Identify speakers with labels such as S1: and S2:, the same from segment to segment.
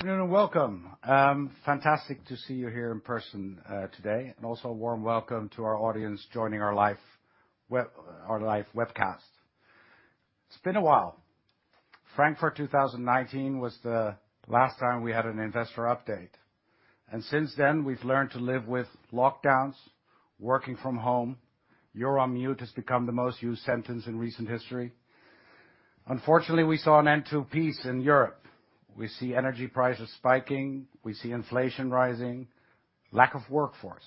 S1: Good afternoon, and welcome. Fantastic to see you here in person today, and also a warm welcome to our audience joining our live webcast. It's been a while. Frankfurt 2019 was the last time we had an investor update, and since then, we've learned to live with lockdowns, working from home, you're on mute has become the most used sentence in recent history. Unfortunately, we saw an end to peace in Europe. We see energy prices spiking, we see inflation rising, lack of workforce.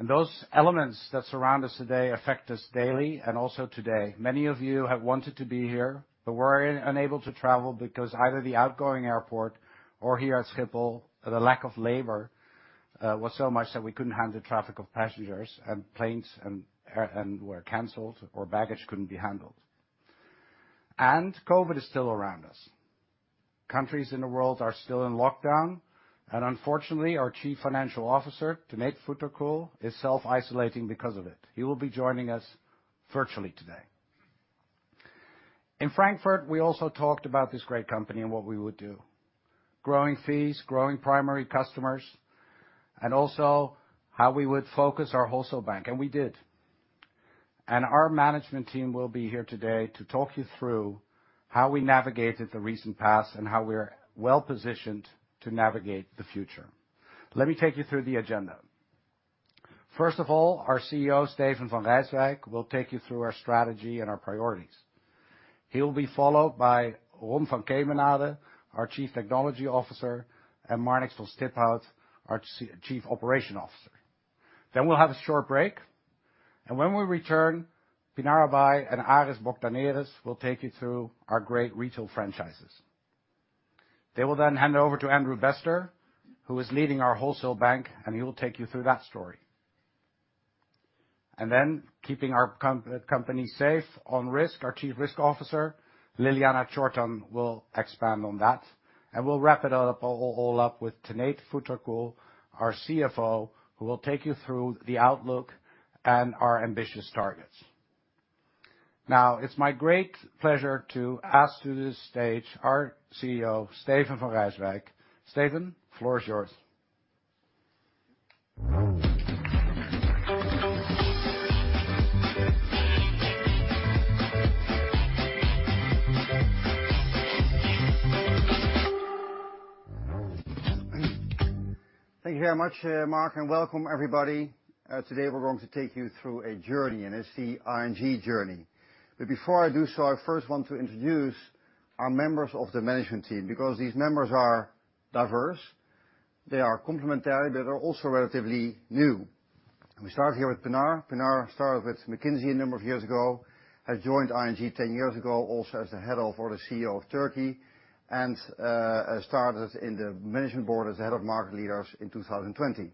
S1: Those elements that surround us today affect us daily and also today. Many of you have wanted to be here, but were unable to travel because either the outgoing airport or here at Schiphol, the lack of labor was so much that we couldn't handle traffic of passengers and planes and were canceled or baggage couldn't be handled. COVID is still around us. Countries in the world are still in lockdown, and unfortunately, our Chief Financial Officer, Tanate Phutrakul, is self-isolating because of it. He will be joining us virtually today. In Frankfurt, we also talked about this great company and what we would do. Growing fees, growing primary customers, and also how we would focus our wholesale bank, and we did. Our management team will be here today to talk you through how we navigated the recent past and how we're well-positioned to navigate the future. Let me take you through the agenda. First of all, our CEO, Steven van Rijswijk, will take you through our strategy and our priorities. He'll be followed by Ron van Kemenade, our Chief Technology Officer, and Marnix van Stiphout, our Chief Operation Officer. Then we'll have a short break, and when we return, Pinar Abay and Aris Bogdaneris will take you through our great retail franchises. They will then hand over to Andrew Bester, who is leading our wholesale bank, and he will take you through that story. Then keeping our company safe on risk, our Chief Risk Officer, Ljiljana Čortan, will expand on that. We'll wrap it up, all up with Tanate Phutrakul, our CFO, who will take you through the outlook and our ambitious targets. Now, it's my great pleasure to ask to the stage our CEO, Steven van Rijswijk. Steven, floor is yours.
S2: Thank you very much, Mark, and welcome everybody. Today we're going to take you through a journey, and it's the ING journey. Before I do so, I first want to introduce our members of the management team, because these members are diverse, they are complementary, but they're also relatively new. We start here with Pinar. Pinar started with McKinsey a number of years ago, has joined ING 10 years ago, also as the Head of or the CEO of Turkey, and started in the management board as the Head of Market Leaders in 2020.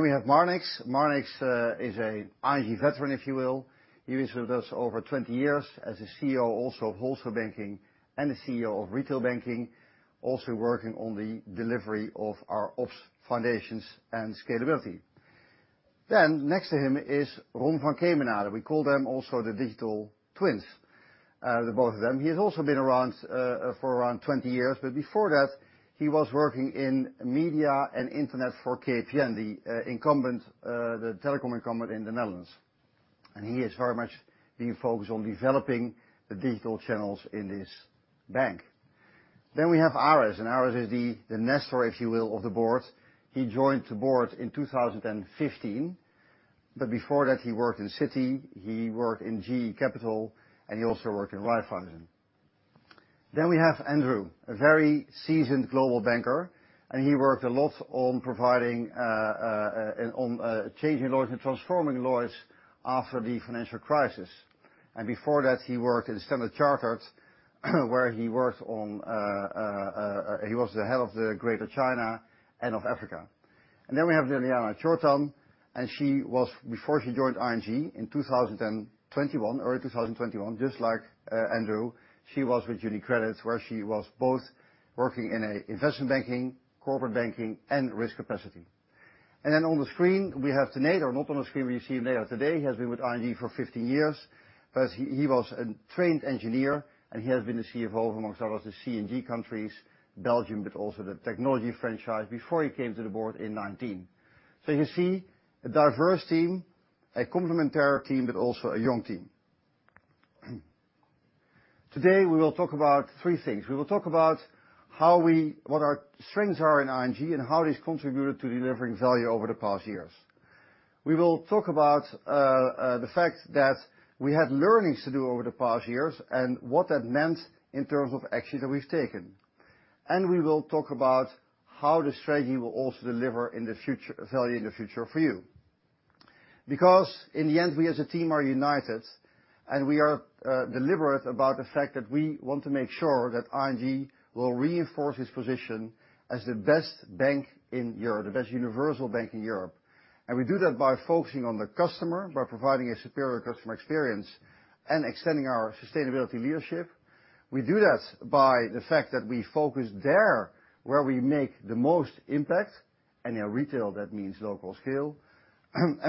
S2: We have Marnix. Marnix is an ING veteran, if you will. He was with us over 20 years as the CEO also of Wholesale Banking and the CEO of Retail Banking, also working on the delivery of our Ops foundations and scalability. Next to him is Ron van Kemenade. We call them also the digital twins, the both of them. He has also been around for around 20 years, but before that, he was working in media and internet for KPN, the incumbent, the telecom incumbent in the Netherlands. He is very much being focused on developing the digital channels in this bank. We have Aris, and Aris is the nestor, if you will, of the board. He joined the board in 2015, but before that, he worked in Citi, he worked in GE Capital, and he also worked in Raiffeisen. We have Andrew, a very seasoned global banker, and he worked a lot on changing laws and transforming laws after the financial crisis. Before that, he worked at Standard Chartered where he was the head of the Greater China and of Africa. Then we have Ljiljana Čortan, and she was before she joined ING in 2021, early 2021, just like Andrew, she was with UniCredit, where she was both working in a investment banking, corporate banking, and risk capacity. Then on the screen, we have Tanate Phutrakul, or not on the screen, but you see him there today. He has been with ING for 15 years, but he was a trained engineer, and he has been the CFO of amongst others, the C&G countries, Belgium, but also the TMT franchise before he came to the board in 2019. You see a diverse team, a complementary team, but also a young team. Today, we will talk about three things. We will talk about how our strengths are in ING and how this contributed to delivering value over the past years. We will talk about the fact that we had learnings to do over the past years and what that meant in terms of action that we've taken. We will talk about how the strategy will also deliver value in the future for you. Because in the end, we as a team are united and we are deliberate about the fact that we want to make sure that ING will reinforce its position as the best bank in Europe, the best universal bank in Europe. We do that by focusing on the customer, by providing a superior customer experience and extending our sustainability leadership. We do that by the fact that we focus there where we make the most impact. In retail, that means local scale.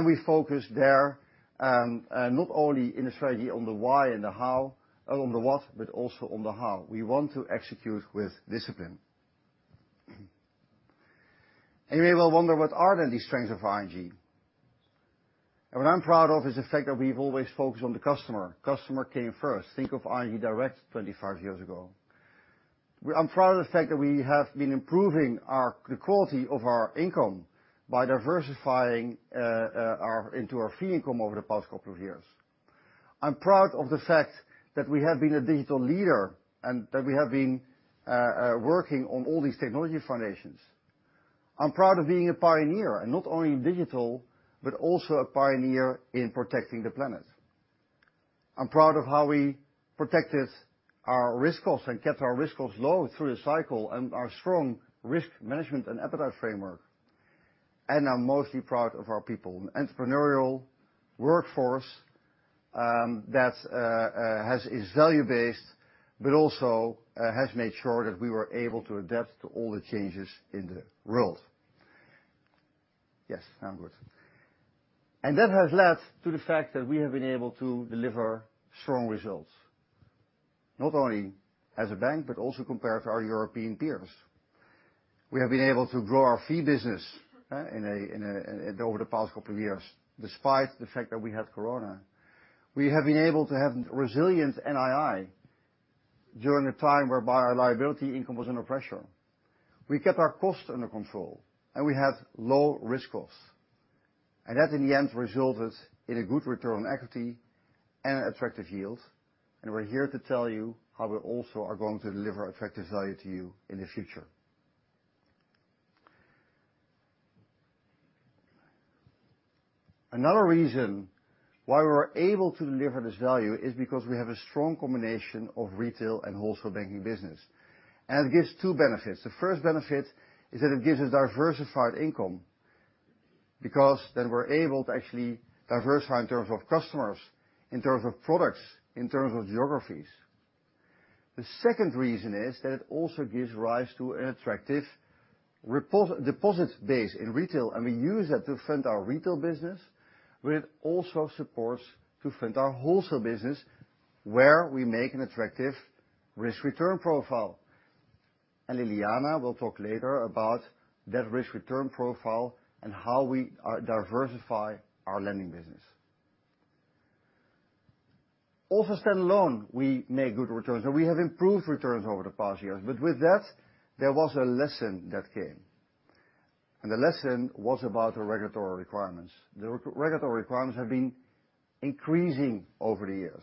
S2: We focus there, not only in the strategy on the why and the how and on the what, but also on the how. We want to execute with discipline. You may well wonder, what are then the strengths of ING? What I'm proud of is the fact that we've always focused on the customer. Customer came first. Think of ING Direct 25 years ago. I'm proud of the fact that we have been improving the quality of our income by diversifying into our fee income over the past couple of years. I'm proud of the fact that we have been a digital leader, and that we have been working on all these technology foundations. I'm proud of being a pioneer, and not only in digital, but also a pioneer in protecting the planet. I'm proud of how we protected our risk costs and kept our risk costs low through the cycle and our strong risk management and appetite framework. I'm mostly proud of our people. An entrepreneurial workforce that is value-based, but also has made sure that we were able to adapt to all the changes in the world. Yes, now good. That has led to the fact that we have been able to deliver strong results, not only as a bank, but also compared to our European peers. We have been able to grow our fee business in a over the past couple years, despite the fact that we had Corona. We have been able to have resilient NII during a time whereby our liability income was under pressure. We kept our costs under control, and we have low risk costs. That, in the end, resulted in a good return on equity and attractive yields, and we're here to tell you how we also are going to deliver attractive value to you in the future. Another reason why we're able to deliver this value is because we have a strong combination of retail and wholesale banking business, and it gives two benefits. The first benefit is that it gives us diversified income because then we're able to actually diversify in terms of customers, in terms of products, in terms of geographies. The second reason is that it also gives rise to an attractive repos/deposit base in retail, and we use that to fund our retail business, but it also supports to fund our wholesale business, where we make an attractive risk-return profile. Ljiljana Čortan will talk later about that risk-return profile and how we diversify our lending business. Also standalone, we make good returns, and we have improved returns over the past years. With that, there was a lesson that came, and the lesson was about the regulatory requirements. The regulatory requirements have been increasing over the years.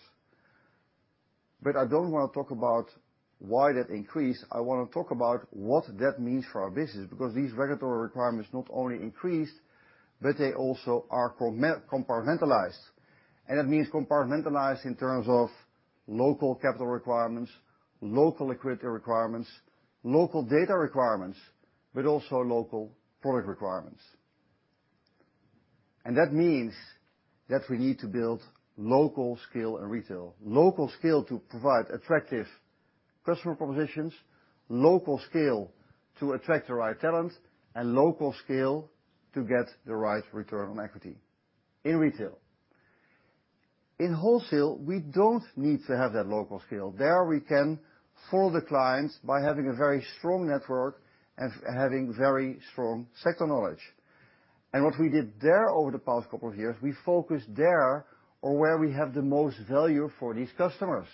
S2: I don't wanna talk about why that increase. I wanna talk about what that means for our business, because these regulatory requirements not only increased, but they also are compartmentalized. It means compartmentalized in terms of local capital requirements, local liquidity requirements, local data requirements, but also local product requirements. That means that we need to build local scale in retail. Local scale to provide attractive customer propositions, local scale to attract the right talent, and local scale to get the right return on equity in retail. In wholesale, we don't need to have that local scale. There we can follow the clients by having a very strong network and having very strong sector knowledge. What we did there over the past couple of years, we focused there on where we have the most value for these customers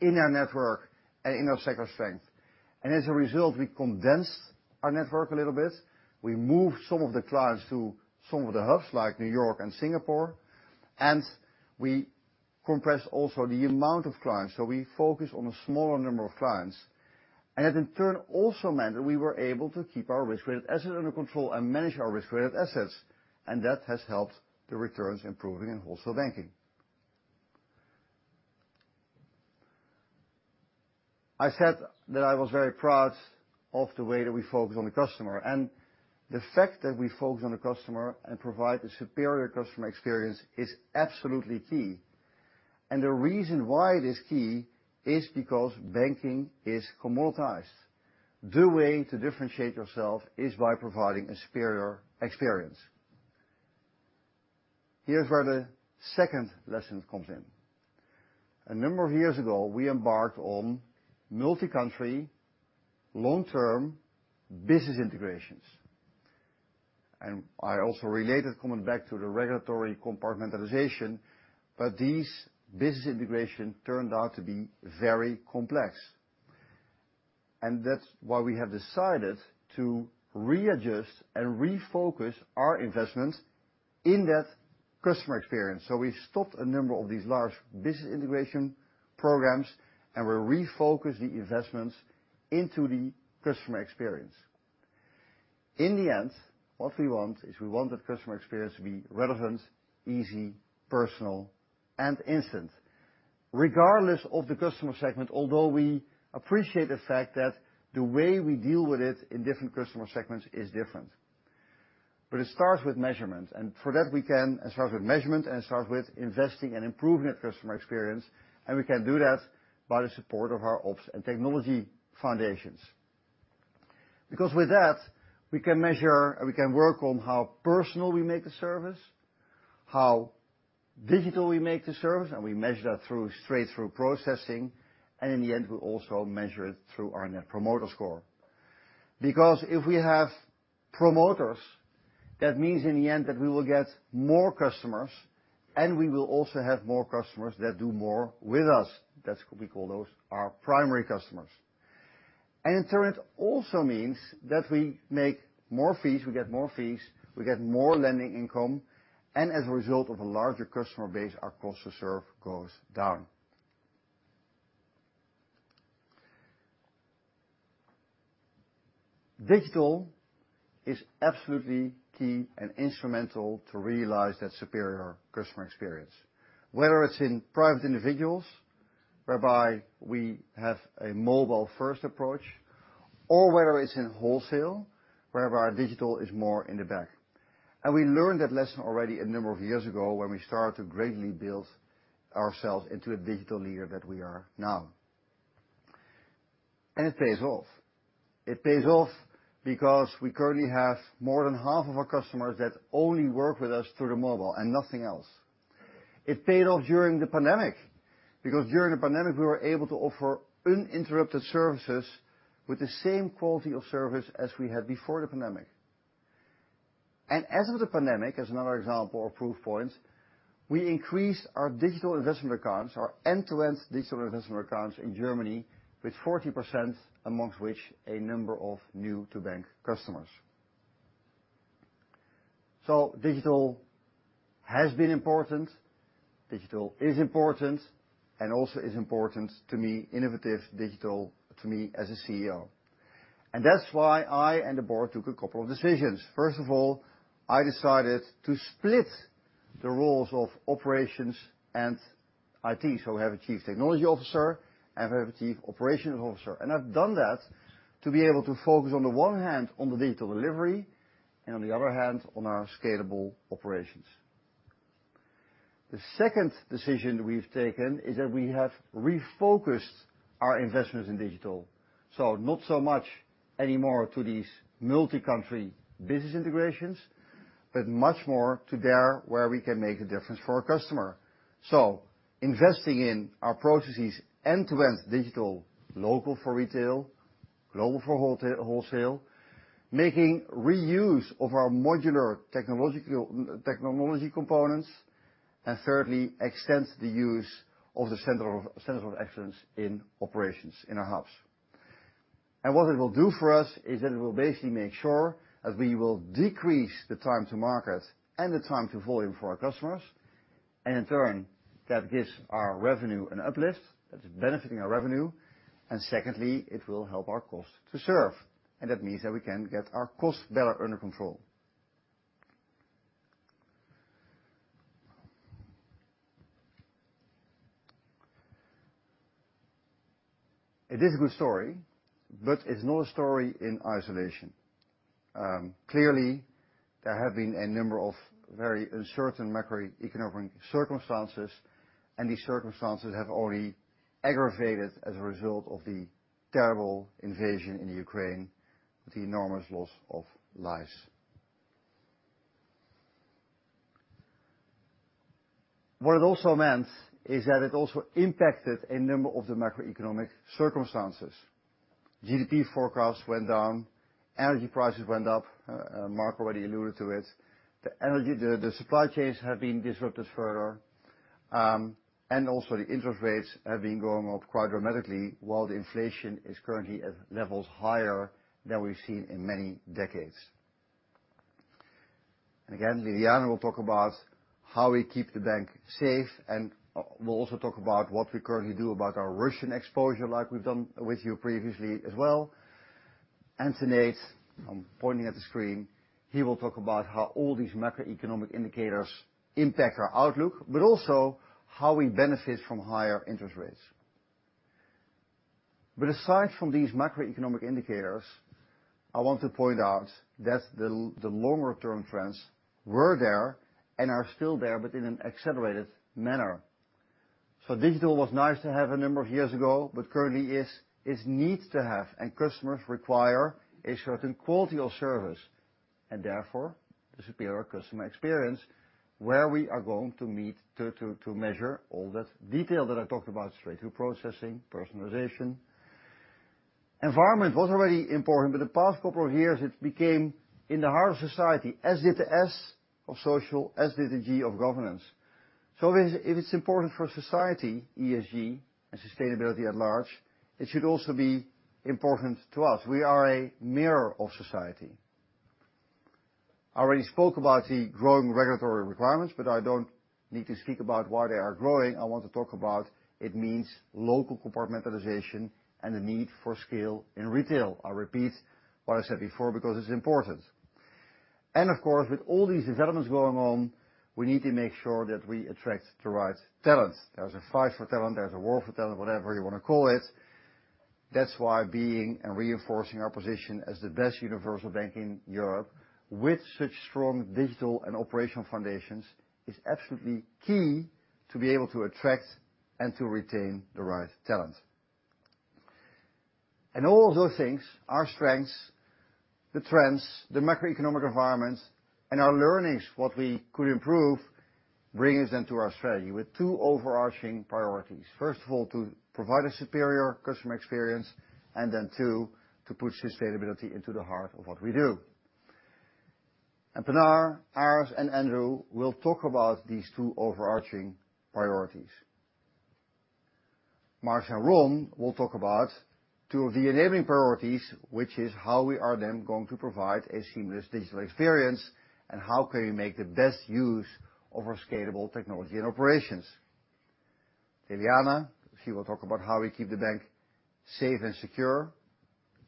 S2: in our network and in our sector strength. As a result, we condensed our network a little bit. We moved some of the clients to some of the hubs like New York and Singapore, and we compressed also the amount of clients. We focused on a smaller number of clients. That, in turn, also meant that we were able to keep our Risk-Weighted Assets under control and manage our Risk-Weighted Assets, and that has helped the returns improving in wholesale banking. I said that I was very proud of the way that we focus on the customer, and the fact that we focus on the customer and provide a superior customer experience is absolutely key. The reason why it is key is because banking is commoditized. The way to differentiate yourself is by providing a superior experience. Here's where the second lesson comes in. A number of years ago, we embarked on multi-country, long-term business integrations. I also relate it coming back to the regulatory compartmentalization, but these business integration turned out to be very complex. That's why we have decided to readjust and refocus our investments in that customer experience. We stopped a number of these large business integration programs, and we refocused the investments into the customer experience. In the end, what we want is that customer experience to be relevant, easy, personal, and instant, regardless of the customer segment, although we appreciate the fact that the way we deal with it in different customer segments is different. It starts with measurement, and it starts with investing and improving that customer experience, and we can do that by the support of our ops and technology foundations. With that, we can measure and we can work on how personal we make the service, how digital we make the service, and we measure that through straight-through processing, and in the end, we also measure it through our Net Promoter Score. If we have promoters, that means in the end that we will get more customers, and we will also have more customers that do more with us. That's what we call those our primary customers. In turn, it also means that we make more fees, we get more fees, we get more lending income, and as a result of a larger customer base, our cost to serve goes down. Digital is absolutely key and instrumental to realize that superior customer experience, whether it's in private individuals, whereby we have a mobile-first approach, or whether it's in wholesale, wherever our digital is more in the back. We learned that lesson already a number of years ago when we started to greatly build ourselves into a digital leader that we are now. It pays off. It pays off because we currently have more than half of our customers that only work with us through the mobile and nothing else. It paid off during the pandemic, because during the pandemic, we were able to offer uninterrupted services with the same quality of service as we had before the pandemic. As of the pandemic, as another example or proof point, we increased our digital investment accounts, our end-to-end digital investment accounts in Germany with 40%, amongst which a number of new to bank customers. Digital has been important, digital is important, and also is important to me, innovative digital to me as a CEO. That's why I and the board took a couple of decisions. First of all, I decided to split the roles of operations and IT, so we have a chief technology officer and we have a chief operations officer. I've done that to be able to focus on the one hand on the digital delivery, and on the other hand, on our scalable operations. The second decision we've taken is that we have refocused our investments in digital. Not so much anymore to these multi-country business integrations, but much more to where we can make a difference for our customer. Investing in our processes end-to-end digital, local for retail, global for wholesale, making reuse of our modular technology components, and thirdly, extend the use of the Center of Excellence in operations in-house. What it will do for us is that it will basically make sure that we will decrease the time to market and the time to volume for our customers, and in turn, that gives our revenue an uplift, that's benefiting our revenue, and secondly, it will help our cost to serve, and that means that we can get our costs better under control. It is a good story, but it's not a story in isolation. Clearly, there have been a number of very uncertain macroeconomic circumstances, and these circumstances have only aggravated as a result of the terrible invasion in Ukraine, the enormous loss of lives. What it also meant is that it also impacted a number of the macroeconomic circumstances. GDP forecasts went down, energy prices went up, Mark already alluded to it. The energy, the supply chains have been disrupted further, and also the interest rates have been going up quite dramatically, while the inflation is currently at levels higher than we've seen in many decades. Again, Ljiljana Čortan will talk about how we keep the bank safe, and we'll also talk about what we currently do about our Russian exposure like we've done with you previously as well. Tanate Phutrakul, I'm pointing at the screen, he will talk about how all these macroeconomic indicators impact our outlook, but also how we benefit from higher interest rates. Aside from these macroeconomic indicators, I want to point out that the longer term trends were there and are still there, but in an accelerated manner. Digital was nice to have a number of years ago, but currently is need to have, and customers require a certain quality of service, and therefore, the superior customer experience, where we are going to need to measure all that detail that I talked about, straight-through processing, personalization. Environment was already important, but the past couple of years, it became in the heart of society, as to the S of social, as to the G of governance. If it's important for society, ESG and sustainability at large, it should also be important to us. We are a mirror of society. I already spoke about the growing regulatory requirements, but I don't need to speak about why they are growing. I want to talk about what it means, local compartmentalization and the need for scale in retail. I'll repeat what I said before because it's important. Of course, with all these developments going on, we need to make sure that we attract the right talent. There's a fight for talent, there's a war for talent, whatever you wanna call it. That's why being and reinforcing our position as the best universal bank in Europe with such strong digital and operational foundations is absolutely key to be able to attract and to retain the right talent. All of those things, our strengths, the trends, the macroeconomic environments, and our learnings, what we could improve, brings into our strategy with two overarching priorities. First of all, to provide a superior customer experience, and then two, to put sustainability into the heart of what we do. Pinar, Aris, and Andrew will talk about these two overarching priorities.
S3: Marnix van Stiphout and Ron van Kemenade will talk about two of the enabling priorities, which is how we are then going to provide a seamless digital experience, and how can we make the best use of our scalable technology and operations. Ljiljana Čortan, she will talk about how we keep the bank safe and secure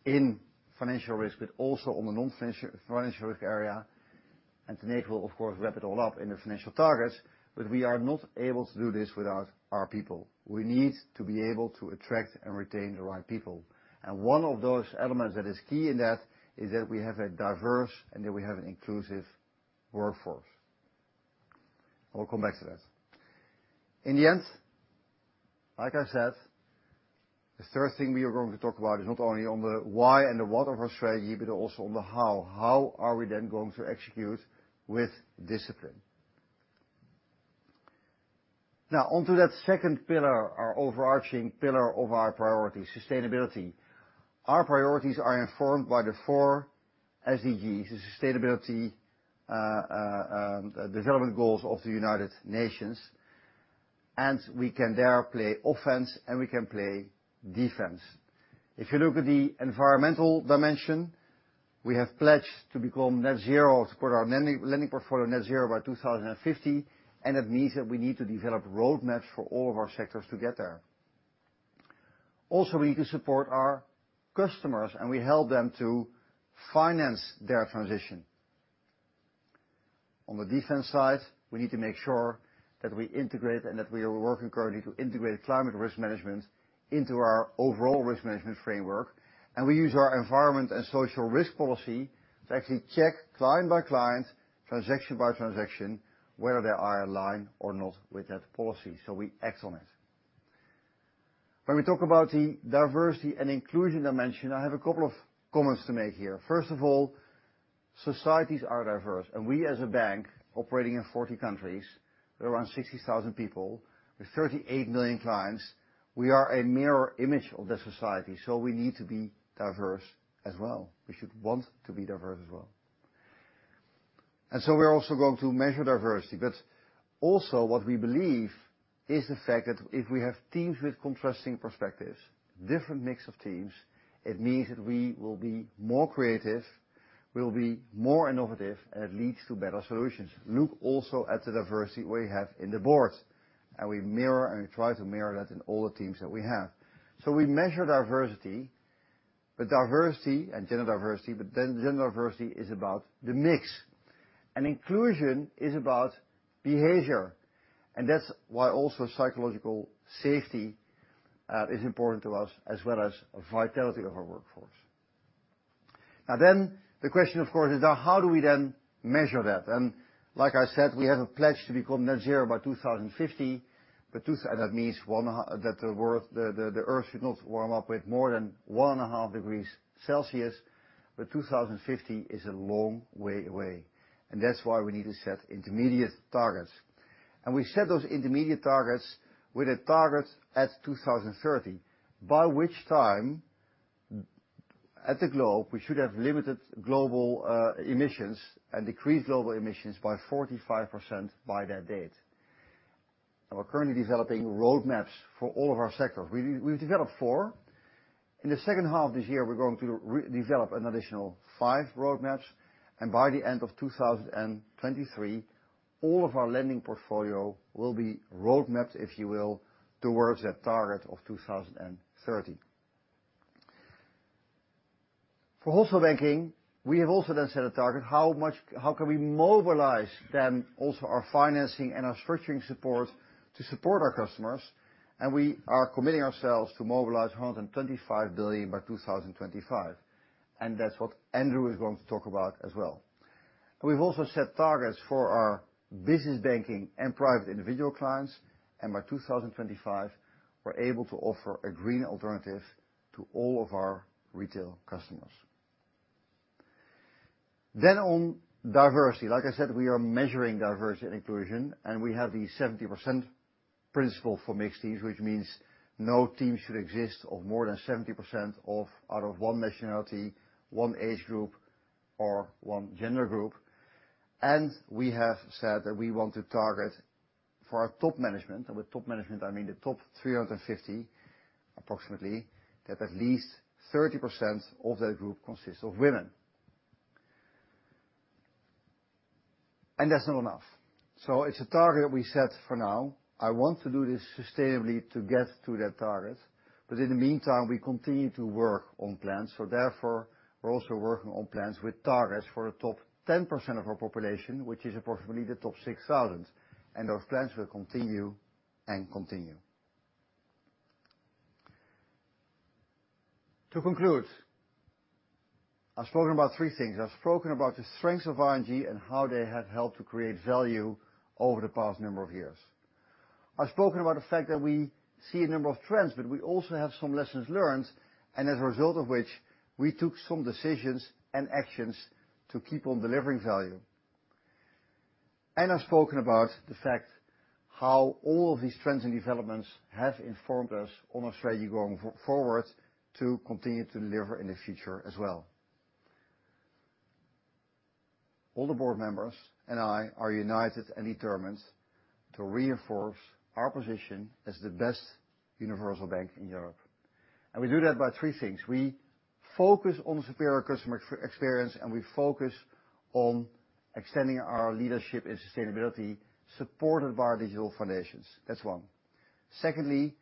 S3: in financial risk, but also on the financial risk area. Tenneke will of course, wrap it all up in the financial targets. We are not able to do this without our people. We need to be able to attract and retain the right people. One of those elements that is key in that is that we have a diverse and inclusive workforce. I will come back to that.
S2: In the end, like I said, the third thing we are going to talk about is not only on the why and the what of our strategy, but also on the how. How are we then going to execute with discipline? Now on to that second pillar, our overarching pillar of our priority, sustainability. Our priorities are informed by the four SDGs, the sustainability development goals of the United Nations, and we can there play offense and we can play defense. If you look at the environmental dimension, we have pledged to become net zero to support our lending portfolio net zero by 2050, and it means that we need to develop roadmaps for all of our sectors to get there. Also, we need to support our customers, and we help them to finance their transition. On the defense side, we need to make sure that we integrate and that we are working currently to integrate climate risk management into our overall risk management framework, and we use our environment and social risk policy to actually check client by client, transaction by transaction, whether they are aligned or not with that policy. We act on it. When we talk about the diversity and inclusion dimension, I have a couple of comments to make here. First of all, societies are diverse, and we as a bank operating in 40 countries with around 60,000 people, with 38 million clients, we are a mirror image of that society, so we need to be diverse as well. We should want to be diverse as well. We're also going to measure diversity. Also what we believe is the fact that if we have teams with contrasting perspectives, different mix of teams, it means that we will be more creative, we will be more innovative, and it leads to better solutions. Look also at the diversity we have in the board, and we mirror and try to mirror that in all the teams that we have. We measure diversity, but diversity and gender diversity, but then gender diversity is about the mix. Inclusion is about behavior, and that's why also psychological safety is important to us as well as vitality of our workforce. Now the question of course is how do we then measure that? Like I said, we have a pledge to become net zero by 2050, but that means one, that the world – the Earth should not warm up with more than 1.5 degrees Celsius, but 2050 is a long way away. That's why we need to set intermediate targets. We set those intermediate targets with a target at 2030, by which time, globally, we should have limited global emissions and decreased global emissions by 45% by that date. We're currently developing roadmaps for all of our sectors. We've developed four. In the second half of this year, we're going to develop an additional five roadmaps, and by the end of 2023, all of our lending portfolio will be roadmapped, if you will, towards that target of 2030. For wholesale banking, we have also then set a target, how can we mobilize then also our financing and our structuring support to support our customers, and we are committing ourselves to mobilize 125 billion by 2025. That's what Andrew is going to talk about as well. We've also set targets for our business banking and private individual clients, and by 2025, we're able to offer a green alternative to all of our retail customers.
S4: On diversity, like I said, we are measuring diversity and inclusion, and we have the 70% principle for mixed teams, which means no team should consist of more than 70% of one nationality, one age group, or one gender group. We have said that we want to target for our top management, and with top management I mean the top 350, approximately, that at least 30% of that group consists of women. That's not enough. It's a target we set for now. I want to do this sustainably to get to that target. In the meantime, we continue to work on plans.
S2: Therefore, we're also working on plans with targets for the top 10% of our population, which is approximately the top 6,000, and those plans will continue. To conclude, I've spoken about three things. I've spoken about the strengths of ING and how they have helped to create value over the past number of years. I've spoken about the fact that we see a number of trends, but we also have some lessons learned, and as a result of which, we took some decisions and actions to keep on delivering value. I've spoken about the fact how all of these trends and developments have informed us on our strategy going forward to continue to deliver in the future as well. All the board members and I are united and determined to reinforce our position as the best universal bank in Europe, and we do that by three things. We focus on superior customer experience, and we focus on extending our leadership and sustainability, supported by our digital foundations. That's one. Secondly,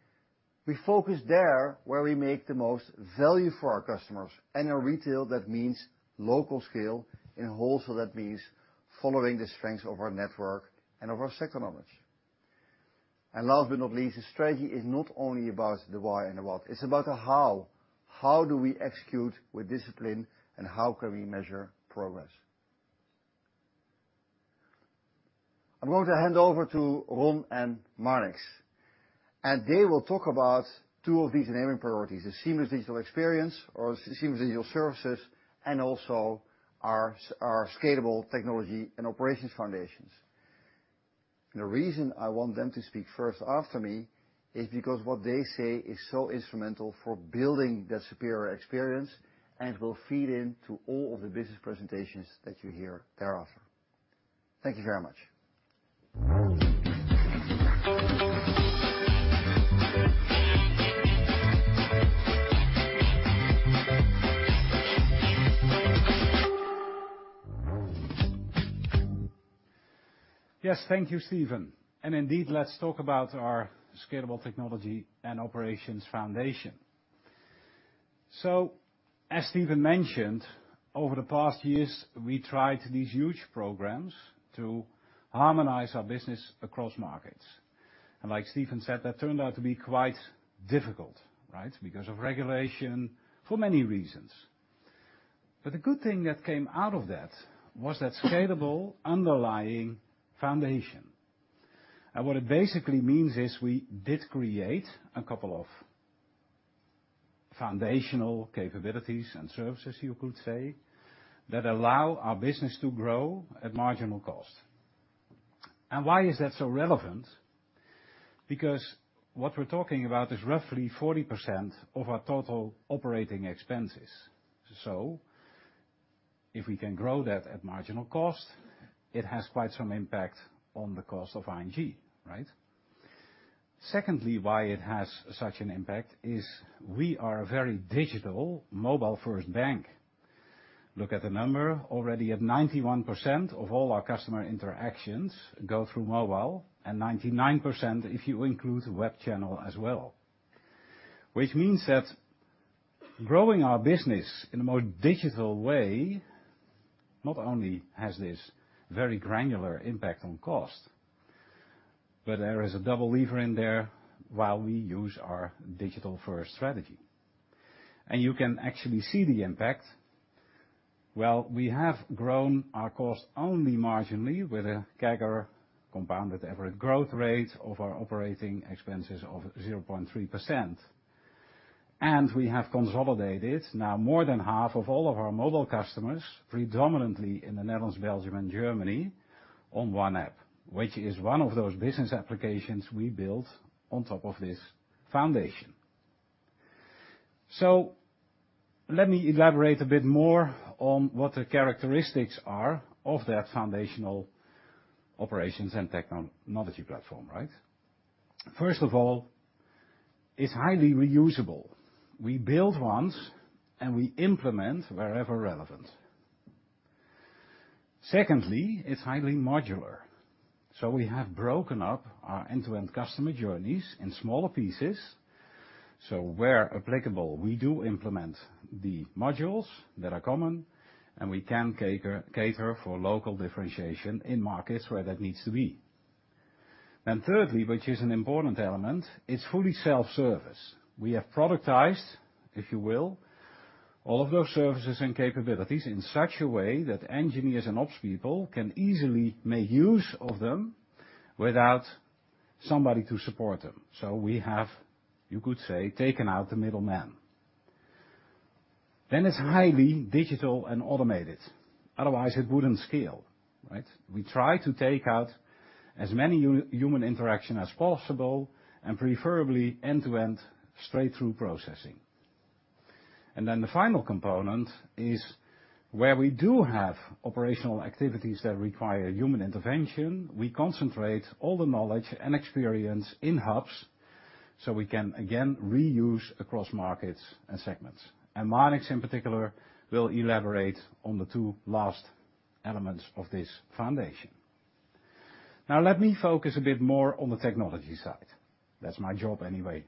S2: we focus there where we make the most value for our customers. In retail, that means local scale. In wholesale, that means following the strengths of our network and of our economists. Last but not least, the strategy is not only about the why and the what, it's about the how. How do we execute with discipline, and how can we measure progress? I'm going to hand over to Ron and Marnix, and they will talk about two of these enabling priorities, the seamless digital experience or seamless digital services, and also our our scalable technology and operations foundations. The reason I want them to speak first after me is because what they say is so instrumental for building that superior experience and will feed into all of the business presentations that you hear thereafter. Thank you very much.
S5: Yes, thank you, Steven. Indeed, let's talk about our scalable technology and operations foundation. As Steven mentioned, over the past years, we tried these huge programs to harmonize our business across markets. Like Steven said, that turned out to be quite difficult, right? Because of regulation, for many reasons. The good thing that came out of that was that scalable underlying foundation. What it basically means is we did create a couple of foundational capabilities and services, you could say, that allow our business to grow at marginal cost. Why is that so relevant? Because what we're talking about is roughly 40% of our total operating expenses. If we can grow that at marginal cost, it has quite some impact on the cost of ING, right? Secondly, why it has such an impact is we are a very digital mobile-first bank. Look at the number. Already at 91% of all our customer interactions go through mobile, and 99% if you include web channel as well. Which means that growing our business in a more digital way not only has this very granular impact on cost, but there is a double lever in there while we use our digital-first strategy. You can actually see the impact. Well, we have grown our cost only marginally with a CAGR, compounded average growth rate, of our operating expenses of 0.3%. We have consolidated now more than half of all of our mobile customers, predominantly in the Netherlands, Belgium and Germany, on One App, which is one of those business applications we built on top of this foundation. Let me elaborate a bit more on what the characteristics are of that foundational operations and technology platform, right? First of all, it's highly reusable. We build once, and we implement wherever relevant. Secondly, it's highly modular, so we have broken up our end-to-end customer journeys in smaller pieces. Where applicable, we do implement the modules that are common, and we can cater for local differentiation in markets where that needs to be. Thirdly, which is an important element, it's fully self-service. We have productized, if you will, all of those services and capabilities in such a way that engineers and ops people can easily make use of them without somebody to support them. We have, you could say, taken out the middleman. It's highly digital and automated, otherwise it wouldn't scale, right? We try to take out as many human interaction as possible and preferably end-to-end straight-through processing. The final component is where we do have operational activities that require human intervention, we concentrate all the knowledge and experience in hubs so we can again reuse across markets and segments. Marnix, in particular, will elaborate on the two last elements of this foundation. Now let me focus a bit more on the technology side. That's my job anyway.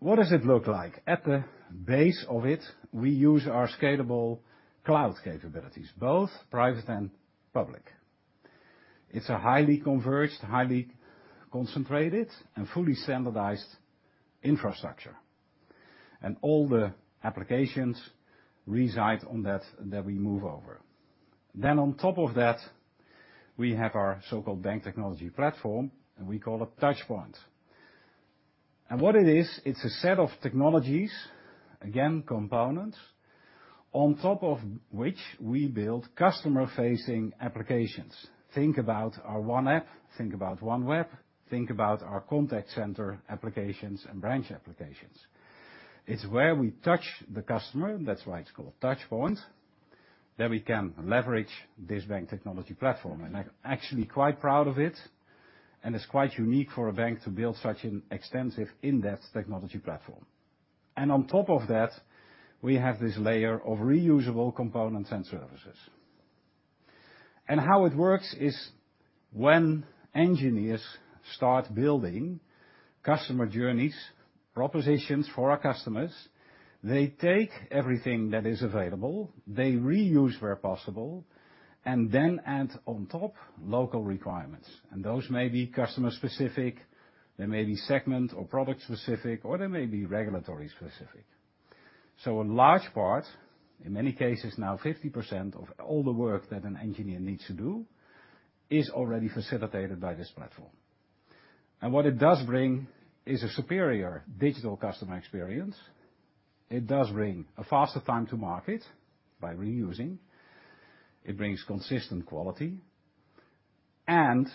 S5: What does it look like? At the base of it, we use our scalable cloud capabilities, both private and public. It's a highly converged, highly concentrated, and fully standardized infrastructure. All the applications reside on that we move over. Then on top of that, we have our so-called bank technology platform, and we call it Touchpoint. What it is, it's a set of technologies, again, components, on top of which we build customer-facing applications. Think about our One App, think about One Web, think about our contact center applications and branch applications. It's where we touch the customer, that's why it's called Touchpoint, that we can leverage this bank technology platform. I'm actually quite proud of it, and it's quite unique for a bank to build such an extensive in-depth technology platform. On top of that, we have this layer of reusable components and services. How it works is when engineers start building customer journeys, propositions for our customers, they take everything that is available, they reuse where possible, and then add on top local requirements. Those may be customer specific, they may be segment or product specific, or they may be regulatory specific. A large part, in many cases now 50% of all the work that an engineer needs to do is already facilitated by this platform. What it does bring is a superior digital customer experience. It does bring a faster time-to-market by reusing. It brings consistent quality, and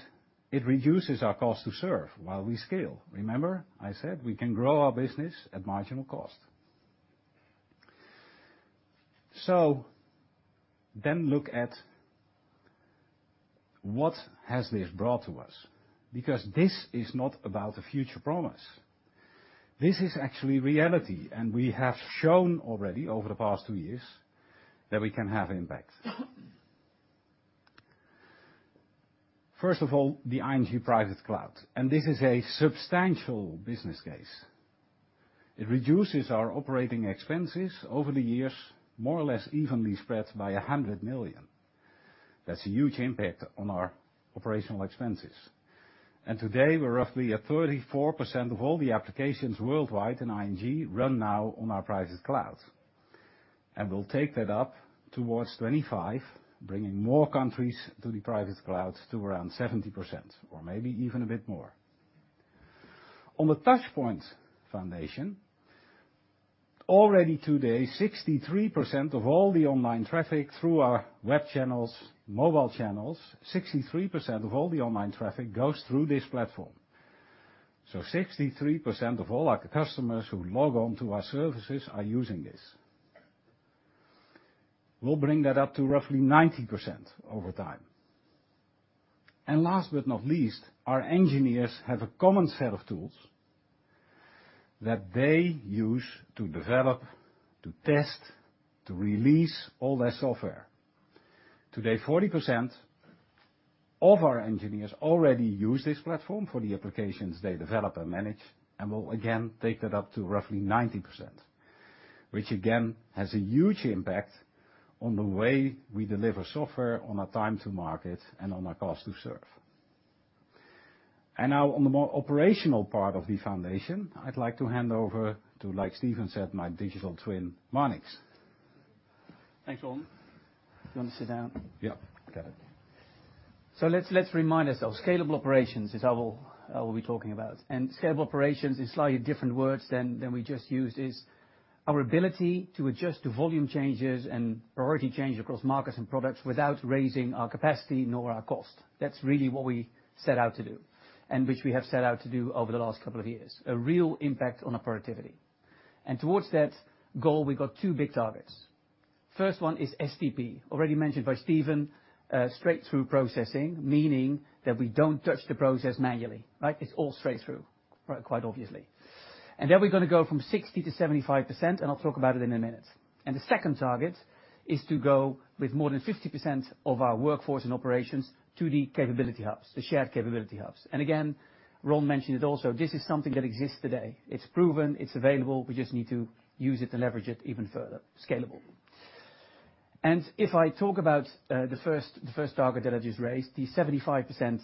S5: it reduces our cost to serve while we scale. Remember I said we can grow our business at marginal cost. Look at what has this brought to us, because this is not about a future promise. This is actually reality, and we have shown already over the past two years that we can have impact. First of all, the ING Private Cloud, and this is a substantial business case. It reduces our operating expenses over the years, more or less evenly spread by 100 million. That's a huge impact on our operational expenses. Today, we're roughly at 34% of all the applications worldwide in ING run now on our Private Cloud. We'll take that up towards 25, bringing more countries to the Private Cloud to around 70% or maybe even a bit more. On the Touchpoint Foundation, already today, 63% of all the online traffic through our web channels, mobile channels, 63% of all the online traffic goes through this platform. 63% of all our customers who log on to our services are using this. We'll bring that up to roughly 90% over time. Last but not least, our engineers have a common set of tools that they use to develop, to test, to release all their software. Today, 40% of our engineers already use this platform for the applications they develop and manage, and we'll again take that up to roughly 90%, which again, has a huge impact on the way we deliver software on our time-to-market and on our cost to serve. Now on the more operational part of the foundation, I'd like to hand over to, like Steven said, my digital twin, Marnix.
S6: Thanks, Ron. Do you want to sit down?
S5: Yeah. Got it.
S6: Let's remind ourselves, scalable operations is how we'll be talking about. Scalable operations in slightly different words than we just used is our ability to adjust to volume changes and priority change across markets and products without raising our capacity nor our cost. That's really what we set out to do, and which we have set out to do over the last couple of years. A real impact on our productivity. Towards that goal, we've got two big targets. First one is STP, already mentioned by Steven, straight-through processing, meaning that we don't touch the process manually, right? It's all straight through, quite obviously. Then we're gonna go from 60%-75%, and I'll talk about it in a minute. The second target is to go with more than 50% of our workforce and operations to the capability hubs, the shared capability hubs. Again, Ron mentioned it also, this is something that exists today. It's proven, it's available, we just need to use it to leverage it even further, scalable. If I talk about the first target that I just raised, the 75%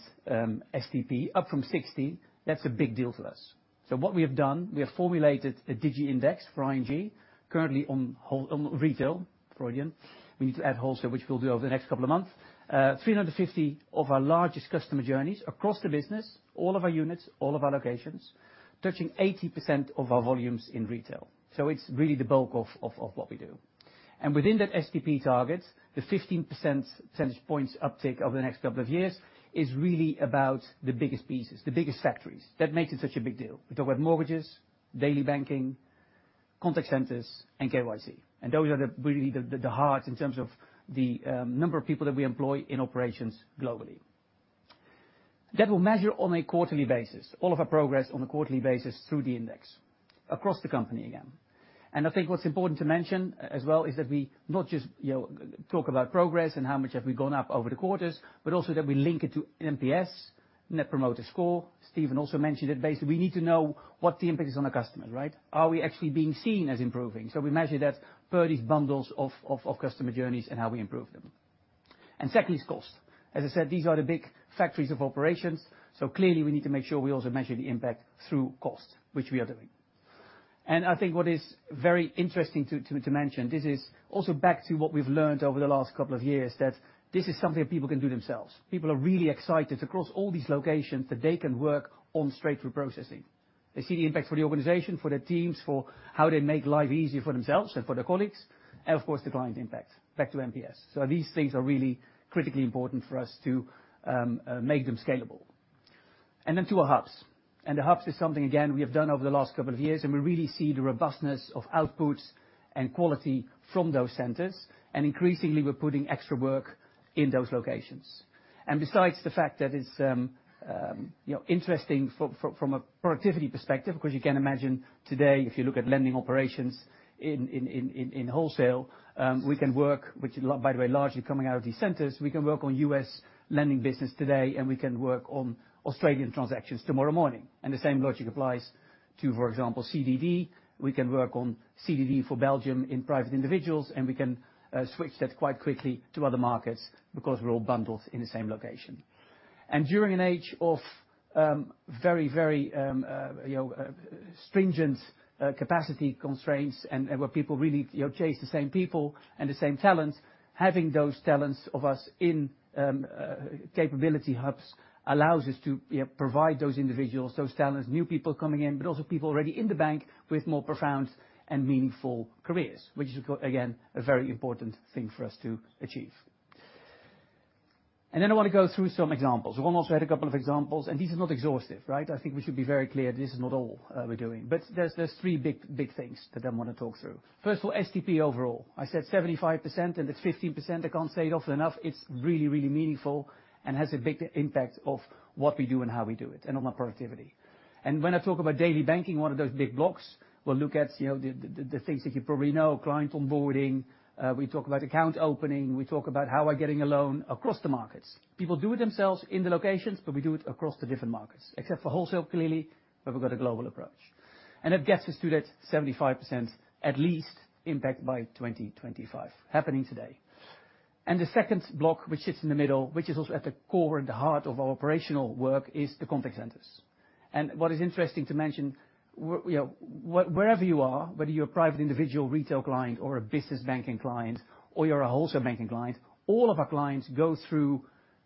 S6: STP up from 60, that's a big deal for us. What we have done, we have formulated a Digi Index for ING currently on retail, Freudian. We need to add wholesale, which we'll do over the next couple of months. 350 of our largest customer journeys across the business, all of our units, all of our locations, touching 80% of our volumes in retail. It's really the bulk of what we do. Within that STP target, the 15% percentage points uptick over the next couple of years is really about the biggest pieces, the biggest factories. That makes it such a big deal. We talk about mortgages, daily banking, contact centers, and KYC. Those are really the heart in terms of the number of people that we employ in operations globally. That will measure on a quarterly basis, all of our progress on a quarterly basis through the index across the company again. I think what's important to mention as well is that we not just, you know, talk about progress and how much have we gone up over the quarters, but also that we link it to NPS, Net Promoter Score. Steven also mentioned it. Basically, we need to know what the impact is on the customer, right? Are we actually being seen as improving? We measure that per these bundles of customer journeys and how we improve them. Secondly is cost. As I said, these are the big factories of operations, so clearly we need to make sure we also measure the impact through cost, which we are doing. I think what is very interesting to mention, this is also back to what we've learned over the last couple of years, that this is something people can do themselves. People are really excited across all these locations that they can work on straight-through processing. They see the impact for the organization, for their teams, for how they make life easier for themselves and for their colleagues, and of course, the client impact, back to NPS. These things are really critically important for us to make them scalable, then to our hubs. The hubs is something, again, we have done over the last couple of years, and we really see the robustness of outputs and quality from those centers. Increasingly, we're putting extra work in those locations. Besides the fact that it's, you know, interesting from a productivity perspective, 'cause you can imagine today, if you look at lending operations in wholesale, we can work, which is by the way, largely coming out of these centers, we can work on U.S. lending business today, and we can work on Australian transactions tomorrow morning. The same logic applies to, for example, CDD. We can work on CDD for Belgium in private individuals, and we can switch that quite quickly to other markets because we're all bundled in the same location. During an age of very you know stringent capacity constraints and where people really you know chase the same people and the same talent, having those talents of us in capability hubs allows us to you know provide those individuals, those talents, new people coming in, but also people already in the bank with more profound and meaningful careers, which is again a very important thing for us to achieve. Then I wanna go through some examples. We've also had a couple of examples, and this is not exhaustive, right? I think we should be very clear, this is not all we're doing. There are three big things that I wanna talk through. First of all, STP overall. I said 75%, and it's 15%, I can't say it often enough. It's really meaningful and has a big impact of what we do and how we do it, and on our productivity. When I talk about daily banking, one of those big blocks, we'll look at the things that you probably know, client onboarding, we talk about account opening, we talk about how we're getting a loan across the markets. People do it themselves in the locations, but we do it across the different markets. Except for wholesale, clearly, but we've got a global approach. It gets us to that 75% at least impact by 2025, happening today. The second block, which sits in the middle, which is also at the core and the heart of our operational work, is the contact centers. What is interesting to mention, you know, wherever you are, whether you're a private individual retail client or a Business Banking client or you're a wholesale banking client, all of our clients go through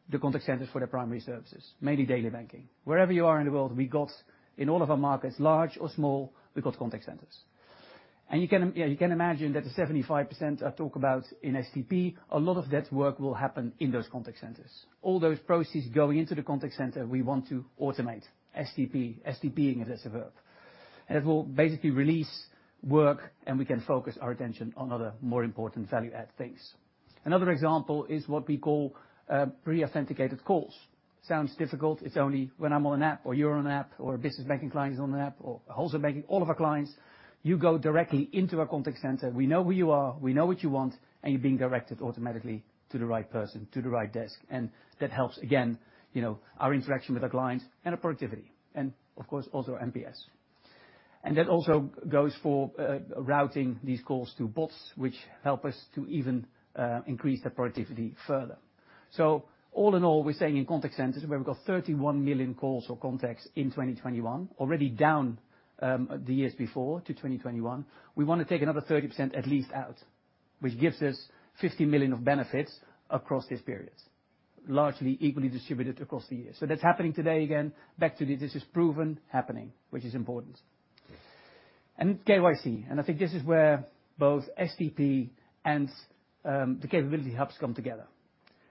S6: the contact centers for their primary services, mainly daily banking. Wherever you are in the world, we got, in all of our markets, large or small, we've got contact centers. You can, yeah, you can imagine that the 75% I talk about in STP, a lot of that work will happen in those contact centers. All those processes going into the contact center, we want to automate. STP-ing, if that's a verb. It will basically release work, and we can focus our attention on other more important value-add things. Another example is what we call pre-authenticated calls. Sounds difficult. It's only when I'm on an app or you're on an app or a Business Banking client is on an app or a wholesale banking, all of our clients, you go directly into our contact center. We know who you are, we know what you want, and you're being directed automatically to the right person, to the right desk. That helps, again, you know, our interaction with our clients and our productivity and of course, also MPS. That also goes for routing these calls to bots, which help us to even increase the productivity further. All in all, we're saying in contact centers, where we've got 31 million calls or contacts in 2021, already down the years before to 2021, we wanna take another 30% at least out, which gives us 50 million of benefits across these periods, largely equally distributed across the years. That's happening today, again, back to this is proven happening, which is important. KYC, I think this is where both STP and the capability hubs come together.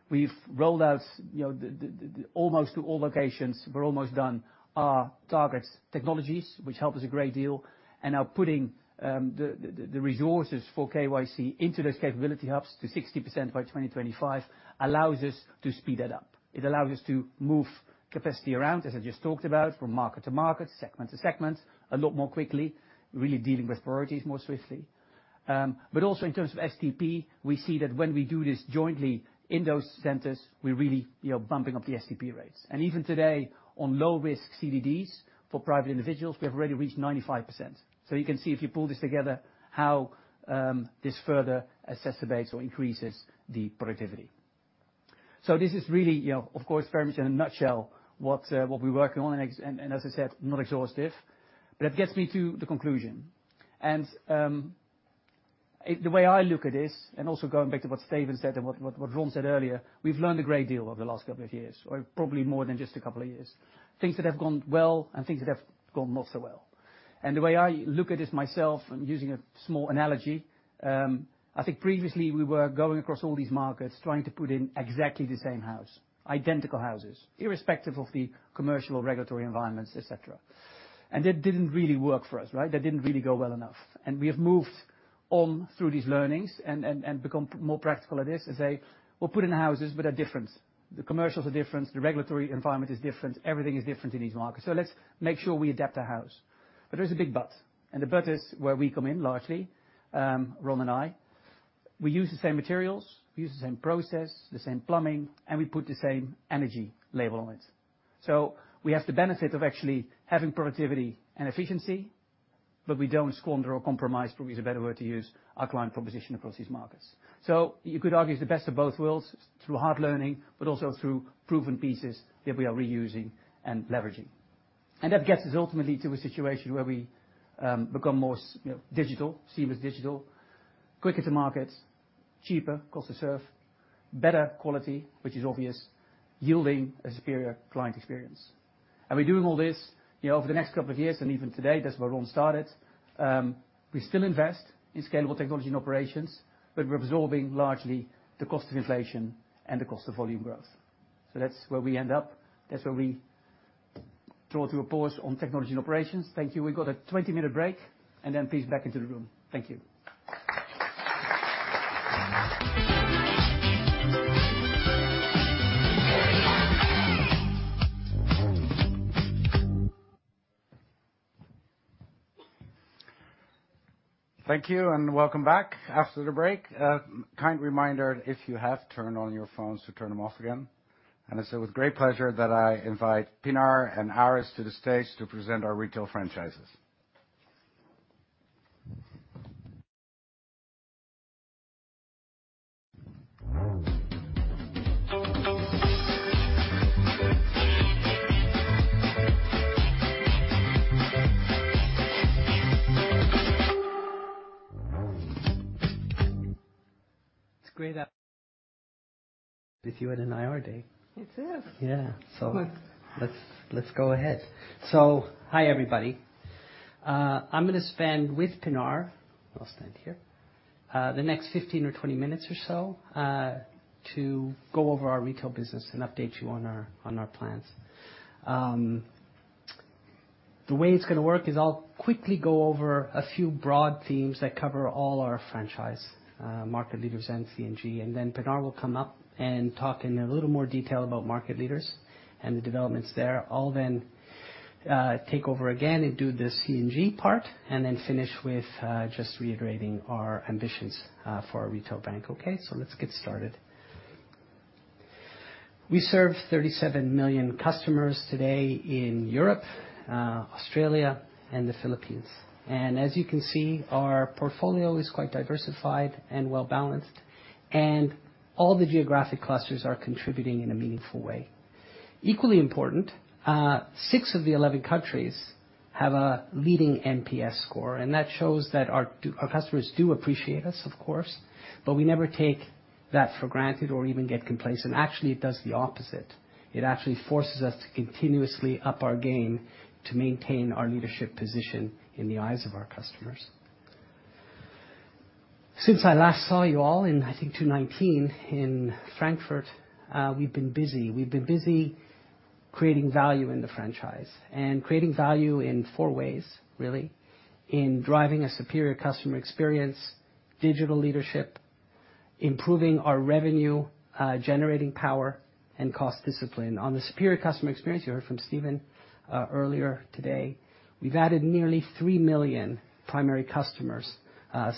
S6: We've rolled out, you know, to almost all locations, we're almost done, our target technologies, which help us a great deal, and are putting the resources for KYC into those capability hubs to 60% by 2025 allows us to speed that up. It allows us to move capacity around, as I just talked about, from market to market, segment to segment, a lot more quickly, really dealing with priorities more swiftly. Also in terms of STP, we see that when we do this jointly in those centers, we're really, you know, bumping up the STP rates. Even today, on low-risk CDDs for private individuals, we have already reached 95%. You can see if you pull this together, how this further exacerbates or increases the productivity. This is really, you know, of course, very much in a nutshell what we're working on, and as I said, not exhaustive, but it gets me to the conclusion. The way I look at this, and also going back to what Steven said and what Ron said earlier, we've learned a great deal over the last couple of years, or probably more than just a couple of years. Things that have gone well and things that have gone not so well. The way I look at this myself, I'm using a small analogy. I think previously we were going across all these markets trying to put in exactly the same house, identical houses, irrespective of the commercial or regulatory environments, et cetera. That didn't really work for us, right? That didn't really go well enough. We have moved on through these learnings and become more practical at this and say, "We'll put in the houses, but they're different. The commercials are different, the regulatory environment is different, everything is different in these markets, so let's make sure we adapt our house." There's a big but, and the but is where we come in, largely, Ron and I. We use the same materials, we use the same process, the same plumbing, and we put the same energy label on it. We have the benefit of actually having productivity and efficiency, but we don't squander or compromise, probably is a better word to use, our client proposition across these markets. You could argue it's the best of both worlds through hard learning, but also through proven pieces that we are reusing and leveraging. That gets us ultimately to a situation where we become more seamless digital, quicker to market, cheaper cost to serve, better quality, which is obvious, yielding a superior client experience. We're doing all this, you know, over the next couple of years, and even today, that's where Ron started. We still invest in scalable technology and operations, but we're absorbing largely the cost of inflation and the cost of volume growth. That's where we end up. That's where we draw to a pause on technology and operations. Thank you. We've got a 20-minute break, and then please back into the room. Thank you. Thank you, and welcome back after the break. Kind reminder, if you have turned on your phones, to turn them off again. It's with great pleasure that I invite Pinar and Aris to the stage to present our retail franchises.
S7: It's great, with you at an IR day.
S8: It is.
S7: Hi, everybody. I'm gonna spend with Pinar. I'll stand here the next 15 or 20 minutes or so to go over our retail business and update you on our plans. The way it's gonna work is I'll quickly go over a few broad themes that cover all our franchise, Market Leaders and C&G, and then Pinar will come up and talk in a little more detail about Market Leaders and the developments there. I'll then take over again and do the C&G part, and then finish with just reiterating our ambitions for our retail bank. Okay. Let's get started. We serve 37 million customers today in Europe, Australia, and the Philippines. Our portfolio is quite diversified and well-balanced, and all the geographic clusters are contributing in a meaningful way. Equally important, six of the eleven countries have a leading NPS score, and that shows that our customers do appreciate us, of course, but we never take that for granted or even get complacent. Actually, it does the opposite. It actually forces us to continuously up our game to maintain our leadership position in the eyes of our customers. Since I last saw you all in, I think, 2019 in Frankfurt, we've been busy creating value in the franchise and creating value in four ways, really, in driving a superior customer experience, digital leadership, improving our revenue generating power and cost discipline. On the superior customer experience, you heard from Steven earlier today, we've added nearly 3 million primary customers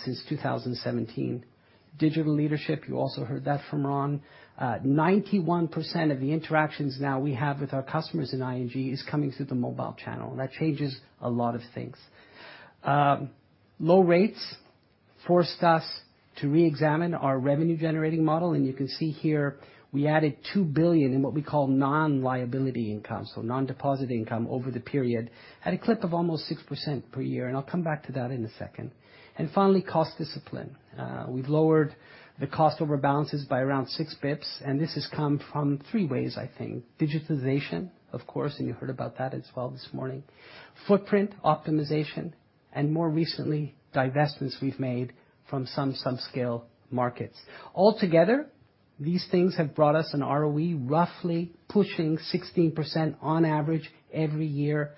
S7: since 2017. Digital leadership, you also heard that from Ron. 91% of the interactions now we have with our customers in ING is coming through the mobile channel, and that changes a lot of things. Low rates forced us to reexamine our revenue generating model, and you can see here we added 2 billion in what we call non-interest income, so non-deposit income over the period at a clip of almost 6% per year, and I'll come back to that in a second. Finally, cost discipline. We've lowered the cost over balances by around 6 basis points, and this has come from three ways, I think. Digitalization, of course, and you heard about that as well this morning. Footprint optimization, and more recently, divestments we've made from some subscale markets. Altogether, these things have brought us an ROE roughly pushing 16% on average every year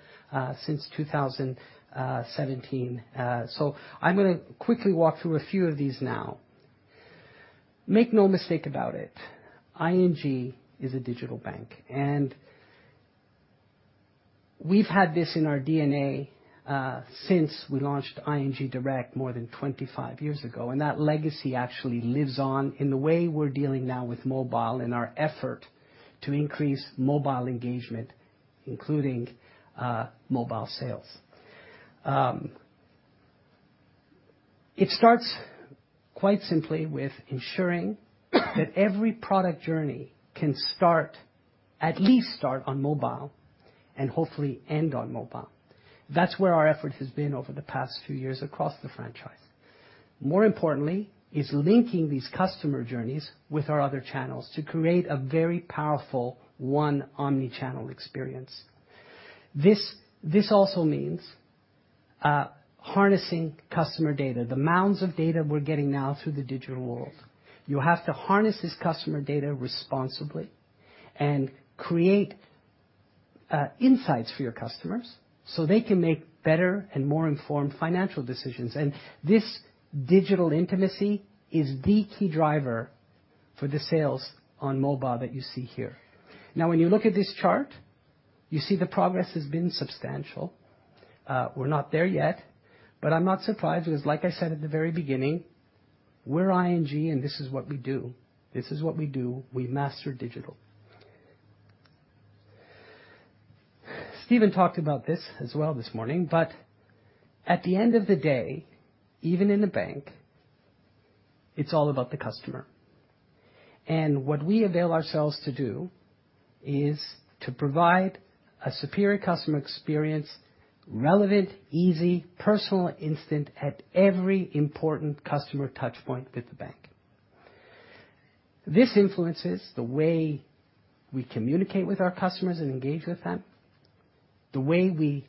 S7: since 2017. I'm gonna quickly walk through a few of these now. Make no mistake about it, ING is a digital bank, and we've had this in our DNA since we launched ING Direct more than 25 years ago, and that legacy actually lives on in the way we're dealing now with mobile and our effort to increase mobile engagement, including mobile sales. It starts quite simply with ensuring that every product journey can start on mobile and hopefully end on mobile. That's where our effort has been over the past few years across the franchise. More importantly is linking these customer journeys with our other channels to create a very powerful one omnichannel experience. This also means harnessing customer data, the mounds of data we're getting now through the digital world. You have to harness this customer data responsibly and create insights for your customers so they can make better and more informed financial decisions. This digital intimacy is the key driver for the sales on mobile that you see here. Now, when you look at this chart, you see the progress has been substantial. We're not there yet, but I'm not surprised because like I said at the very beginning, we're ING and this is what we do. We master digital. Steven talked about this as well this morning, but at the end of the day, even in the bank, it's all about the customer. What we avail ourselves to do is to provide a superior customer experience, relevant, easy, personal, instant, at every important customer touchpoint with the bank. This influences the way we communicate with our customers and engage with them, the way we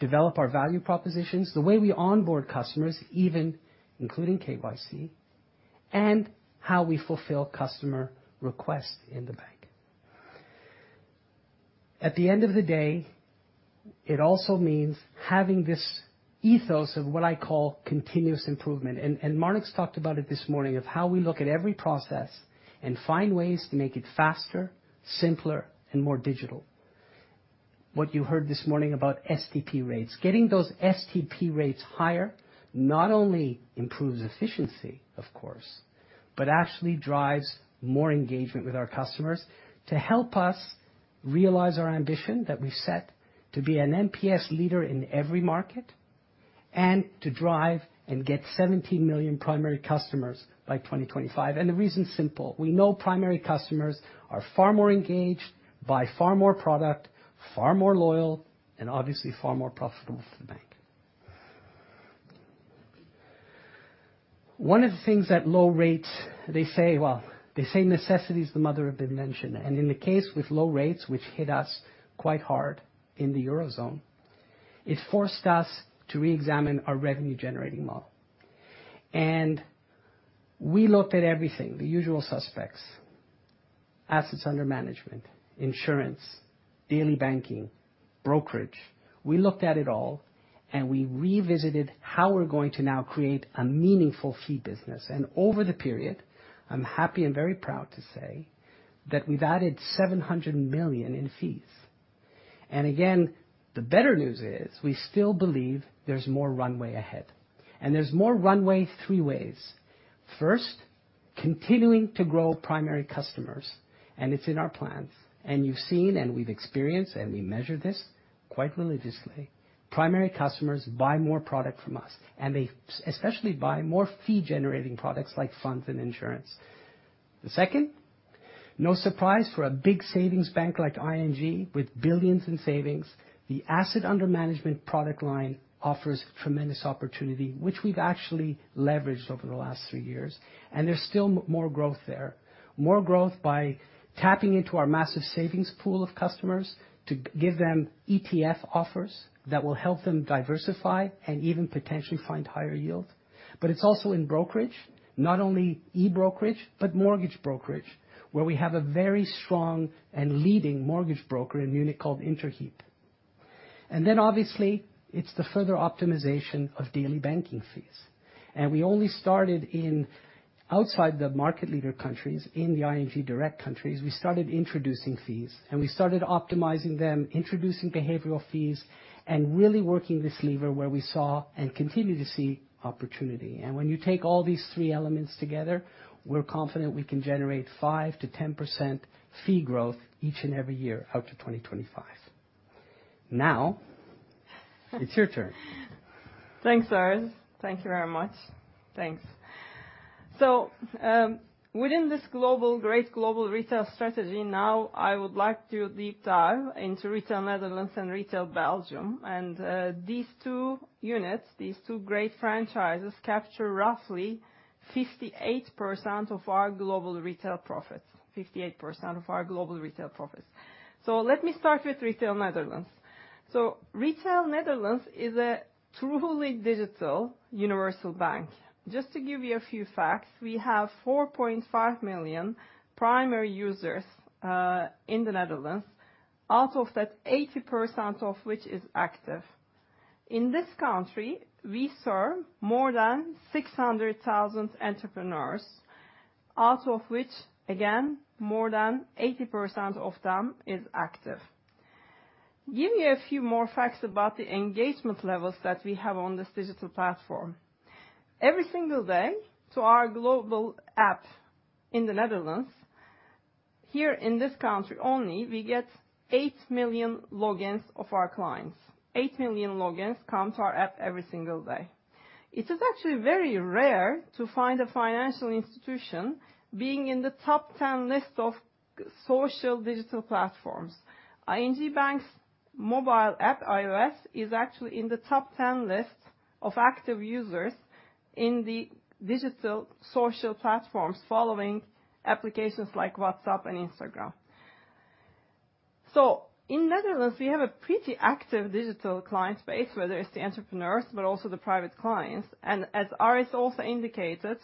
S7: develop our value propositions, the way we onboard customers, even including KYC, and how we fulfill customer requests in the bank. At the end of the day, it also means having this ethos of what I call continuous improvement. Marnix talked about it this morning, of how we look at every process and find ways to make it faster, simpler, and more digital. What you heard this morning about STP rates, getting those STP rates higher not only improves efficiency, of course, but actually drives more engagement with our customers to help us realize our ambition that we've set to be an NPS leader in every market, and to drive and get 17 million primary customers by 2025. The reason's simple: we know primary customers are far more engaged, buy far more product, far more loyal, and obviously far more profitable for the bank. One of the things that low rates, they say necessity is the mother of invention, and in the case with low rates, which hit us quite hard in the Eurozone, it forced us to reexamine our revenue-generating model. We looked at everything, the usual suspects: assets under management, insurance, daily banking, brokerage. We looked at it all, and we revisited how we're going to now create a meaningful fee business. Over the period, I'm happy and very proud to say that we've added 700 million in fees. Again, the better news is we still believe there's more runway ahead. There's more runway three ways. First, continuing to grow primary customers, and it's in our plans. You've seen, and we've experienced, and we measure this quite religiously. Primary customers buy more product from us, and they especially buy more fee-generating products like funds and insurance. The second, no surprise for a big savings bank like ING with billions in savings, the assets under management product line offers tremendous opportunity, which we've actually leveraged over the last three years, and there's still more growth there. More growth by tapping into our massive savings pool of customers to give them ETF offers that will help them diversify and even potentially find higher yield. It's also in brokerage, not only e-brokerage, but mortgage brokerage, where we have a very strong and leading mortgage broker in Munich called Interhyp. Then obviously, it's the further optimization of daily banking fees. We only started outside the market leader countries, in the ING Direct countries, we started introducing fees, and we started optimizing them, introducing behavioral fees, and really working this lever where we saw and continue to see opportunity. When you take all these three elements together, we're confident we can generate 5%-10% fee growth each and every year out to 2025. Now it's your turn.
S8: Thanks, Aris. Thank you very much. Thanks. Within this great global retail strategy, now I would like to deep dive into Retail Netherlands and Retail Belgium. These two units, these two great franchises capture roughly 58% of our global retail profits. 58% of our global retail profits. Let me start with Retail Netherlands. Retail Netherlands is a truly digital universal bank. Just to give you a few facts, we have 4.5 million primary users in the Netherlands. Out of that, 80% of which is active. In this country, we serve more than 600,000 entrepreneurs, out of which, again, more than 80% of them is active. Give you a few more facts about the engagement levels that we have on this digital platform. Every single day to our global app in the Netherlands, here in this country only, we get 8 million logins of our clients. 8 million logins come to our app every single day. It is actually very rare to find a financial institution being in the top ten list of social digital platforms. ING Bank's mobile app iOS is actually in the top ten list of active users in the digital social platforms, following applications like WhatsApp and Instagram. In the Netherlands, we have a pretty active digital client base, whether it's the entrepreneurs but also the private clients. As Aris also indicated,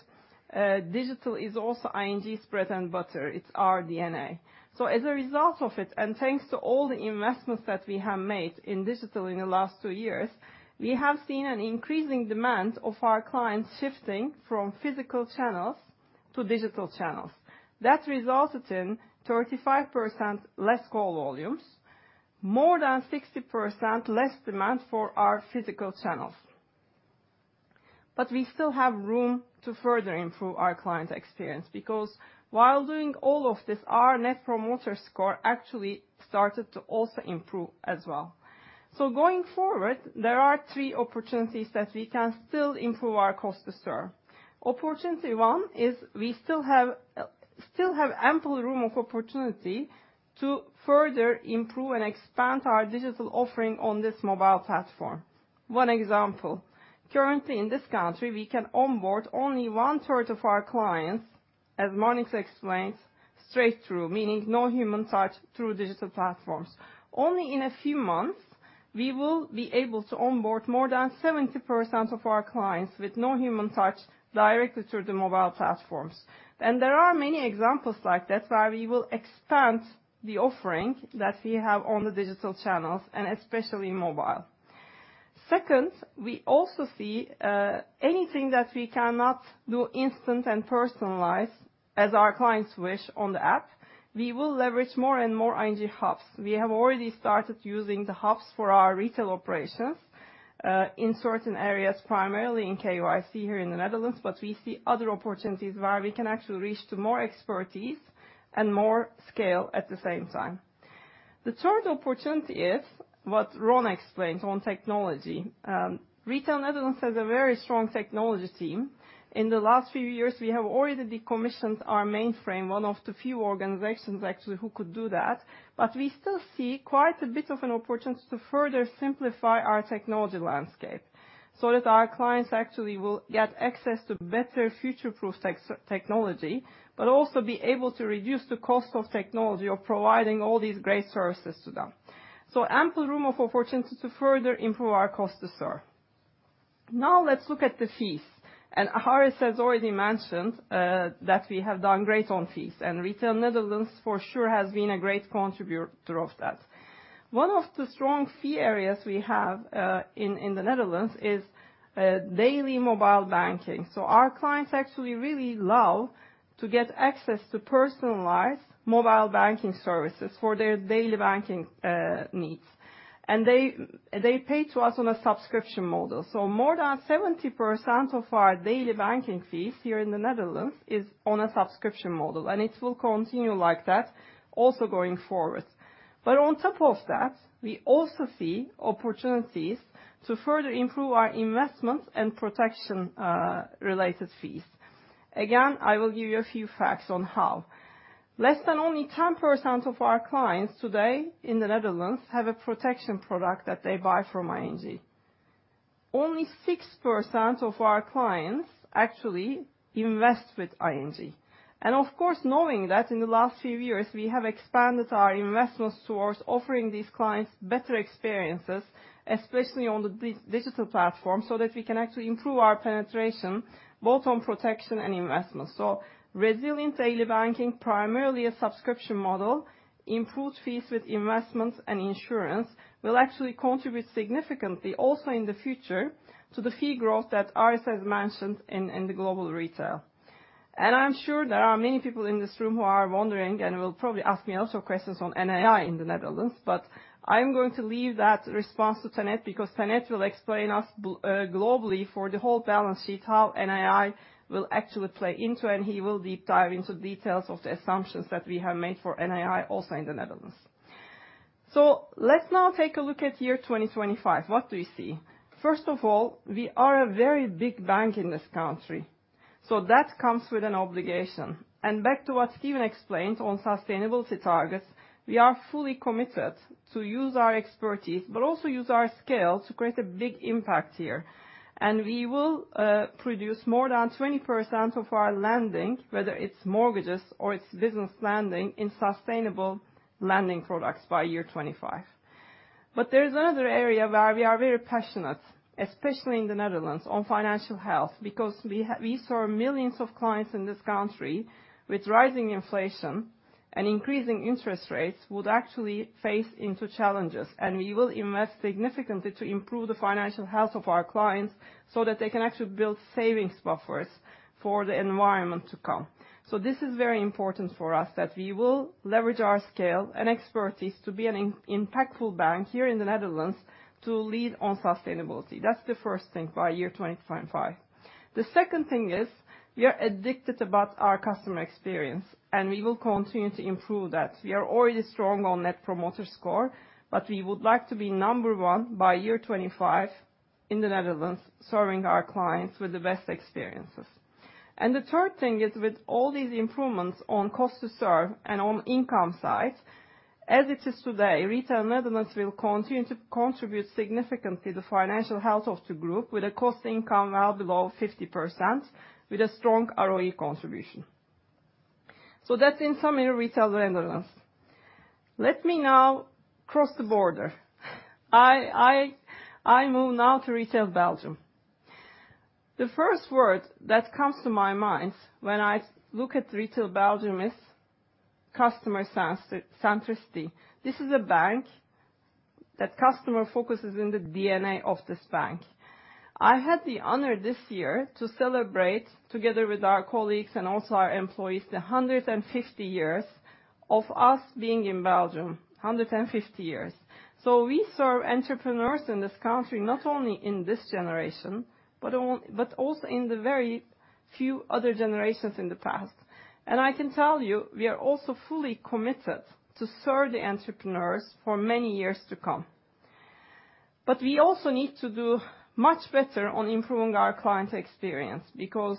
S8: digital is also ING's bread and butter. It's our DNA. As a result of it, and thanks to all the investments that we have made in digital in the last two years, we have seen an increasing demand of our clients shifting from physical channels to digital channels. That resulted in 35% less call volumes, more than 60% less demand for our physical channels. We still have room to further improve our client experience because while doing all of this, our Net Promoter Score actually started to also improve as well. Going forward, there are three opportunities that we can still improve our cost to serve. Opportunity one is we still have ample room of opportunity to further improve and expand our digital offering on this mobile platform. One example, currently in this country, we can onboard only one third of our clients, as Marnix van Stiphout explained, straight through, meaning no human touch through digital platforms. Only in a few months, we will be able to onboard more than 70% of our clients with no human touch directly through the mobile platforms. There are many examples like that where we will expand the offering that we have on the digital channels and especially mobile. Second, we also see, anything that we cannot do instant and personalized as our clients wish on the app, we will leverage more and more ING hubs. We have already started using the hubs for our retail operations, in certain areas, primarily in KYC here in the Netherlands, but we see other opportunities where we can actually reach to more expertise and more scale at the same time. The third opportunity is what Ron explained on technology. Retail Netherlands has a very strong technology team. In the last few years, we have already decommissioned our mainframe, one of the few organizations actually who could do that. We still see quite a bit of an opportunity to further simplify our technology landscape so that our clients actually will get access to better future-proof technology, but also be able to reduce the cost of technology of providing all these great services to them. Ample room of opportunity to further improve our cost to serve. Now, let's look at the fees. Aris has already mentioned that we have done great on fees. Retail Netherlands for sure has been a great contributor of that. One of the strong fee areas we have in the Netherlands is daily mobile banking. Our clients actually really love to get access to personalized mobile banking services for their daily banking needs. They pay to us on a subscription model. More than 70% of our daily banking fees here in the Netherlands is on a subscription model, and it will continue like that also going forward. On top of that, we also see opportunities to further improve our investment and protection related fees. Again, I will give you a few facts on how. Less than only 10% of our clients today in the Netherlands have a protection product that they buy from ING. Only 6% of our clients actually invest with ING. Of course, knowing that in the last few years, we have expanded our investments towards offering these clients better experiences, especially on the digital platform, so that we can actually improve our penetration both on protection and investment. Resilient daily banking, primarily a subscription model, improved fees with investments and insurance will actually contribute significantly also in the future to the fee growth that Aris has mentioned in the global retail. I'm sure there are many people in this room who are wondering and will probably ask me lots of questions on NII in the Netherlands, but I am going to leave that response to Tanate because Tanate will explain us globally for the whole balance sheet how NII will actually play into, and he will deep dive into details of the assumptions that we have made for NII also in the Netherlands. Let's now take a look at year 2025. What do we see? First of all, we are a very big bank in this country, so that comes with an obligation. Back to what Steven explained on sustainability targets, we are fully committed to use our expertise but also use our scale to create a big impact here. We will produce more than 20% of our lending, whether it's mortgages or it's business lending, in sustainable lending products by year 2025. There is another area where we are very passionate, especially in the Netherlands, on financial health, because we saw millions of clients in this country with rising inflation and increasing interest rates would actually face challenges. We will invest significantly to improve the financial health of our clients so that they can actually build savings buffers for the environment to come. This is very important for us that we will leverage our scale and expertise to be an impactful bank here in the Netherlands to lead on sustainability. That's the first thing by 2025. The second thing is we are dedicated to our customer experience, and we will continue to improve that. We are already strong on Net Promoter Score, but we would like to be number one by 2025 in the Netherlands, serving our clients with the best experiences. The third thing is with all these improvements on cost to serve and on income side, as it is today, Retail Netherlands will continue to contribute significantly the financial health of the group with a cost-to-income well below 50%, with a strong ROE contribution. That's in summary, Retail Netherlands. Let me now cross the border. I move now to Retail Belgium. The first word that comes to my mind when I look at Retail Belgium is customer centricity. This is a bank that customer focus is in the DNA of this bank. I had the honor this year to celebrate together with our colleagues and also our employees, the 150 years of us being in Belgium. 150 years. We serve entrepreneurs in this country, not only in this generation, but also in the very few other generations in the past. I can tell you, we are also fully committed to serve the entrepreneurs for many years to come. We also need to do much better on improving our client experience because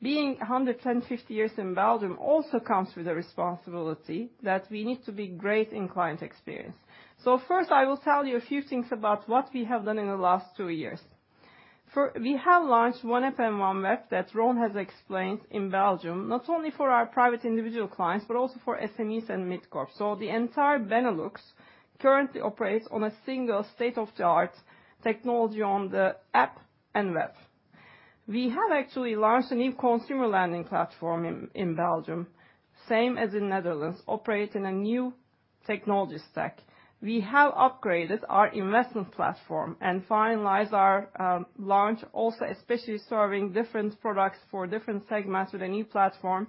S8: being 150 years in Belgium also comes with a responsibility that we need to be great in client experience. First, I will tell you a few things about what we have done in the last two years. We have launched One App and One Web that Ron has explained in Belgium, not only for our private individual clients, but also for SMEs and mid-corps. The entire Benelux currently operates on a single state-of-the-art technology on the app and web. We have actually launched a new consumer lending platform in Belgium, same as in Netherlands, operate in a new technology stack. We have upgraded our investment platform and finalized our launch also especially serving different products for different segments with a new platform.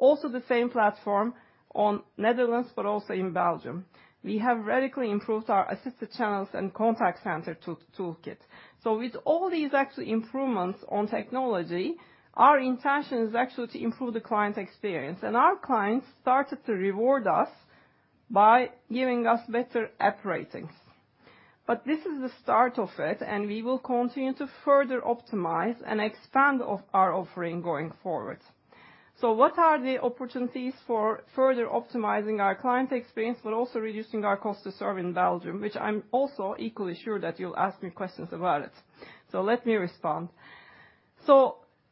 S8: Also the same platform in Netherlands but also in Belgium. We have radically improved our assisted channels and contact center toolkit. With all these actual improvements on technology, our intention is actually to improve the client experience. Our clients started to reward us by giving us better app ratings. This is the start of it, and we will continue to further optimize and expand our offering going forward. What are the opportunities for further optimizing our client experience but also reducing our cost to serve in Belgium, which I'm also equally sure that you'll ask me questions about it. Let me respond.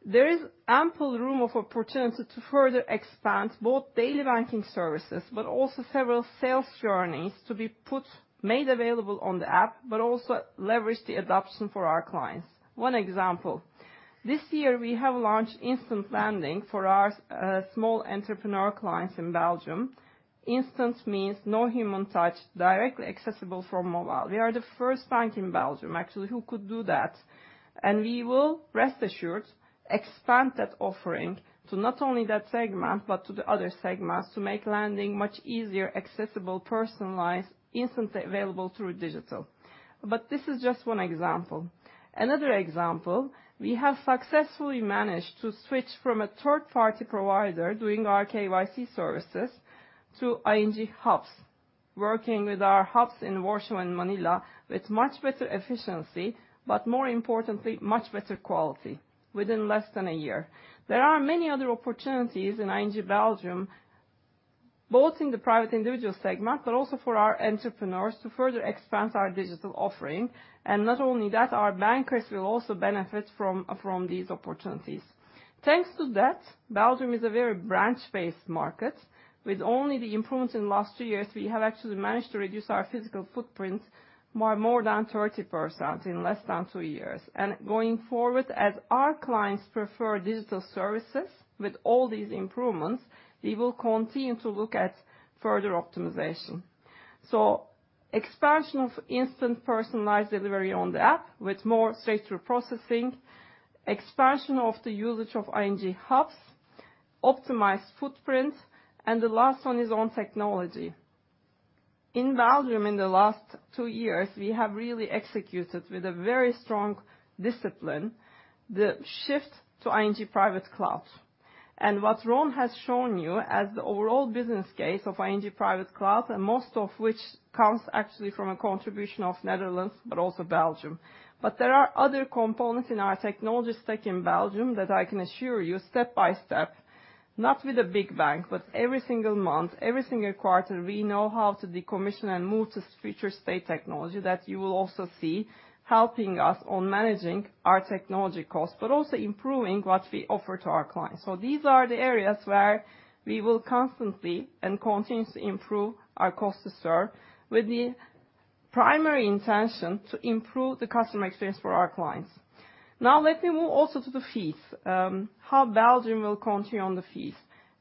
S8: There is ample room of opportunity to further expand both daily banking services but also several sales journeys to be put, made available on the app, but also leverage the adoption for our clients. One example, this year we have launched instant lending for our small entrepreneur clients in Belgium. Instant means no human touch, directly accessible from mobile. We are the first bank in Belgium, actually, who could do that. We will, rest assured, expand that offering to not only that segment, but to the other segments, to make lending much easier, accessible, personalized, instantly available through digital. This is just one example. Another example, we have successfully managed to switch from a third-party provider doing our KYC services to ING hubs. Working with our hubs in Warsaw and Manila with much better efficiency but more importantly much better quality within less than a year. There are many other opportunities in ING Belgium, both in the private individual segment but also for our entrepreneurs to further expand our digital offering and not only that, our bankers will also benefit from these opportunities. Thanks to that, Belgium is a very branch-based market. With only the improvements in last two years, we have actually managed to reduce our physical footprint more than 30% in less than two years. Going forward, as our clients prefer digital services with all these improvements, we will continue to look at further optimization. Expansion of instant personalized delivery on the app with more straight-through processing, expansion of the usage of ING hubs, optimized footprint, and the last one is on technology. In Belgium, in the last two years, we have really executed with a very strong discipline the shift to ING Private Cloud. What Ron has shown you as the overall business case of ING Private Cloud and most of which comes actually from a contribution of Netherlands but also Belgium. There are other components in our technology stack in Belgium that I can assure you step by step, not with a big bank, but every single month, every single quarter, we know how to decommission and move to future state technology that you will also see helping us on managing our technology costs but also improving what we offer to our clients. These are the areas where we will constantly and continue to improve our cost to serve with the primary intention to improve the customer experience for our clients. Now let me move also to the fees, how Belgium will continue on the fees.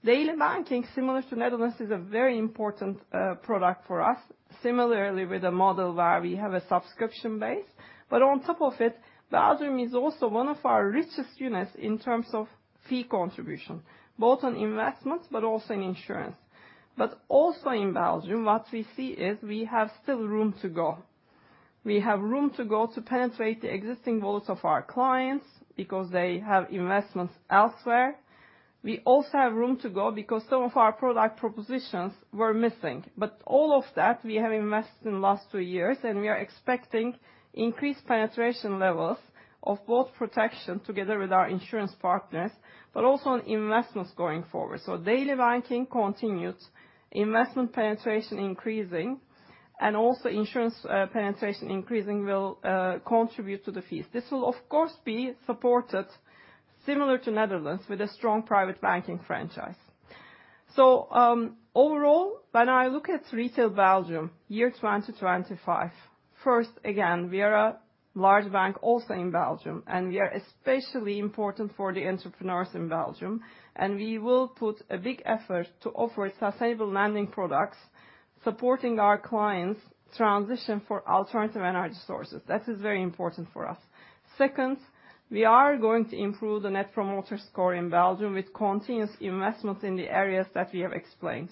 S8: Daily banking, similar to Netherlands, is a very important product for us. Similarly, with a model where we have a subscription base, but on top of it, Belgium is also one of our richest units in terms of fee contribution, both on investments but also in insurance. Also in Belgium, what we see is we have still room to go. We have room to go to penetrate the existing wallets of our clients because they have investments elsewhere. We also have room to go because some of our product propositions were missing. All of that we have invested in the last two years, and we are expecting increased penetration levels of both protection together with our insurance partners but also on investments going forward. Daily banking continued, investment penetration increasing and also insurance penetration increasing will contribute to the fees. This will of course be supported similar to Netherlands with a strong private banking franchise. Overall, when I look at retail Belgium year 2025, first again we are a large bank also in Belgium, and we are especially important for the entrepreneurs in Belgium, and we will put a big effort to offer sustainable lending products supporting our clients transition for alternative energy sources. That is very important for us. Second, we are going to improve the Net Promoter Score in Belgium with continuous investments in the areas that we have explained.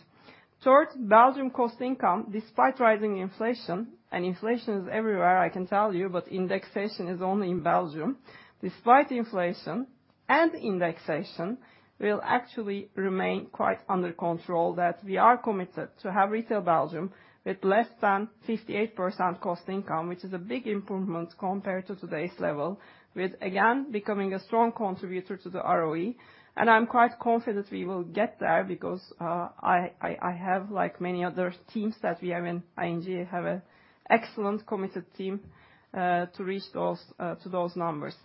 S8: Third, Belgium cost income, despite rising inflation, and inflation is everywhere, I can tell you, but indexation is only in Belgium. Despite inflation and indexation, we'll actually remain quite under control that we are committed to have Retail Belgium with less than 58% cost/income, which is a big improvement compared to today's level, with, again, becoming a strong contributor to the ROE. I'm quite confident we will get there because I have, like many other teams that we have in ING, have an excellent committed team to reach those numbers.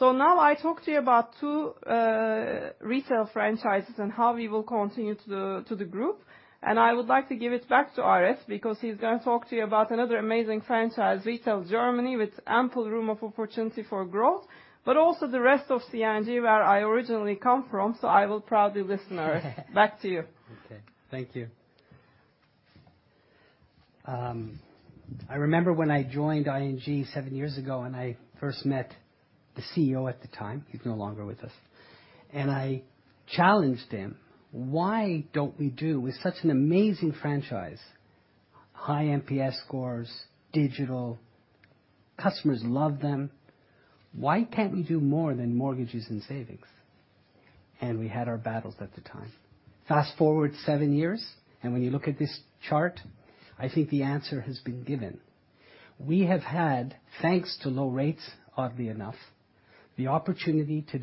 S8: Now I talk to you about 2 retail franchises and how we will continue to the group. I would like to give it back to Aris Bogdaneris, because he's gonna talk to you about another amazing franchise, Retail Germany, with ample room of opportunity for growth, but also the rest of C&G, where I originally come from, so I will proudly listen, Aris Bogdaneris. Back to you.
S7: Okay. Thank you. I remember when I joined ING seven years ago, and I first met the CEO at the time, he's no longer with us, and I challenged him, "Why don't we do with such an amazing franchise, high NPS scores, digital, customers love them, why can't we do more than mortgages and savings?" We had our battles at the time. Fast-forward seven years, when you look at this chart, I think the answer has been given. We have had, thanks to low rates, oddly enough, the opportunity to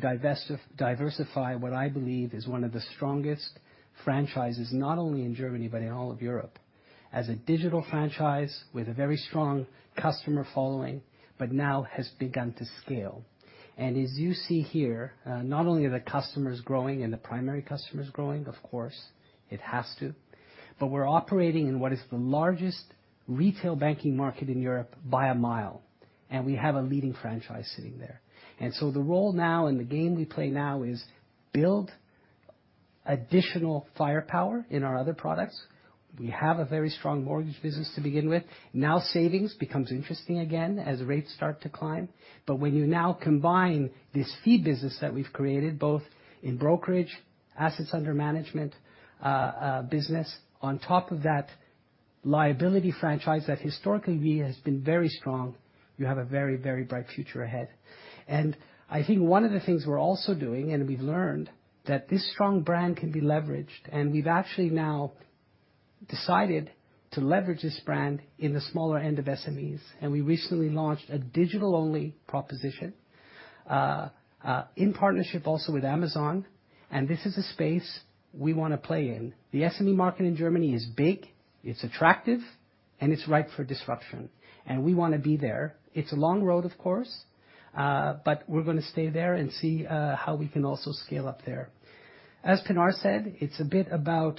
S7: diversify what I believe is one of the strongest franchises, not only in Germany but in all of Europe, as a digital franchise with a very strong customer following, but now has begun to scale. As you see here, not only are the customers growing and the primary customers growing, of course it has to, but we're operating in what is the largest retail banking market in Europe by a mile, and we have a leading franchise sitting there. The role now and the game we play now is build additional firepower in our other products. We have a very strong mortgage business to begin with. Now, savings becomes interesting again as rates start to climb. But when you now combine this fee business that we've created, both in brokerage, assets under management, business, on top of that liability franchise that historically has been very strong, you have a very, very bright future ahead. I think one of the things we're also doing, and we've learned, that this strong brand can be leveraged, and we've actually now decided to leverage this brand in the smaller end of SMEs. We recently launched a digital-only proposition in partnership also with Amazon. This is a space we wanna play in. The SME market in Germany is big, it's attractive, and it's ripe for disruption. We wanna be there. It's a long road, of course, but we're gonna stay there and see how we can also scale up there. As Pinar said, it's a bit about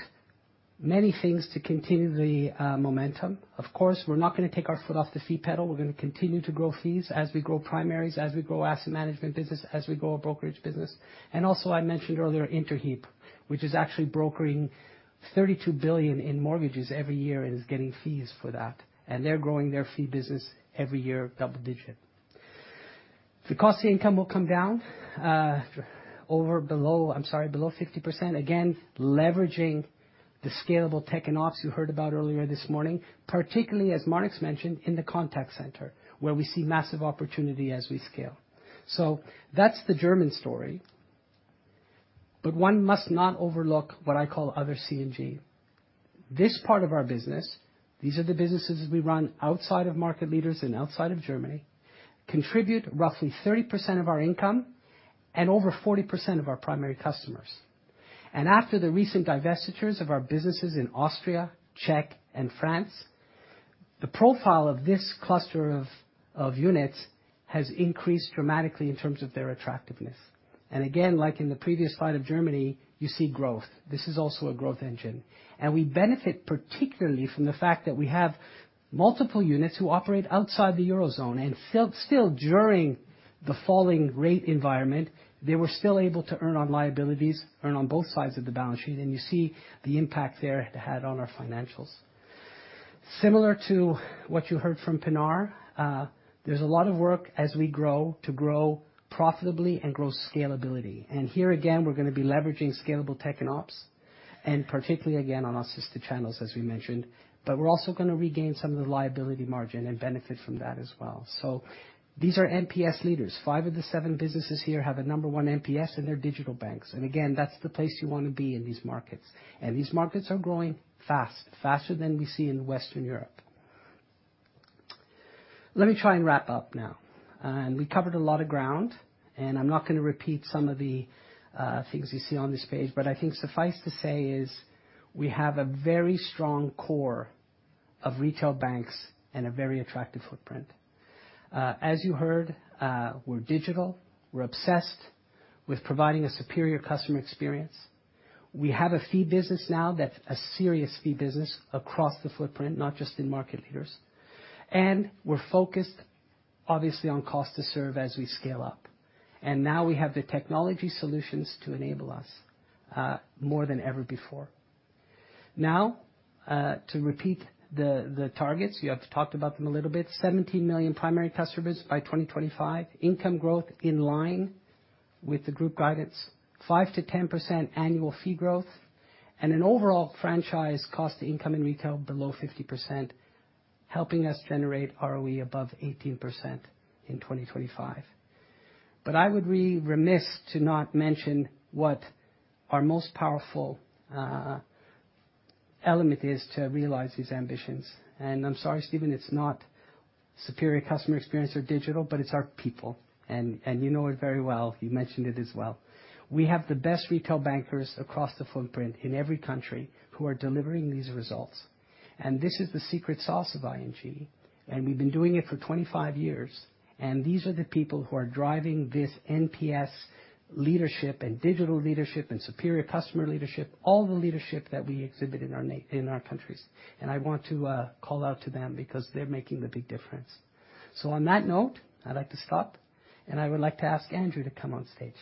S7: many things to continue the momentum. Of course, we're not gonna take our foot off the fee pedal. We're gonna continue to grow fees as we grow primaries, as we grow asset management business, as we grow our brokerage business. I mentioned earlier, Interhyp, which is actually brokering 32 billion in mortgages every year and is getting fees for that. They're growing their fee business every year, double-digit. The cost-to-income will come down below 50%. Again, leveraging the scalable tech and ops you heard about earlier this morning, particularly as Marnix mentioned in the contact center, where we see massive opportunity as we scale. That's the German story. One must not overlook what I call other C&G. This part of our business, these are the businesses we run outside of Market Leaders and outside of Germany, contribute roughly 30% of our income and over 40% of our primary customers. After the recent divestitures of our businesses in Austria, Czech, and France, the profile of this cluster of units has increased dramatically in terms of their attractiveness. Again, like in the previous slide of Germany, you see growth. This is also a growth engine. We benefit particularly from the fact that we have multiple units who operate outside the Eurozone and still during the falling rate environment, they were still able to earn on liabilities, earn on both sides of the balance sheet, and you see the impact there it had on our financials. Similar to what you heard from Pinar, there's a lot of work as we grow profitably and grow scalability. Here again, we're gonna be leveraging scalable tech and ops, and particularly again on assisted channels, as we mentioned. We're also gonna regain some of the liability margin and benefit from that as well. These are NPS leaders. Five of the seven businesses here have a number one NPS in their digital banks. Again, that's the place you wanna be in these markets. These markets are growing fast, faster than we see in Western Europe. Let me try and wrap up now. We covered a lot of ground, and I'm not gonna repeat some of the things you see on this page, but I think suffice to say is we have a very strong core of retail banks and a very attractive footprint. As you heard, we're digital, we're obsessed with providing a superior customer experience. We have a fee business now that's a serious fee business across the footprint, not just in Market Leaders. We're focused, obviously, on cost to serve as we scale up. Now we have the technology solutions to enable us more than ever before. Now to repeat the targets, you have talked about them a little bit. 17 million primary customers by 2025. Income growth in line with the group guidance. 5%-10% annual fee growth. An overall franchise cost-to-income in retail below 50%, helping us generate ROE above 18% in 2025. I would be remiss to not mention what our most powerful element is to realize these ambitions. I'm sorry, Steven, it's not superior customer experience or digital, but it's our people. You know it very well. You mentioned it as well. We have the best retail bankers across the footprint in every country who are delivering these results. This is the secret sauce of ING, and we've been doing it for 25 years. These are the people who are driving this NPS leadership and digital leadership and superior customer leadership, all the leadership that we exhibit in our countries. I want to call out to them because they're making the big difference. On that note, I'd like to stop, and I would like to ask Andrew to come on stage.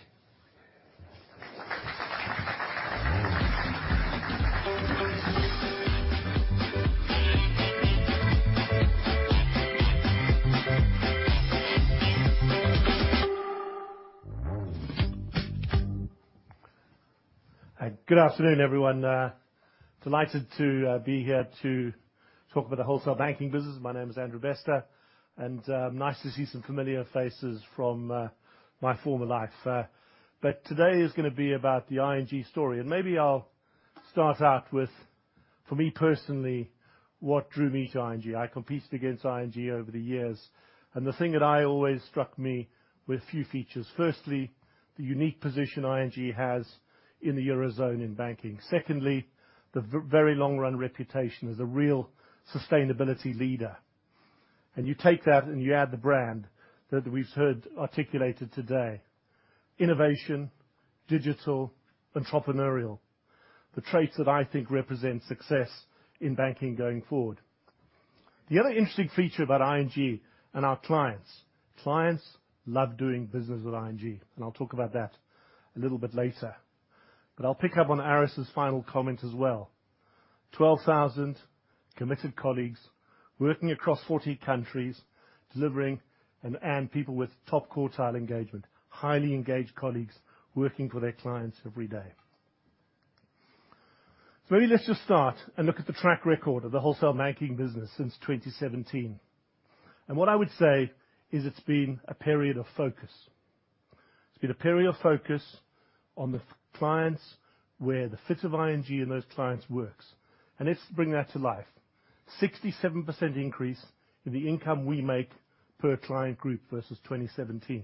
S9: Hi. Good afternoon, everyone. Delighted to be here to talk about the wholesale banking business. My name is Andrew Bester, and nice to see some familiar faces from my former life. Today is gonna be about the ING story. Maybe I'll start out with, for me personally, what drew me to ING. I competed against ING over the years, and the thing that always struck me were a few features. Firstly, the unique position ING has in the Eurozone in banking. Secondly, the very long run reputation as a real sustainability leader. You take that, and you add the brand that we've heard articulated today, innovation, digital, entrepreneurial. The traits that I think represent success in banking going forward. The other interesting feature about ING and our clients. Clients love doing business with ING, and I'll talk about that a little bit later. I'll pick up on Aris' final comment as well. 12,000 committed colleagues working across 40 countries, delivering, and people with top quartile engagement. Highly engaged colleagues working for their clients every day. Maybe let's just start and look at the track record of the wholesale banking business since 2017. What I would say is it's been a period of focus. It's been a period of focus on the clients where the fit of ING and those clients works. Let's bring that to life. 67% increase in the income we make per client group versus 2017.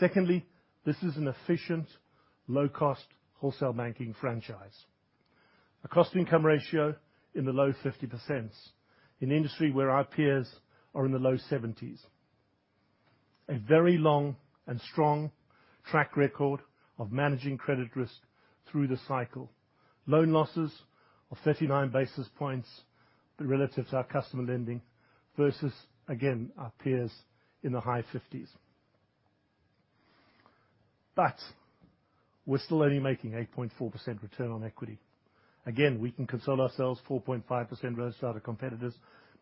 S9: Secondly, this is an efficient low-cost wholesale banking franchise. A cost-income ratio in the low 50s, in an industry where our peers are in the low 70s. A very long and strong track record of managing credit risk through the cycle. Loan losses of 39 basis points relative to our customer lending versus, again, our peers in the high 50s. We're still only making 8.4% return on equity. Again, we can console ourselves 4.5% ROA to our competitors,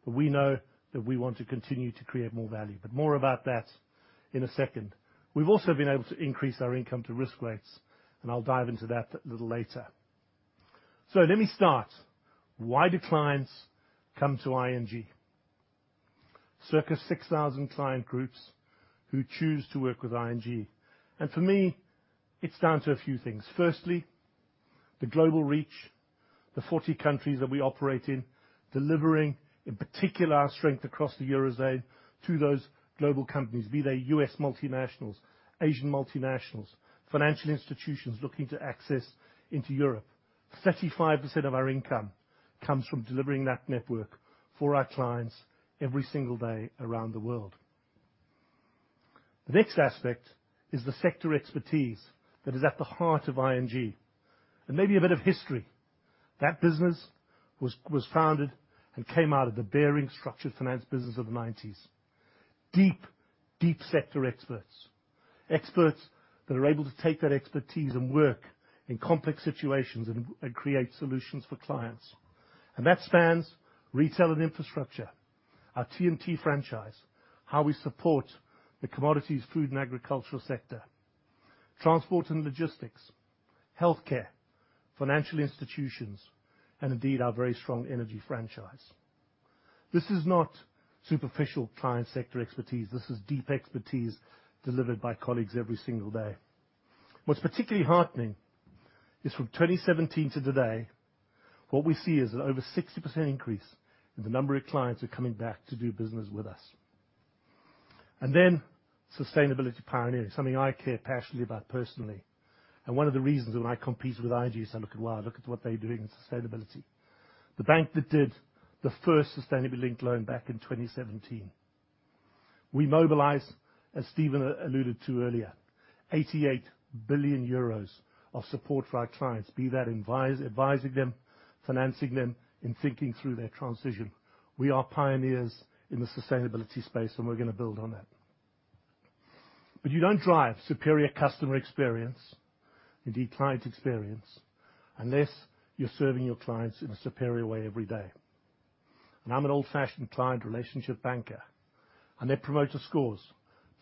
S9: but we know that we want to continue to create more value, but more about that in a second. We've also been able to increase our income to risk rates, and I'll dive into that a little later. Let me start. Why do clients come to ING? Circa 6,000 client groups who choose to work with ING. For me, it's down to a few things. Firstly, the global reach, the 40 countries that we operate in, delivering, in particular, our strength across the Eurozone to those global companies, be they U.S. multinationals, Asian multinationals, financial institutions looking to access into Europe. 35% of our income comes from delivering that network for our clients every single day around the world. The next aspect is the sector expertise that is at the heart of ING. Maybe a bit of history. That business was founded and came out of the Barings structured finance business of the nineties. Deep sector experts. Experts that are able to take that expertise and work in complex situations and create solutions for clients. That spans retail and infrastructure, our TMT franchise, how we support the commodities, food and agricultural sector, transport and logistics, healthcare, financial institutions, and indeed, our very strong energy franchise. This is not superficial client sector expertise. This is deep expertise delivered by colleagues every single day. What's particularly heartening is from 2017 to today, what we see is that over 60% increase in the number of clients who are coming back to do business with us. Sustainability pioneering, something I care passionately about personally, and one of the reasons when I competed with ING is I look at, wow, look at what they're doing in sustainability. The bank that did the first sustainability linked loan back in 2017. We mobilize, as Steven alluded to earlier, 88 billion euros of support for our clients, be that advising them, financing them, in thinking through their transition. We are pioneers in the sustainability space, and we're gonna build on that. You don't drive superior customer experience, indeed client experience, unless you're serving your clients in a superior way every day. I'm an old-fashioned client relationship banker, and their promoter scores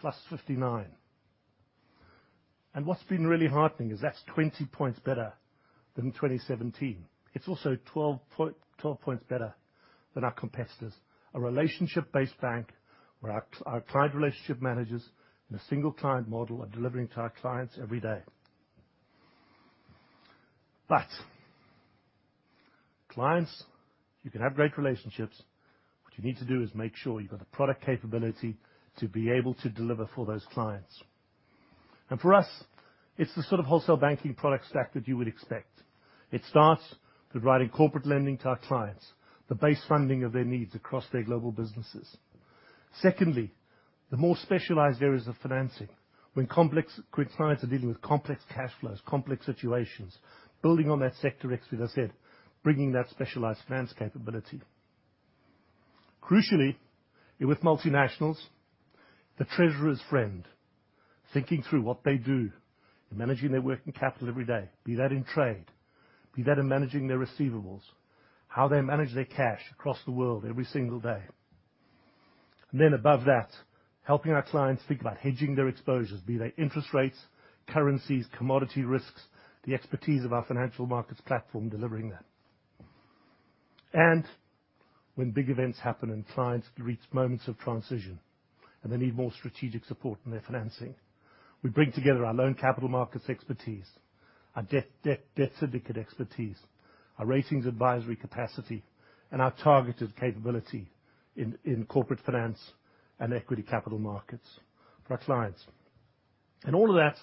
S9: +59. What's been really heartening is that's 20 points better than in 2017. It's also 12 points better than our competitors. A relationship-based bank where our client relationship managers and a single client model are delivering to our clients every day. Clients, you can have great relationships. What you need to do is make sure you've got the product capability to be able to deliver for those clients. For us, it's the sort of wholesale banking product stack that you would expect. It starts with writing corporate lending to our clients, the base funding of their needs across their global businesses. Secondly, the more specialized areas of financing. When clients are dealing with complex cash flows, complex situations, building on that sector expertise, as I said, bringing that specialized finance capability. Crucially, you're with multinationals, the treasurer's friend, thinking through what they do and managing their working capital every day. Be that in trade, be that in managing their receivables, how they manage their cash across the world every single day. Then above that, helping our clients think about hedging their exposures, be they interest rates, currencies, commodity risks, the expertise of our financial markets platform delivering that. When big events happen and clients reach moments of transition, and they need more strategic support in their financing, we bring together our loan capital markets expertise, our debt syndicate expertise, our ratings advisory capacity, and our targeted capability in corporate finance and equity capital markets for our clients. All of that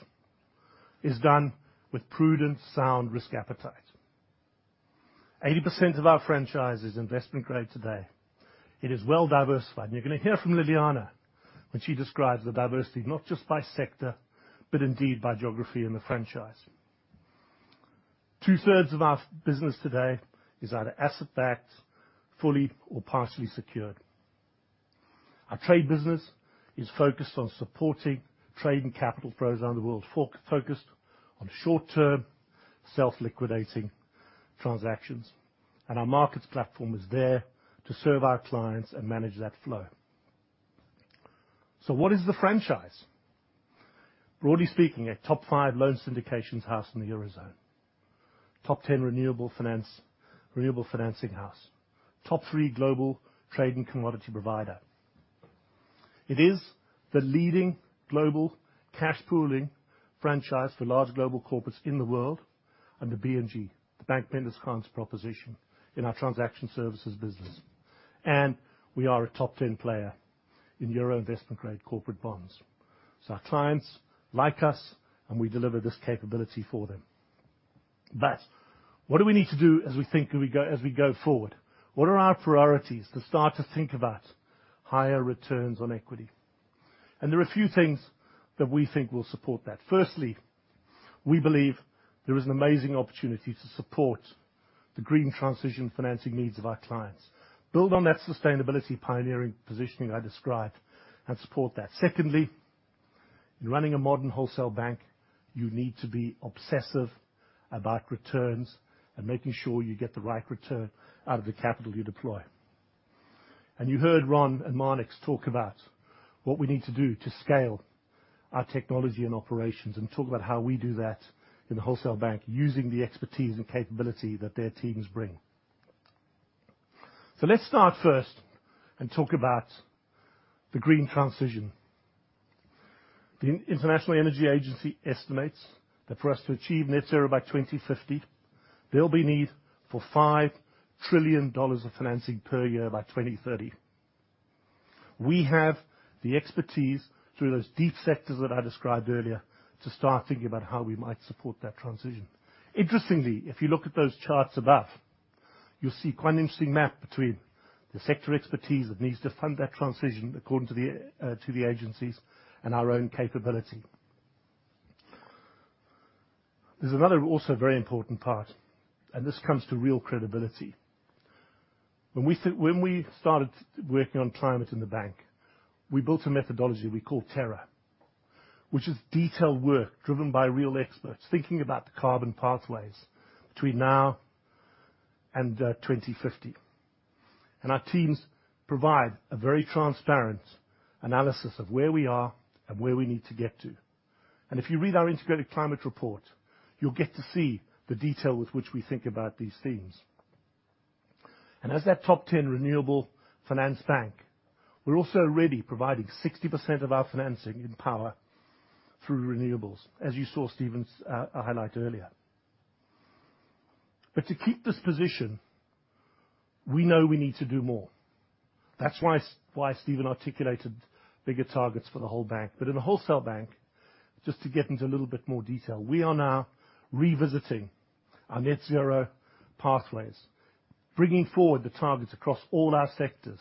S9: is done with prudent, sound risk appetite. 80% of our franchise is investment grade today. It is well diversified. You're gonna hear from Liliana when she describes the diversity, not just by sector, but indeed by geography in the franchise. Two-thirds of our business today is either asset-backed, fully or partially secured. Our trade business is focused on supporting trade and capital flows around the world, focused on short-term, self-liquidating transactions. Our markets platform is there to serve our clients and manage that flow. What is the franchise? Broadly speaking, a top 5 loan syndications house in the Eurozone, top 10 renewable finance, renewable financing house, top 3 global trade and commodity provider. It is the leading global cash pooling franchise for large global corporates in the world, and the BNG, the bank, vendors, clients proposition in our transaction services business. We are a top 10 player in Euro investment-grade corporate bonds. Our clients like us, and we deliver this capability for them. What do we need to do as we go forward? What are our priorities to start to think about higher returns on equity? There are a few things that we think will support that. Firstly, we believe there is an amazing opportunity to support the green transition financing needs of our clients, build on that sustainability pioneering positioning I described and support that. Secondly, in running a modern wholesale bank, you need to be obsessive about returns and making sure you get the right return out of the capital you deploy. You heard Ron and Marnix talk about what we need to do to scale our technology and operations and talk about how we do that in the wholesale bank using the expertise and capability that their teams bring. Let's start first and talk about the green transition. The International Energy Agency estimates that for us to achieve net zero by 2050, there'll be need for $5 trillion of financing per year by 2030. We have the expertise through those deep sectors that I described earlier to start thinking about how we might support that transition. Interestingly, if you look at those charts above, you'll see quite an interesting map between the sector expertise that needs to fund that transition according to the agencies and our own capability. There's another also very important part, and this comes to real credibility. When we started working on climate in the bank, we built a methodology we call Terra, which is detailed work driven by real experts, thinking about the carbon pathways between now and 2050. Our teams provide a very transparent analysis of where we are and where we need to get to. If you read our integrated climate report, you'll get to see the detail with which we think about these themes. As that top 10 renewable finance bank, we're also already providing 60% of our financing in power through renewables, as you saw Steven's highlight earlier. To keep this position, we know we need to do more. That's why Steven articulated bigger targets for the whole bank. In the wholesale bank, just to get into a little bit more detail, we are now revisiting our net zero pathways. Bringing forward the targets across all our sectors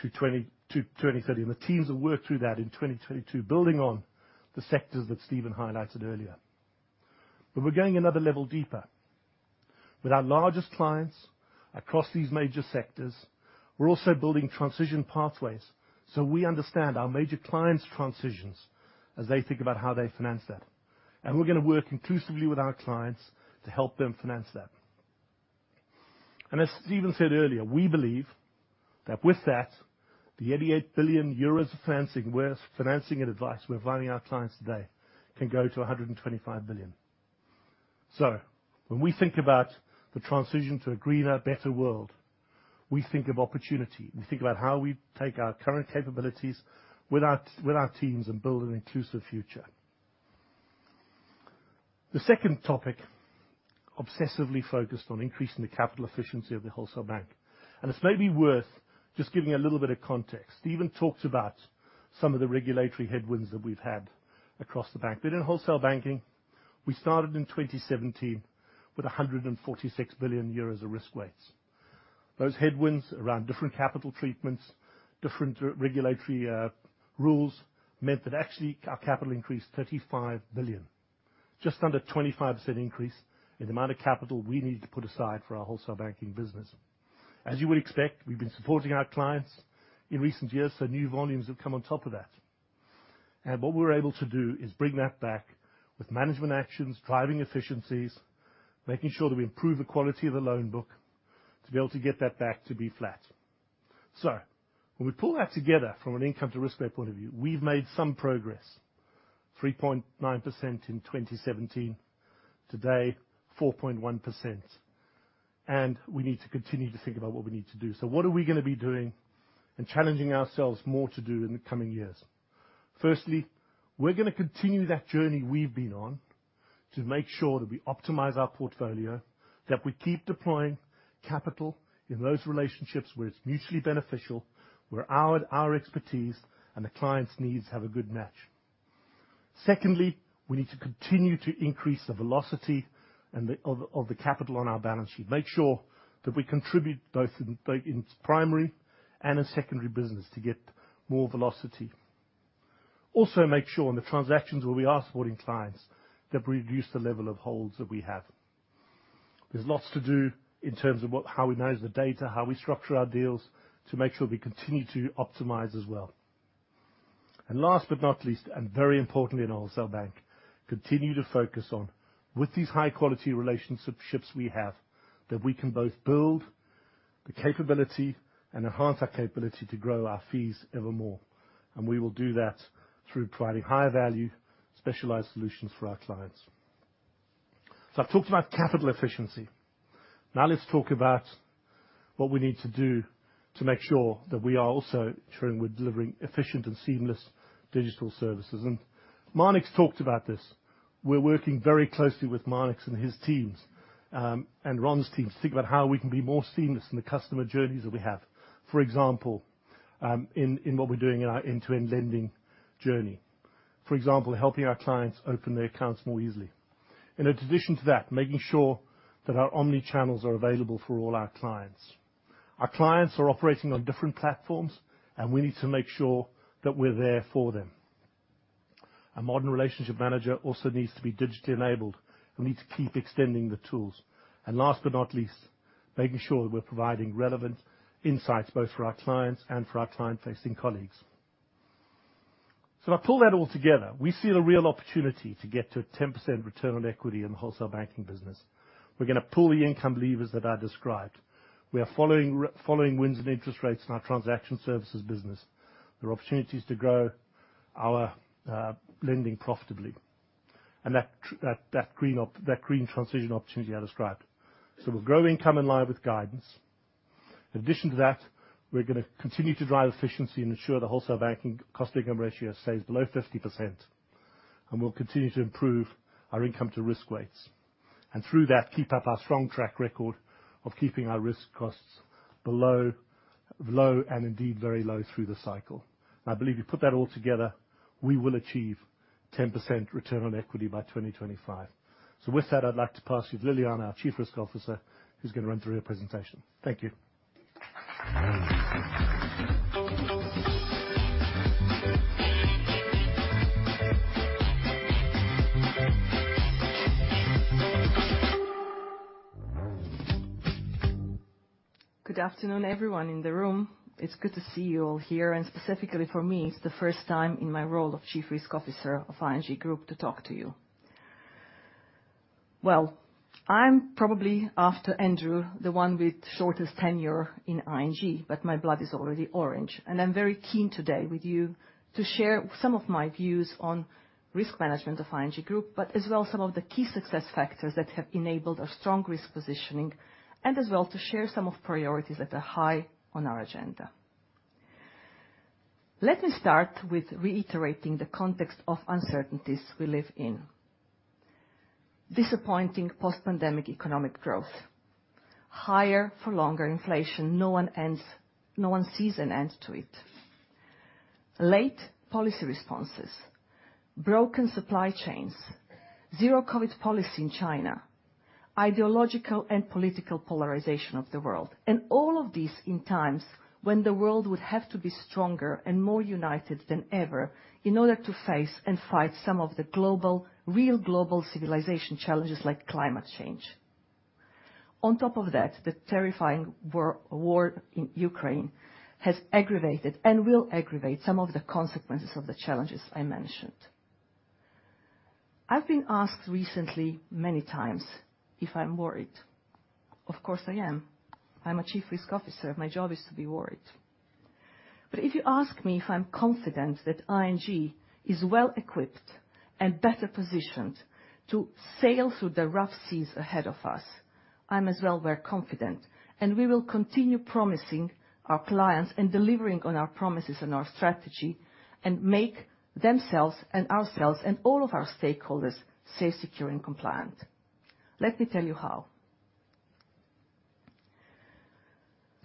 S9: to 20 to 2030. The teams have worked through that in 2022, building on the sectors that Steven highlighted earlier. We're going another level deeper. With our largest clients across these major sectors, we're also building transition pathways, so we understand our major clients' transitions as they think about how they finance that. We're gonna work inclusively with our clients to help them finance that. As Steven said earlier, we believe that with that, the 88 billion euros of financing and advice we're providing our clients today can go to 125 billion. When we think about the transition to a greener, better world, we think of opportunity. We think about how we take our current capabilities with our teams and build an inclusive future. The second topic, obsessively focused on increasing the capital efficiency of the Wholesale Bank. It's maybe worth just giving a little bit of context. Steven talked about some of the regulatory headwinds that we've had across the bank. In Wholesale Banking, we started in 2017 with 146 billion euros of risk weights. Those headwinds around different capital treatments, different regulatory rules, meant that actually, our capital increased 35 billion. Just under 25% increase in the amount of capital we needed to put aside for our wholesale banking business. As you would expect, we've been supporting our clients in recent years, so new volumes have come on top of that. What we're able to do is bring that back with management actions, driving efficiencies, making sure that we improve the quality of the loan book to be able to get that back to be flat. When we pull that together from an income to risk weight point of view, we've made some progress. 3.9% in 2017. Today, 4.1%. We need to continue to think about what we need to do. What are we gonna be doing and challenging ourselves more to do in the coming years? Firstly, we're gonna continue that journey we've been on to make sure that we optimize our portfolio, that we keep deploying capital in those relationships where it's mutually beneficial, where our expertise and the client's needs have a good match. Secondly, we need to continue to increase the velocity and the of the capital on our balance sheet. Make sure that we contribute both in its primary and in secondary business to get more velocity. Also make sure in the transactions where we are supporting clients, that we reduce the level of holds that we have. There's lots to do in terms of how we manage the data, how we structure our deals, to make sure we continue to optimize as well. Last but not least, and very importantly in Wholesale Bank, continue to focus on with these high-quality relationships we have, that we can both build the capability and enhance our capability to grow our fees even more. We will do that through providing high-value, specialized solutions for our clients. I've talked about capital efficiency. Now let's talk about what we need to do to make sure that we are also ensuring we're delivering efficient and seamless digital services. Marnix talked about this. We're working very closely with Marnix and his teams, and Ron's team, to think about how we can be more seamless in the customer journeys that we have. For example, in what we're doing in our end-to-end lending journey. For example, helping our clients open their accounts more easily. In addition to that, making sure that our omnichannels are available for all our clients. Our clients are operating on different platforms, and we need to make sure that we're there for them. A modern relationship manager also needs to be digitally enabled. We need to keep extending the tools. Last but not least, making sure that we're providing relevant insights both for our clients and for our client-facing colleagues. If I pull that all together, we see a real opportunity to get to a 10% return on equity in the wholesale banking business. We're gonna pull the income levers that I described. We are following tailwinds in interest rates in our transaction services business. There are opportunities to grow our lending profitably. That green transition opportunity I described. We'll grow income in line with guidance. In addition to that, we're gonna continue to drive efficiency and ensure the Wholesale Banking cost/income ratio stays below 50%. We'll continue to improve our income to risk weights. Through that, keep up our strong track record of keeping our risk costs below, low, and indeed, very low through the cycle. I believe you put that all together, we will achieve 10% return on equity by 2025. With that, I'd like to pass you to Ljiljana Čortan, our Chief Risk Officer, who's gonna run through her presentation. Thank you.
S10: Good afternoon, everyone in the room. It's good to see you all here, and specifically for me, it's the first time in my role of Chief Risk Officer of ING Groep to talk to you. Well, I'm probably, after Andrew, the one with shortest tenure in ING, but my blood is already orange. I'm very keen today with you to share some of my views on risk management of ING Groep, but as well as some of the key success factors that have enabled a strong risk positioning, and as well to share some of priorities that are high on our agenda. Let me start with reiterating the context of uncertainties we live in. Disappointing post-pandemic economic growth. Higher for longer inflation. No one sees an end to it. Late policy responses, broken supply chains, zero COVID policy in China, ideological and political polarization of the world. All of these in times when the world would have to be stronger and more united than ever in order to face and fight some of the global, real global civilization challenges like climate change. On top of that, the terrifying war in Ukraine has aggravated and will aggravate some of the consequences of the challenges I mentioned. I've been asked recently many times if I'm worried. Of course I am. I'm a Chief Risk Officer. My job is to be worried. If you ask me if I'm confident that ING is well equipped and better positioned to sail through the rough seas ahead of us, I'm as well. We're confident, and we will continue promising our clients and delivering on our promises and our strategy and make themselves and ourselves and all of our stakeholders safe, secure, and compliant. Let me tell you how.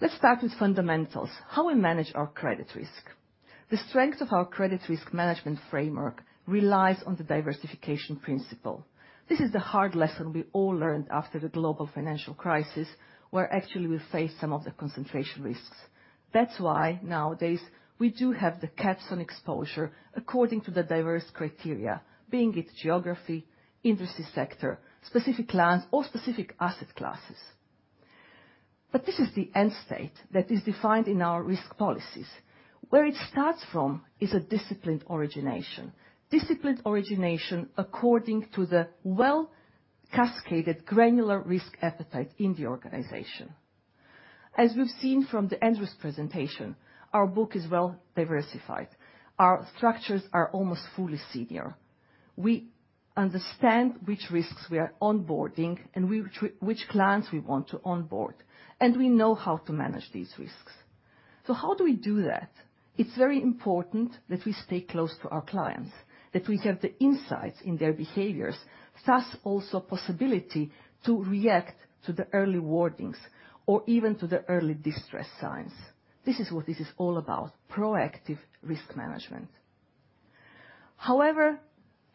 S10: Let's start with fundamentals, how we manage our credit risk. The strength of our credit risk management framework relies on the diversification principle. This is the hard lesson we all learned after the global financial crisis, where actually we face some of the concentration risks. That's why nowadays we do have the caps on exposure according to the diverse criteria, being it geography, industry sector, specific clients, or specific asset classes. This is the end state that is defined in our risk policies. Where it starts from is a disciplined origination. Disciplined origination according to the well-cascaded granular risk appetite in the organization. As we've seen from the Andrew's presentation, our book is well diversified. Our structures are almost fully senior. We understand which risks we are onboarding and which clients we want to onboard, and we know how to manage these risks. How do we do that? It's very important that we stay close to our clients, that we have the insights in their behaviors, thus also possibility to react to the early warnings or even to the early distress signs. This is what this is all about, proactive risk management. However,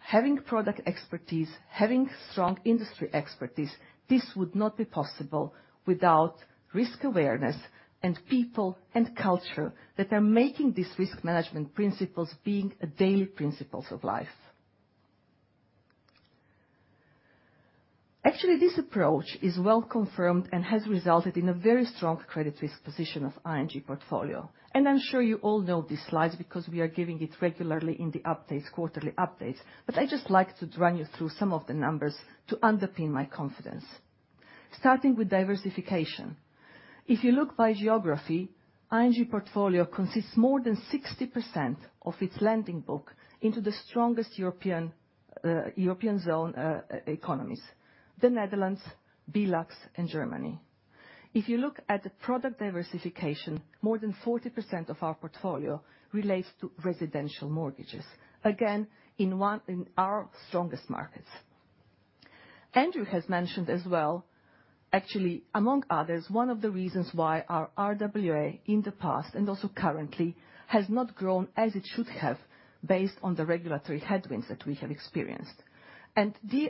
S10: having product expertise, having strong industry expertise, this would not be possible without risk awareness and people and culture that are making these risk management principles being a daily principles of life. Actually, this approach is well confirmed and has resulted in a very strong credit risk position of ING portfolio. I'm sure you all know these slides because we are giving it regularly in the updates, quarterly updates, but I'd just like to run you through some of the numbers to underpin my confidence. Starting with diversification. If you look by geography, ING portfolio consists more than 60% of its lending book into the strongest European zone economies, the Netherlands, BeLux, and Germany. If you look at the product diversification, more than 40% of our portfolio relates to residential mortgages. Again, in our strongest markets. Andrew has mentioned as well, actually among others, one of the reasons why our RWA in the past and also currently has not grown as it should have based on the regulatory headwinds that we have experienced.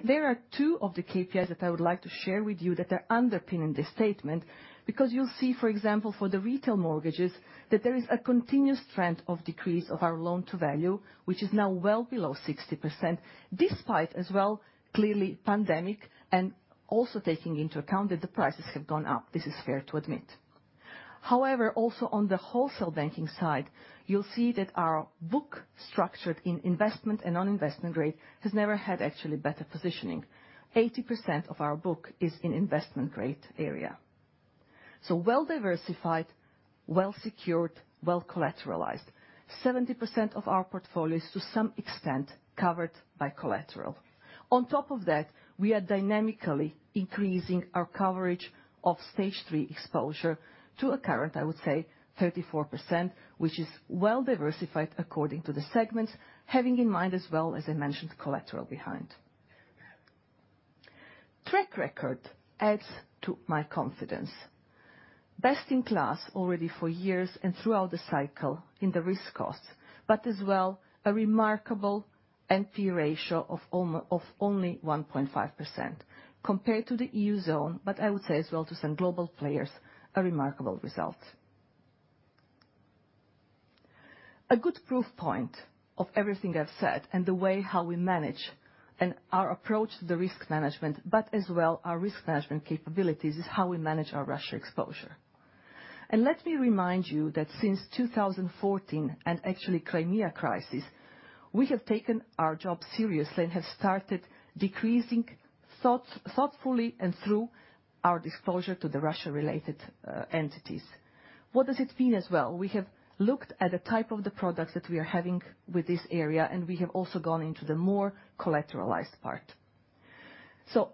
S10: There are two of the KPIs that I would like to share with you that are underpinning this statement, because you'll see, for example, for the retail mortgages, that there is a continuous trend of decrease of our loan to value, which is now well below 60%, despite as well, clearly pandemic and also taking into account that the prices have gone up. This is fair to admit. However, also on the wholesale banking side, you'll see that our book structured in investment and non-investment grade has never had actually better positioning. 80% of our book is in investment grade area. So well-diversified, well-secured, well collateralized. 70% of our portfolio is to some extent covered by collateral. On top of that, we are dynamically increasing our coverage of stage three exposure to a current, I would say, 34%, which is well diversified according to the segments, having in mind as well, as I mentioned, collateral behind. Track record adds to my confidence. Best in class already for years and throughout the cycle in the risk costs, but as well a remarkable NPL ratio of only 1.5% compared to the Eurozone, but I would say as well to some global players, a remarkable result. A good proof point of everything I've said and the way how we manage and our approach to the risk management, but as well our risk management capabilities, is how we manage our Russia exposure. Let me remind you that since 2014 and actually Crimea crisis, we have taken our job seriously and have started decreasing thoughtfully and through our disclosure to the Russia-related entities. What does it mean as well? We have looked at the type of the products that we are having with this area, and we have also gone into the more collateralized part.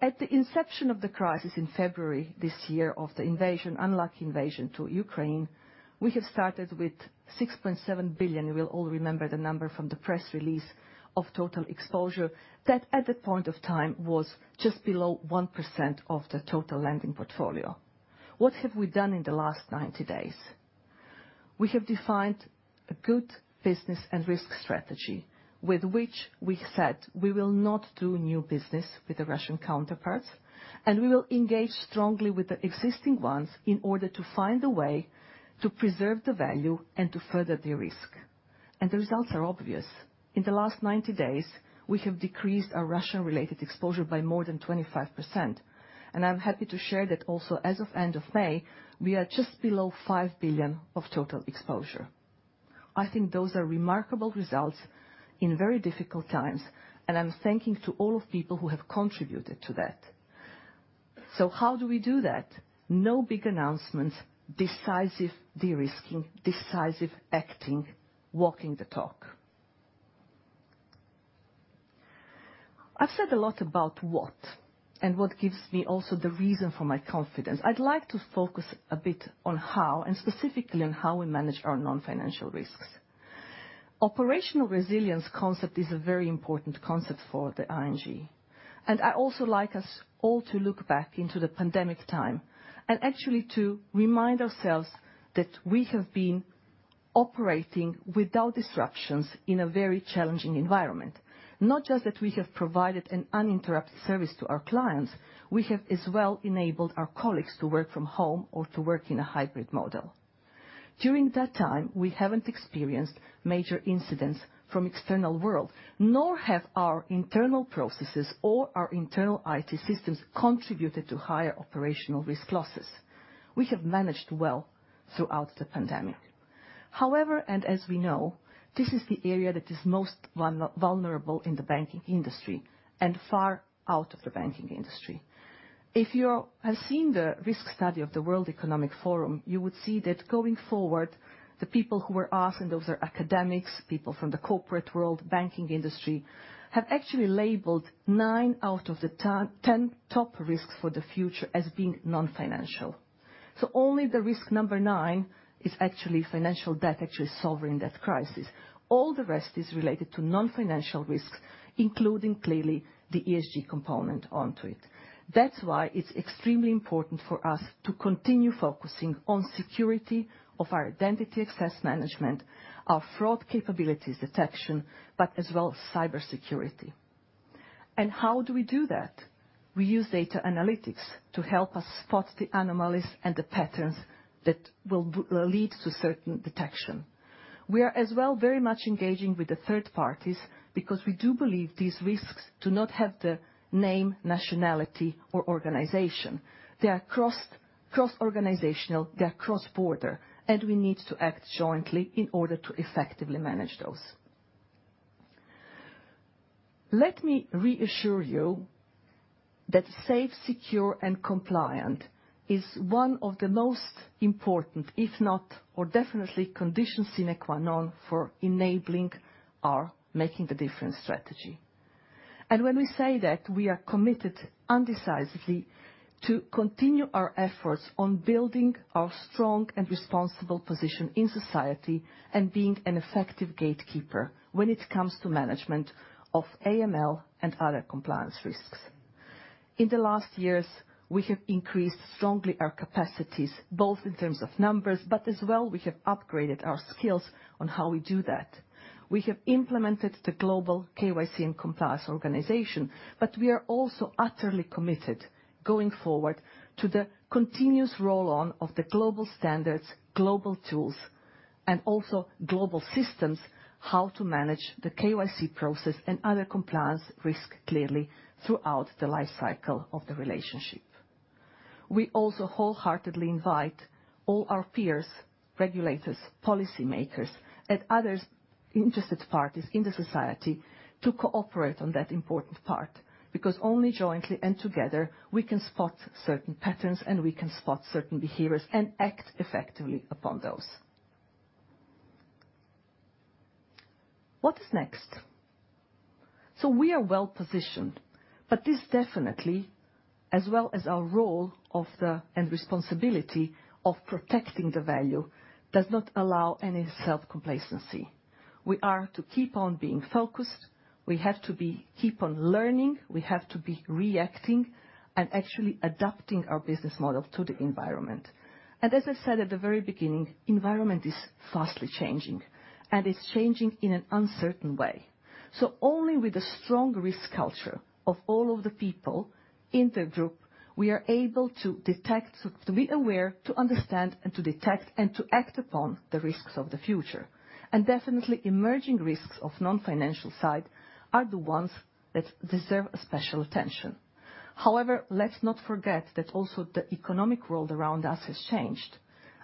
S10: At the inception of the crisis in February this year of the invasion, unlawful invasion of Ukraine, we have started with 6.7 billion. You will all remember the number from the press release of total exposure that at that point of time was just below 1% of the total lending portfolio. What have we done in the last 90 days? We have defined a good business and risk strategy with which we said we will not do new business with the Russian counterparts, and we will engage strongly with the existing ones in order to find a way to preserve the value and to further derisk. The results are obvious. In the last 90 days, we have decreased our Russian-related exposure by more than 25%. I'm happy to share that also, as of end of May, we are just below 5 billion of total exposure. I think those are remarkable results in very difficult times, and I'm thanking to all of people who have contributed to that. How do we do that? No big announcements. Decisive de-risking, decisive acting, walking the talk. I've said a lot about what and what gives me also the reason for my confidence. I'd like to focus a bit on how, and specifically on how we manage our non-financial risks. Operational resilience concept is a very important concept for ING, and I also like us all to look back into the pandemic time and actually to remind ourselves that we have been operating without disruptions in a very challenging environment. Not just that we have provided an uninterrupted service to our clients, we have as well enabled our colleagues to work from home or to work in a hybrid model. During that time, we haven't experienced major incidents from external world, nor have our internal processes or our internal IT systems contributed to higher operational risk losses. We have managed well throughout the pandemic. However, as we know, this is the area that is most vulnerable in the banking industry and far outside the banking industry. If you have seen the risk study of the World Economic Forum, you would see that going forward the people who were asked, and those are academics, people from the corporate world, banking industry, have actually labeled 9 out of the top 10 risks for the future as being non-financial. Only the risk number 9 is actually financial debt, actually sovereign debt crisis. All the rest is related to non-financial risks, including clearly the ESG component onto it. That's why it's extremely important for us to continue focusing on security of our identity access management, our fraud capabilities detection, but as well cybersecurity. How do we do that? We use data analytics to help us spot the anomalies and the patterns that will lead to certain detection. We are as well very much engaging with the third parties because we do believe these risks do not have the name, nationality or organization. They are cross-organizational, they are cross-border, and we need to act jointly in order to effectively manage those. Let me reassure you that safe, secure and compliant is one of the most important, if not or definitely conditions sine qua non for enabling our Making the Difference strategy. When we say that, we are committed decisively to continue our efforts on building our strong and responsible position in society and being an effective gatekeeper when it comes to management of AML and other compliance risks. In the last years, we have increased strongly our capacities, both in terms of numbers but as well we have upgraded our skills on how we do that. We have implemented the global KYC and compliance organization, but we are also utterly committed going forward to the continuous roll-on of the global standards, global tools and also global systems, how to manage the KYC process and other compliance risk clearly throughout the life cycle of the relationship. We also wholeheartedly invite all our peers, regulators, policy makers and others interested parties in the society to cooperate on that important part, because only jointly and together we can spot certain patterns and we can spot certain behaviors and act effectively upon those. What is next? We are well positioned, but this definitely, as well as our role and responsibility of protecting the value, does not allow any self-complacency. We are to keep on being focused. We have to keep on learning. We have to be reacting and actually adapting our business model to the environment. As I said at the very beginning, environment is fast changing and it's changing in an uncertain way. Only with a strong risk culture of all of the people in the group, we are able to detect, to be aware, to understand and to act upon the risks of the future. Definitely emerging risks of non-financial side are the ones that deserve special attention. However, let's not forget that also the economic world around us has changed.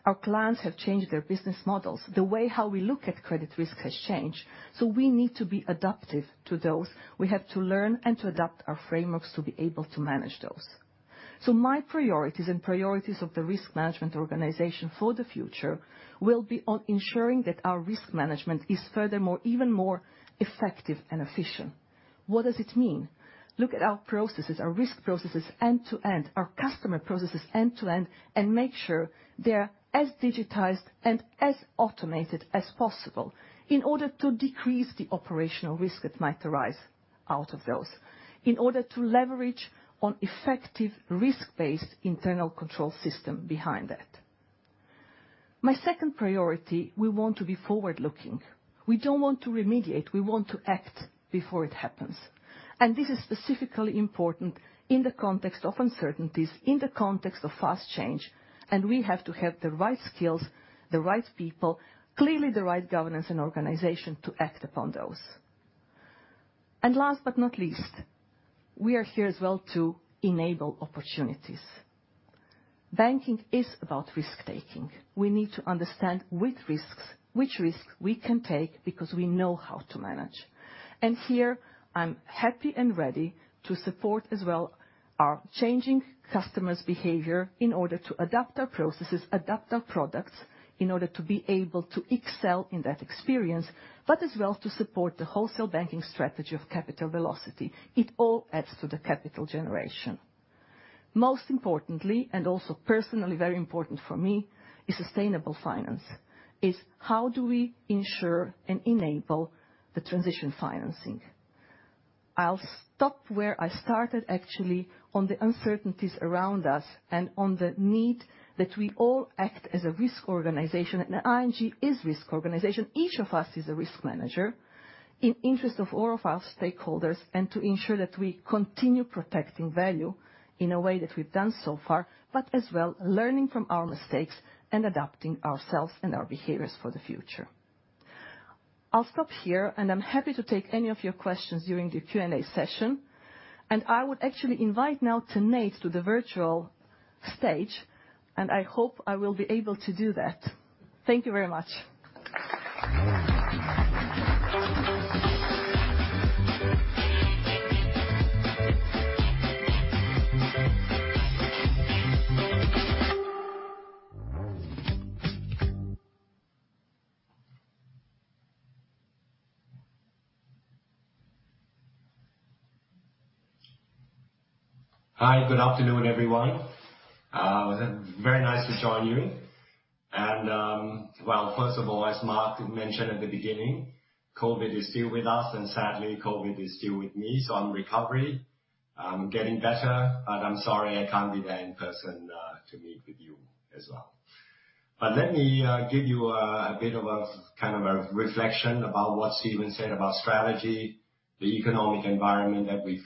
S10: Our clients have changed their business models. The way how we look at credit risk has changed. We need to be adaptive to those. We have to learn and to adapt our frameworks to be able to manage those. My priorities and priorities of the risk management organization for the future will be on ensuring that our risk management is furthermore even more effective and efficient. What does it mean? Look at our processes, our risk processes end to end, our customer processes end to end, and make sure they're as digitized and as automated as possible in order to decrease the operational risk that might arise. Out of those, in order to leverage an effective risk-based internal control system behind that. My second priority, we want to be forward-looking. We don't want to remediate, we want to act before it happens. This is specifically important in the context of uncertainties, in the context of fast change, and we have to have the right skills, the right people, clearly the right governance and organization to act upon those. Last but not least, we are here as well to enable opportunities. Banking is about risk-taking. We need to understand which risks we can take because we know how to manage. Here, I'm happy and ready to support as well our changing customers' behavior in order to adapt our processes, adapt our products, in order to be able to excel in that experience, but as well to support the wholesale banking strategy of capital velocity. It all adds to the capital generation. Most importantly, and also personally very important for me, is sustainable finance. Is how do we ensure and enable the transition financing? I'll stop where I started actually on the uncertainties around us and on the need that we all act as a risk organization. ING is risk organization. Each of us is a risk manager in interest of all of our stakeholders and to ensure that we continue protecting value in a way that we've done so far, but as well, learning from our mistakes and adapting ourselves and our behaviors for the future. I'll stop here, and I'm happy to take any of your questions during the Q&A session. I would actually invite now Tanate Phutrakul to the virtual stage, and I hope I will be able to do that. Thank you very much.
S11: Hi, good afternoon, everyone. Very nice to join you. First of all, as Mark mentioned at the beginning, COVID is still with us and sadly COVID is still with me, so I'm recovering. I'm getting better, but I'm sorry I can't be there in person to meet with you as well. Let me give you a bit of a kind of reflection about what Steven said about strategy, the economic environment that we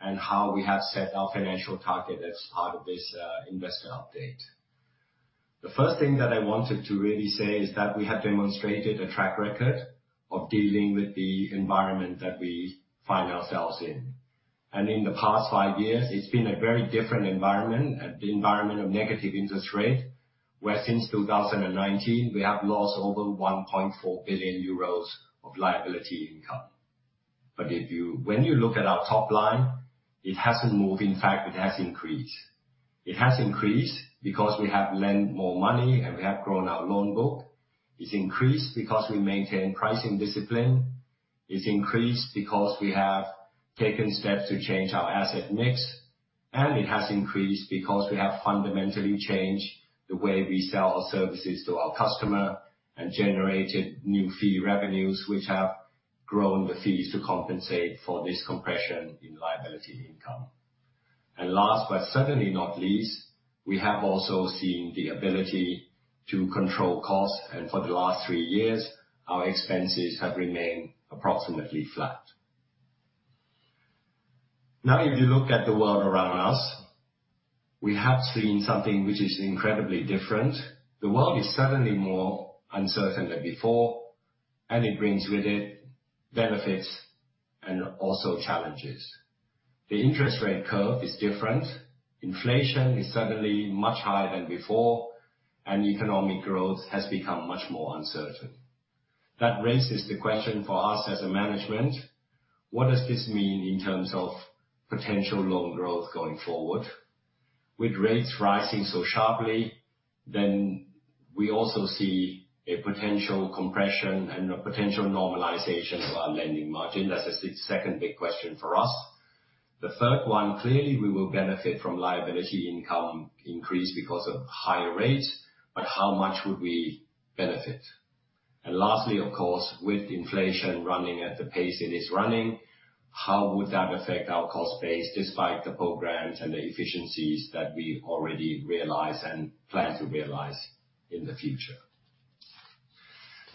S11: face and how we have set our financial targets as part of this investor update. The first thing that I wanted to really say is that we have demonstrated a track record of dealing with the environment that we find ourselves in. In the past five years, it's been a very different environment, an environment of negative interest rates. Where since 2019, we have lost over 1.4 billion euros of liability income. But when you look at our top line, it hasn't moved. In fact, it has increased. It has increased because we have lent more money and we have grown our loan book. It has increased because we maintain pricing discipline. It has increased because we have taken steps to change our asset mix. It has increased because we have fundamentally changed the way we sell our services to our customer and generated new fee revenues which have grown the fees to compensate for this compression in liability income. Last, but certainly not least, we have also seen the ability to control costs. For the last 3 years, our expenses have remained approximately flat. Now, if you look at the world around us, we have seen something which is incredibly different. The world is certainly more uncertain than before, and it brings with it benefits and also challenges. The interest rate curve is different. Inflation is certainly much higher than before, and economic growth has become much more uncertain. That raises the question for us as a management, what does this mean in terms of potential loan growth going forward? With rates rising so sharply, then we also see a potential compression and a potential normalization of our lending margin. That's a second big question for us. The third one, clearly, we will benefit from liability income increase because of higher rates, but how much would we benefit? Lastly, of course, with inflation running at the pace it is running, how would that affect our cost base, despite the programs and the efficiencies that we already realize and plan to realize in the future?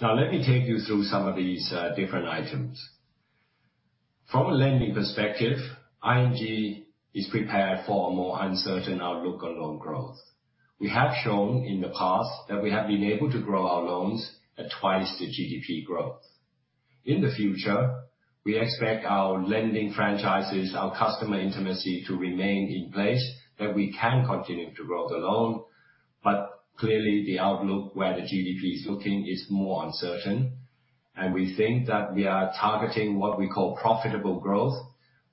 S11: Now, let me take you through some of these, different items. From a lending perspective, ING is prepared for a more uncertain outlook on loan growth. We have shown in the past that we have been able to grow our loans at twice the GDP growth. In the future, we expect our lending franchises, our customer intimacy to remain in place, that we can continue to grow the loan. Clearly the outlook where the GDP is looking is more uncertain. We think that we are targeting what we call profitable growth,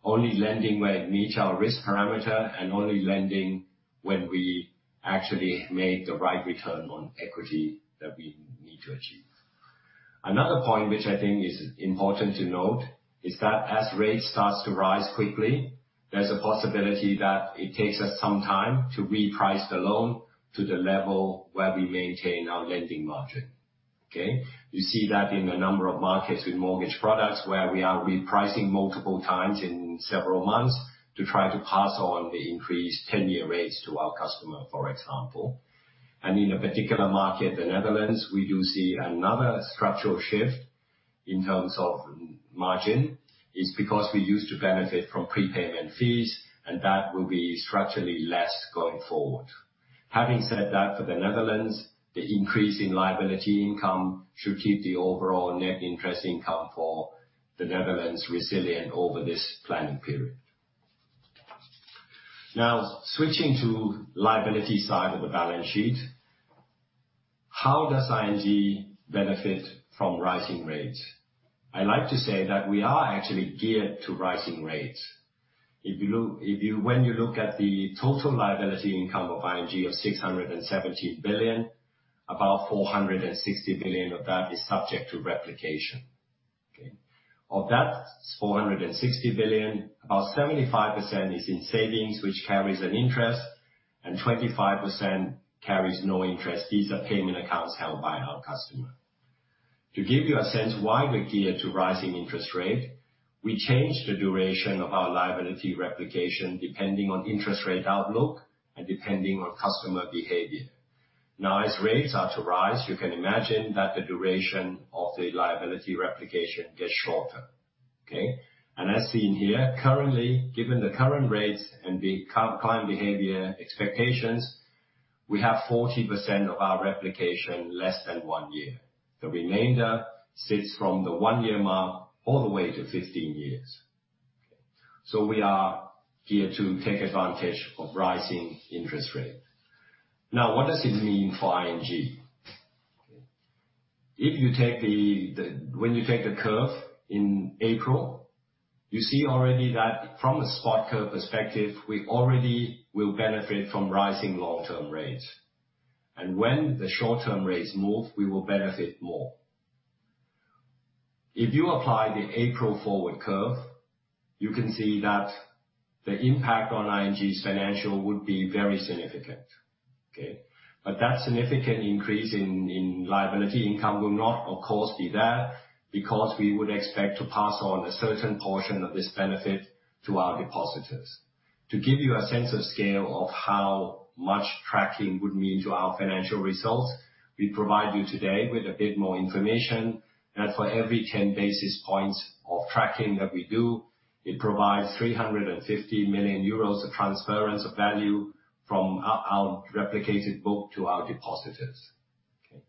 S11: only lending where it meets our risk parameter and only lending when we actually make the right return on equity that we need to achieve. Another point which I think is important to note is that as rates starts to rise quickly, there's a possibility that it takes us some time to reprice the loan to the level where we maintain our lending margin. Okay? You see that in a number of markets with mortgage products where we are repricing multiple times in several months to try to pass on the increased 10-year rates to our customer, for example. In a particular market, the Netherlands, we do see another structural shift in terms of NIM. It's because we used to benefit from prepayment fees and that will be structurally less going forward. Having said that, for the Netherlands, the increase in liability income should keep the overall net interest income for the Netherlands resilient over this planning period. Now switching to liability side of the balance sheet, how does ING benefit from rising rates? I like to say that we are actually geared to rising rates. When you look at the total liability income of ING of 670 billion, about 460 billion of that is subject to replication. Okay. Of that 460 billion, about 75% is in savings, which carries an interest and 25% carries no interest. These are payment accounts held by our customer. To give you a sense why we're geared to rising interest rate, we change the duration of our liability replication depending on interest rate outlook and depending on customer behavior. Now, as rates are to rise, you can imagine that the duration of the liability replication gets shorter, okay? As seen here, currently, given the current rates and behavioral client behavior expectations, we have 40% of our replication less than one year. The remainder sits from the one-year mark all the way to 15 years. We are here to take advantage of rising interest rates. Now, what does it mean for ING? When you take the curve in April, you see already that from a spot curve perspective, we already will benefit from rising long-term rates. When the short-term rates move, we will benefit more. If you apply the April forward curve, you can see that the impact on ING's financials would be very significant, okay? That significant increase in liability income will not, of course, be there because we would expect to pass on a certain portion of this benefit to our depositors. To give you a sense of scale of how much tracking would mean to our financial results, we provide you today with a bit more information that for every 10 basis points of tracking that we do, it provides 350 million euros of transference of value from our replicated book to our depositors. Okay.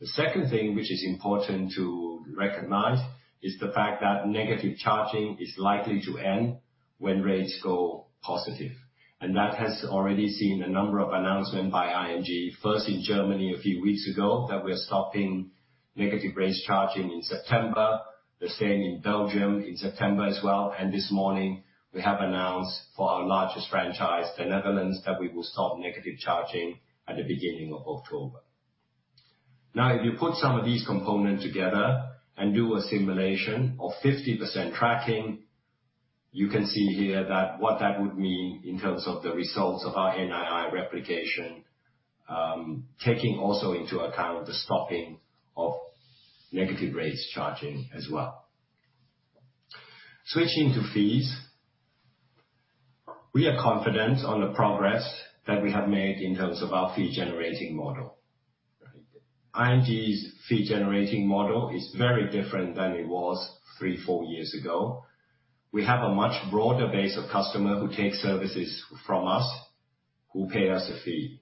S11: The second thing which is important to recognize is the fact that negative charging is likely to end when rates go positive. That has already seen a number of announcements by ING, first in Germany a few weeks ago, that we are stopping negative rates charging in September. The same in Belgium in September as well. This morning we have announced for our largest franchise, the Netherlands, that we will stop negative charging at the beginning of October. Now, if you put some of these components together and do a simulation of 50% tracking, you can see here that what that would mean in terms of the results of our NII replication, taking also into account the stopping of negative rates charging as well. Switching to fees. We are confident on the progress that we have made in terms of our fee generating model. ING's fee generating model is very different than it was 3, 4 years ago. We have a much broader base of customers who take services from us, who pay us a fee.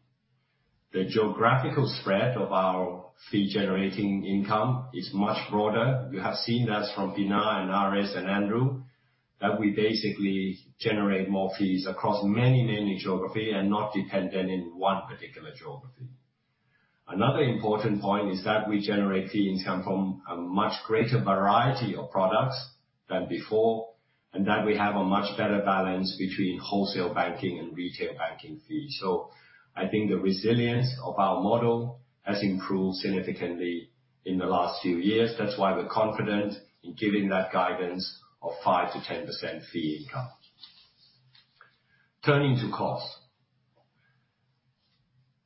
S11: The geographical spread of our fee generating income is much broader. You have seen that from Pinar and Aris and Andrew, that we basically generate more fees across many, many geographies and not dependent in one particular geography. Another important point is that we generate fee income from a much greater variety of products than before, and that we have a much better balance between wholesale banking and retail banking fees. I think the resilience of our model has improved significantly in the last few years. That's why we're confident in giving that guidance of 5%-10% fee income. Turning to costs.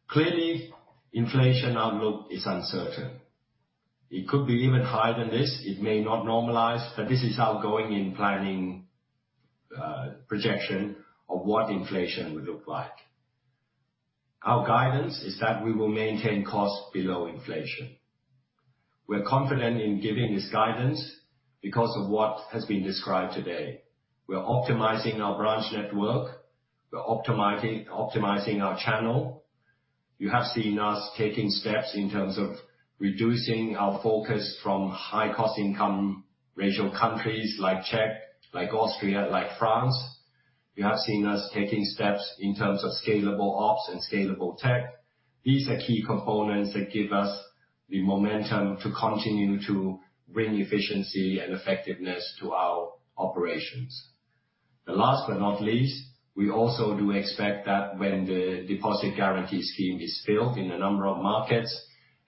S11: Clearly, inflation outlook is uncertain. It could be even higher than this. It may not normalize, this is our going in planning, projection of what inflation would look like. Our guidance is that we will maintain costs below inflation. We're confident in giving this guidance because of what has been described today. We are optimizing our branch network. We're optimizing our channel. You have seen us taking steps in terms of reducing our focus from high cost-income ratio countries like Czech, like Austria, like France. You have seen us taking steps in terms of scalable ops and scalable tech. These are key components that give us the momentum to continue to bring efficiency and effectiveness to our operations. Last but not least, we also do expect that when the Deposit Guarantee Scheme is filled in a number of markets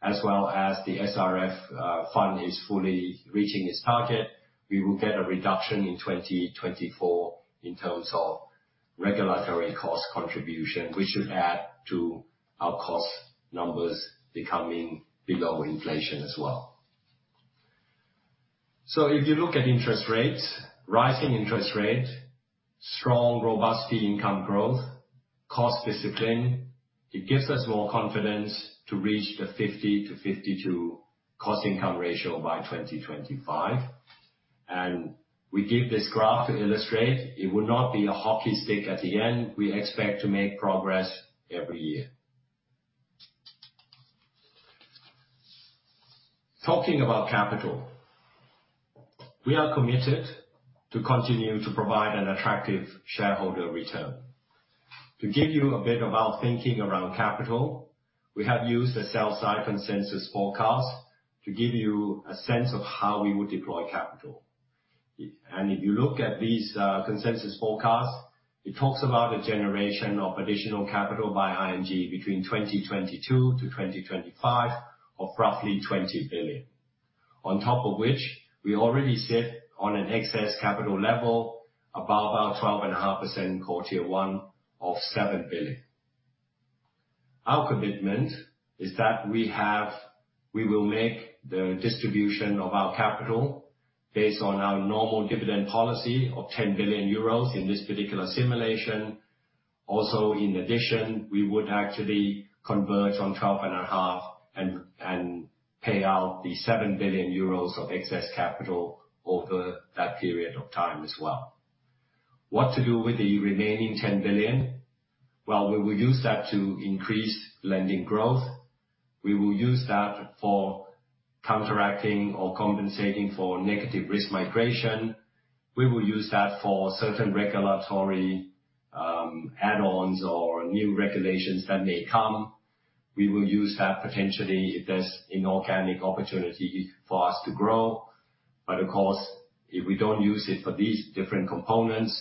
S11: as well as the SRF Fund is fully reaching its target, we will get a reduction in 2024 in terms of regulatory cost contribution, we should add to our cost numbers becoming below inflation as well. If you look at interest rates, rising interest rate, strong, robust fee income growth, cost discipline, it gives us more confidence to reach the 50-52 cost income ratio by 2025. We give this graph to illustrate it would not be a hockey stick at the end. We expect to make progress every year. Talking about capital, we are committed to continue to provide an attractive shareholder return. To give you a bit of our thinking around capital, we have used a sell side consensus forecast to give you a sense of how we would deploy capital. If you look at these consensus forecasts, it talks about a generation of additional capital by ING between 2022-2025 of roughly 20 billion. On top of which, we already sit on an excess capital level above our 12.5% Core Tier 1 of 7 billion. Our commitment is that we will make the distribution of our capital based on our normal dividend policy of 10 billion euros in this particular simulation. Also, in addition, we would actually converge on 12.5 and pay out the 7 billion euros of excess capital over that period of time as well. What to do with the remaining 10 billion? Well, we will use that to increase lending growth. We will use that for counteracting or compensating for negative risk migration. We will use that for certain regulatory add-ons or new regulations that may come. We will use that potentially if there's inorganic opportunity for us to grow. Of course, if we don't use it for these different components,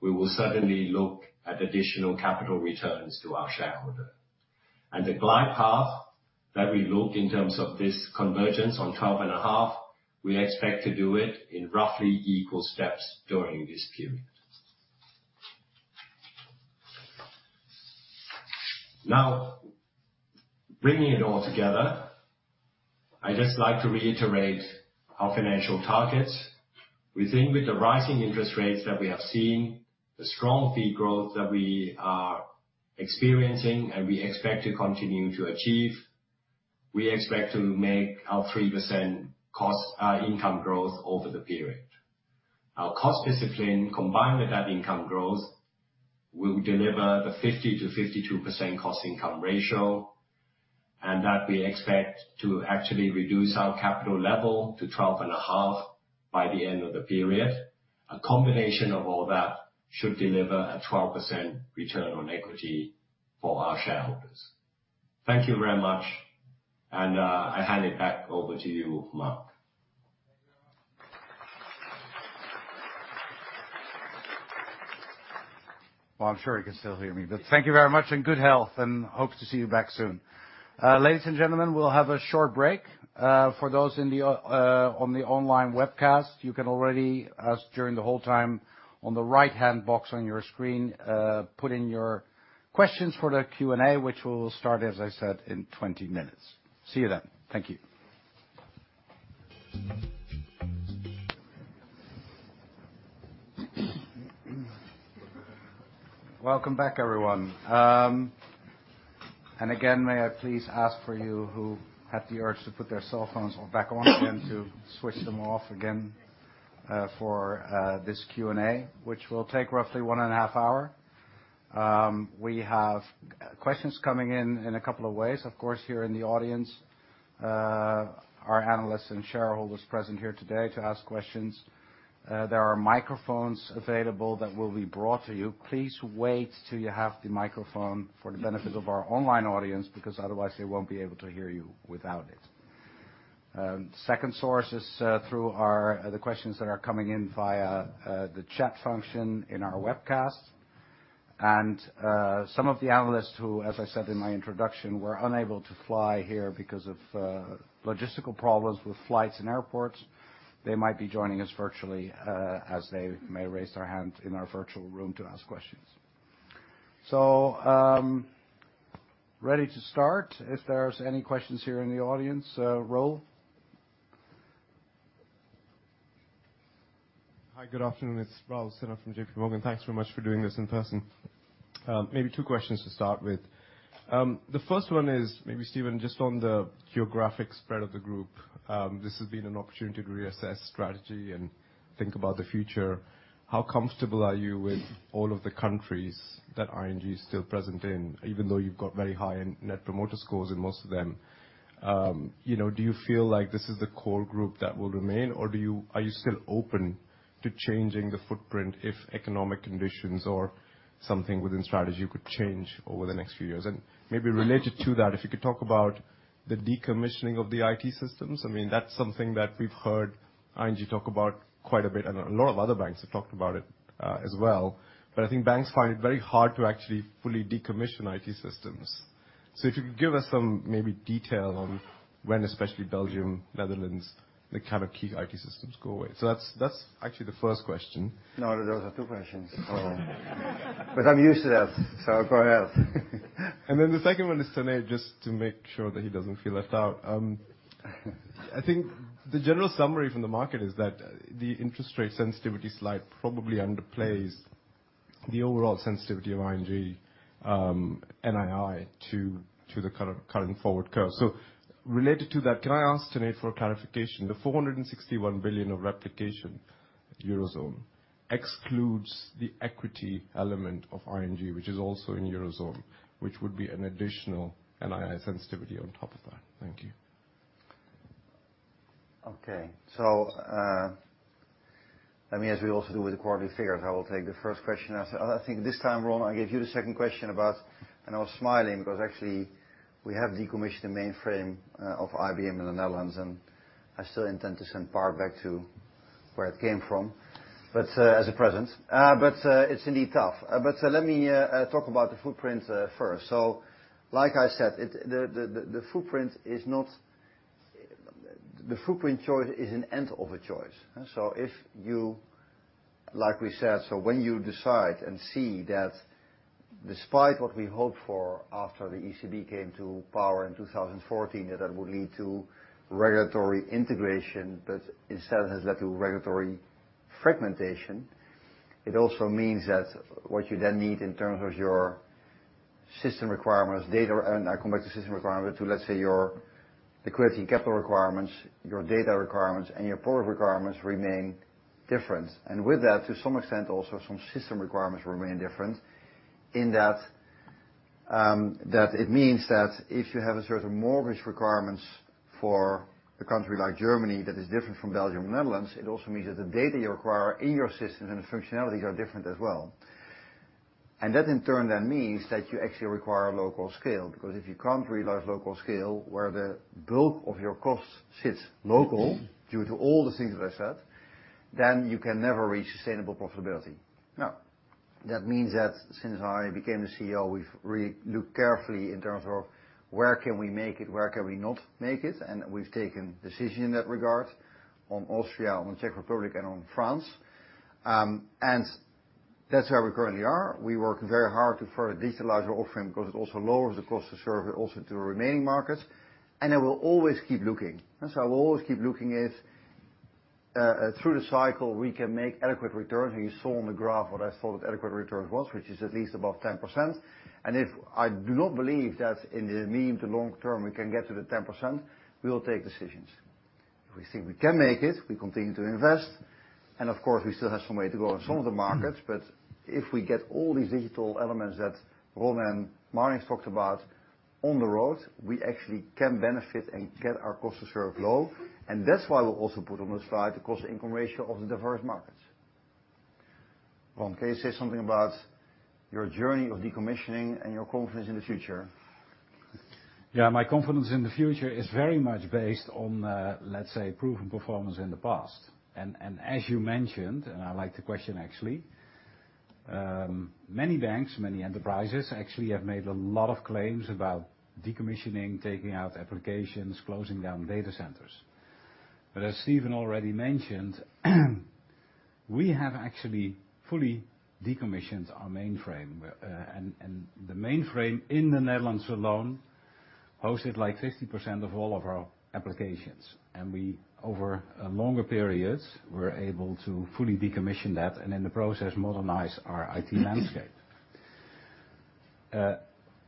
S11: we will certainly look at additional capital returns to our shareholder. The glide path that we look in terms of this convergence on 12.5, we expect to do it in roughly equal steps during this period. Now, bringing it all together, I'd just like to reiterate our financial targets. We think with the rising interest rates that we have seen, the strong fee growth that we are experiencing and we expect to continue to achieve, we expect to make our 3% cost/income growth over the period. Our cost discipline, combined with that income growth, will deliver the 50%-52% cost/income ratio, and that we expect to actually reduce our capital level to 12.5 by the end of the period. A combination of all that should deliver a 12% return on equity for our shareholders. Thank you very much, and I hand it back over to you, Mark.
S1: Well, I'm sure he can still hear me, but thank you very much in good health and hope to see you back soon. Ladies and gentlemen, we'll have a short break. For those on the online webcast, you can already ask during the whole time on the right-hand box on your screen, put in your questions for the Q&A, which we'll start, as I said, in 20 minutes. See you then. Thank you. Welcome back, everyone. Again, may I please ask for you who had the urge to put their cell phones back on again, to switch them off again, for this Q&A, which will take roughly one and a half hour. We have questions coming in in a couple of ways. Of course, here in the audience, our analysts and shareholders present here today to ask questions. There are microphones available that will be brought to you. Please wait 'til you have the microphone for the benefit of our online audience, because otherwise they won't be able to hear you without it. Second source is through the questions that are coming in via the chat function in our webcast. Some of the analysts who, as I said in my introduction, were unable to fly here because of logistical problems with flights and airports, they might be joining us virtually, as they may raise their hand in our virtual room to ask questions. Ready to start. If there's any questions here in the audience, Raul.
S3: Hi, good afternoon. It's Raul Sinha from JPMorgan. Thanks very much for doing this in person. Maybe two questions to start with. The first one is maybe, Steven, just on the geographic spread of the group. This has been an opportunity to reassess strategy and think about the future. How comfortable are you with all of the countries that ING is still present in, even though you've got very high Net Promoter Scores in most of them? You know, do you feel like this is the core group that will remain, or are you still open to changing the footprint if economic conditions or something within strategy could change over the next few years? Maybe related to that, if you could talk about the decommissioning of the IT systems. I mean, that's something that we've heard ING talk about quite a bit, and a lot of other banks have talked about it, as well. I think banks find it very hard to actually fully decommission IT systems. If you could give us some maybe detail on when, especially Belgium, Netherlands, the kind of key IT systems go away. That's actually the first question.
S12: No, those are two questions. I'm used to that, so go ahead.
S3: The second one is, Tanate, just to make sure that he doesn't feel left out. I think the general summary from the market is that the interest rate sensitivity slide probably underplays the overall sensitivity of ING, NII to the current forward curve. Related to that, can I ask Tanate for a clarification? The 461 billion of replication Eurozone excludes the equity element of ING, which is also in Eurozone, which would be an additional NII sensitivity on top of that. Thank you.
S2: As we also do with the quarterly figures, I will take the first question. I think this time, Ron, I gave you the second question about, and I was smiling because actually we have decommissioned the mainframe of IBM in the Netherlands, and I still intend to send part back to where it came from, but as a present. It's indeed tough. Let me talk about the footprint first. Like I said, the footprint is not. The footprint choice is an end of a choice. If you, like we said, when you decide and see that despite what we hoped for after the ECB came to power in 2014, that would lead to regulatory integration, but instead has led to regulatory fragmentation. It also means that what you then need in terms of your system requirements, data, and I come back to system requirements, to let's say your liquidity capital requirements, your data requirements, and your product requirements remain different. With that, to some extent, also some system requirements remain different in that it means that if you have a certain mortgage requirements for a country like Germany that is different from Belgium, Netherlands, it also means that the data you require in your systems and the functionalities are different as well. That in turn then means that you actually require local scale. Because if you can't realize local scale, where the bulk of your cost sits local due to all the things that I said, then you can never reach sustainable profitability. Now, that means that since I became the CEO, we've re-looked carefully in terms of where can we make it, where can we not make it? We've taken decision in that regard on Austria, on Czech Republic, and on France. That's where we currently are. We work very hard to further digitalize our offering because it also lowers the cost to serve it also to the remaining markets. I will always keep looking if through the cycle we can make adequate returns. You saw on the graph what I thought adequate returns was, which is at least above 10%. If I do not believe that in the medium to long term, we can get to the 10%, we will take decisions. If we think we can make it, we continue to invest, and of course, we still have some way to go on some of the markets. If we get all these digital elements that Ron and Marijn talked about on the road, we actually can benefit and get our cost to serve low. That's why we also put on the slide the cost-income ratio of the diverse markets. Ron, can you say something about your journey of decommissioning and your confidence in the future?
S5: Yeah. My confidence in the future is very much based on, let's say, proven performance in the past. As you mentioned, and I like the question actually, many banks, many enterprises actually have made a lot of claims about decommissioning, taking out applications, closing down data centers. As Steven already mentioned, we have actually fully decommissioned our mainframe. The mainframe in the Netherlands alone hosted like 50% of all of our applications. We, over longer periods, were able to fully decommission that and in the process, modernize our IT landscape.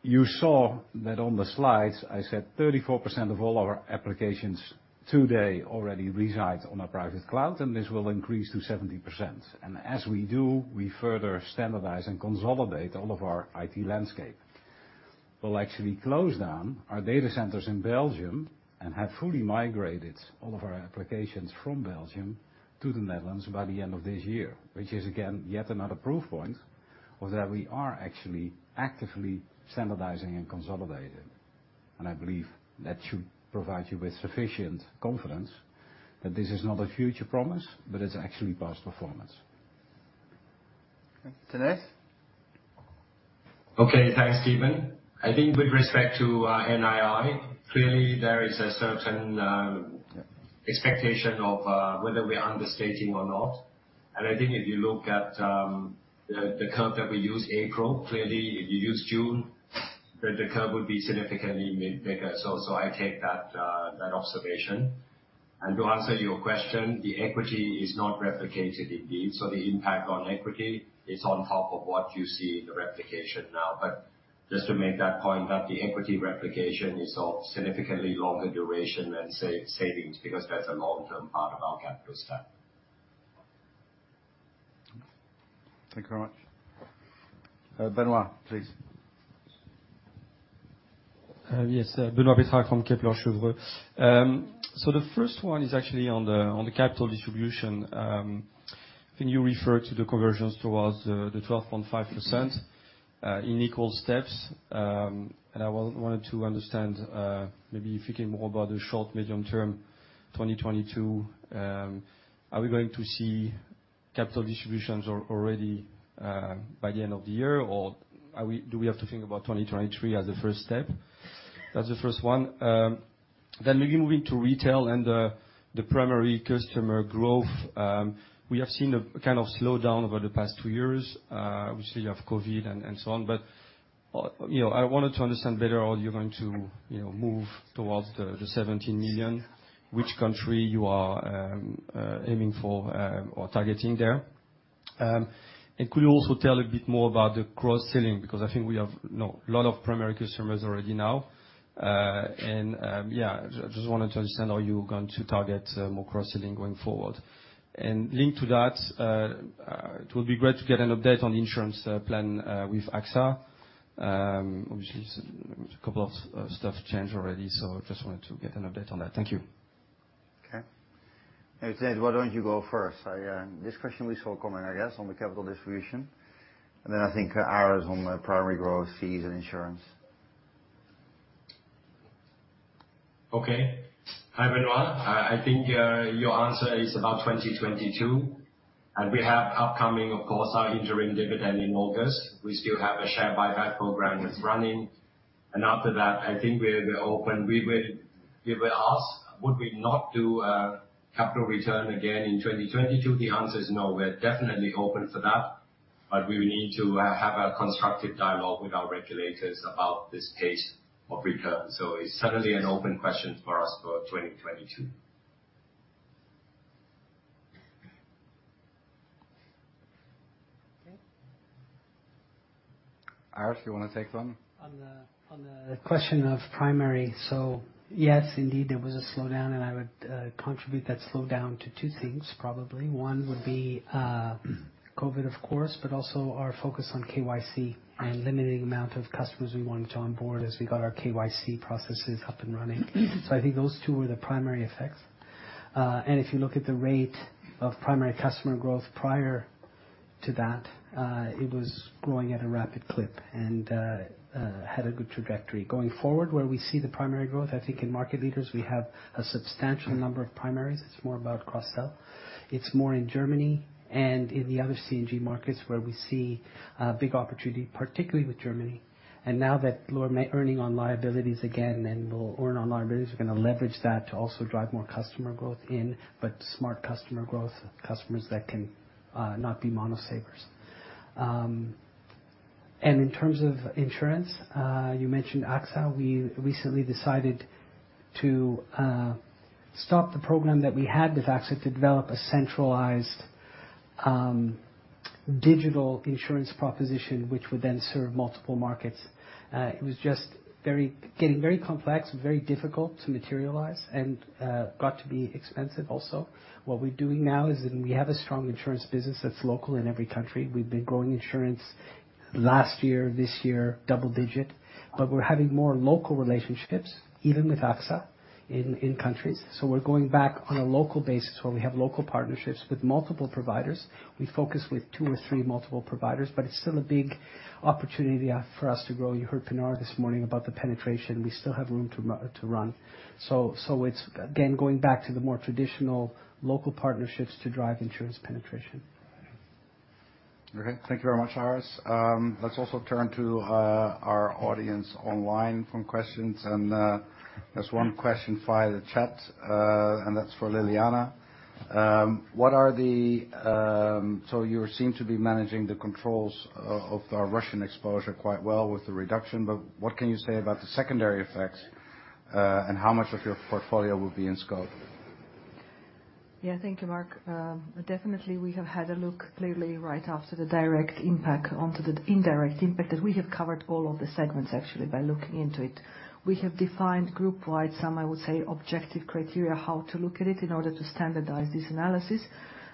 S5: You saw that on the slides. I said 34% of all our applications today already reside on a Private Cloud, and this will increase to 70%. As we do, we further standardize and consolidate all of our IT landscape. We'll actually close down our data centers in Belgium and have fully migrated all of our applications from Belgium to the Netherlands by the end of this year, which is again, yet another proof point of that we are actually actively standardizing and consolidating. I believe that should provide you with sufficient confidence that this is not a future promise, but it's actually past performance.
S2: Okay. Tanate Phutrakul?
S11: Okay. Thanks, Steven. I think with respect to NII, clearly there is a certain expectation of whether we're understating or not. I think if you look at the curve that we use, April, clearly if you use June, then the curve would be significantly bigger. I take that observation. To answer your question, the equity is not replicated indeed. The impact on equity is on top of what you see in the replication now. Just to make that point that the equity replication is of significantly longer duration than savings because that's a long-term part of our capital stack.
S3: Thank you very much.
S1: Benoit, please.
S13: Yes. Benoit Petrarque from Kepler Cheuvreux. The first one is actually on the capital distribution. Can you refer to the conversions towards the 12.5%, in equal steps? I wanted to understand maybe if you can more about the short- and medium-term 2022, are we going to see capital distributions already by the end of the year? Do we have to think about 2023 as a first step? That's the first one. Maybe moving to retail and the primary customer growth. We have seen a kind of slowdown over the past two years. Obviously you have COVID and so on, but you know, I wanted to understand better how you're going to you know, move towards the 17 million. Which country you are aiming for or targeting there. Could you also tell a bit more about the cross-selling? Because I think we have a lot of primary customers already now. Just wanted to understand how you're going to target more cross-selling going forward. Linked to that, it would be great to get an update on the insurance plan with AXA. Obviously a couple of stuff changed already, so just wanted to get an update on that. Thank you.
S2: Okay. Tanate Phutrakul, why don't you go first? I saw this question coming, I guess, on the capital distribution. Then I think ours on the primary growth, fees and insurance.
S11: Okay. Hi, Benoit. I think your answer is about 2022. We have upcoming, of course, our interim dividend in August. We still have a share buyback program that's running. After that, I think we're open. We will ask would we not do a capital return again in 2022? The answer is no. We're definitely open for that, but we will need to have a constructive dialogue with our regulators about this pace of return. It's certainly an open question for us for 2022.
S2: Okay. Aris, you wanna take one?
S7: Yes, indeed, there was a slowdown, and I would contribute that slowdown to two things, probably. One would be COVID, of course, but also our focus on KYC and limiting amount of customers we wanted to onboard as we got our KYC processes up and running. I think those two were the primary effects. If you look at the rate of primary customer growth prior to that, it was growing at a rapid clip and had a good trajectory. Going forward, where we see the primary growth, I think in Market Leaders, we have a substantial number of primaries. It's more about cross-sell. It's more in Germany and in the other C&G markets where we see big opportunity, particularly with Germany. Now that we're earning on liabilities again and we'll earn on liabilities, we're gonna leverage that to also drive more customer growth in, but smart customer growth, customers that can not be mono savers. In terms of insurance, you mentioned AXA. We recently decided to stop the program that we had with AXA to develop a centralized digital insurance proposition, which would then serve multiple markets. It was just very getting very complex and very difficult to materialize and got to be expensive also. What we're doing now is we have a strong insurance business that's local in every country. We've been growing insurance last year, this year, double-digit. We're having more local relationships, even with AXA in countries. We're going back on a local basis where we have local partnerships with multiple providers. We focus with two or three multiple providers, but it's still a big opportunity for us to grow. You heard Pinar Abay this morning about the penetration. We still have room to run. It's again, going back to the more traditional local partnerships to drive insurance penetration.
S1: Okay. Thank you very much, Aris Bogdaneris. Let's also turn to our audience online for questions. There's one question via the chat, and that's for Ljiljana Čortan. You seem to be managing the controls of our Russian exposure quite well with the reduction, but what can you say about the secondary effects, and how much of your portfolio will be in scope?
S10: Yeah. Thank you, Mark. Definitely, we have had a look clearly right after the direct impact onto the indirect impact that we have covered all of the segments actually by looking into it. We have defined group-wide some I would say objective criteria how to look at it in order to standardize this analysis.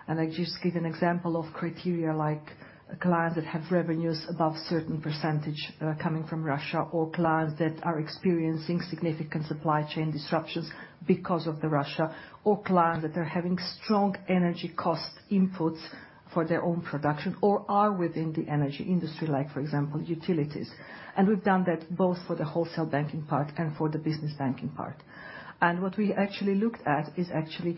S10: I just give an example of criteria like clients that have revenues above certain percentage coming from Russia, or clients that are experiencing significant supply chain disruptions because of the Russia, or clients that are having strong energy cost inputs for their own production or are within the energy industry, like for example, utilities. We've done that both for the wholesale banking part and for the business banking part. What we actually looked at is actually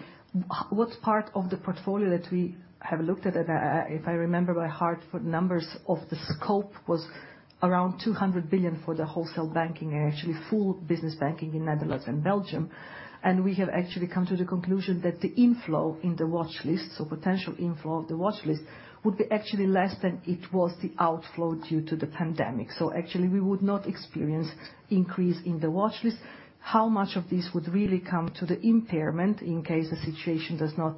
S10: what part of the portfolio that we have looked at, if I remember by heart, the numbers of the scope was around 200 billion for the wholesale banking and actually full business banking in Netherlands and Belgium. We have actually come to the conclusion that the inflow in the watchlist, so potential inflow of the watchlist, would be actually less than it was the outflow due to the pandemic. Actually, we would not experience increase in the watchlist. How much of this would really come to the impairment in case the situation does not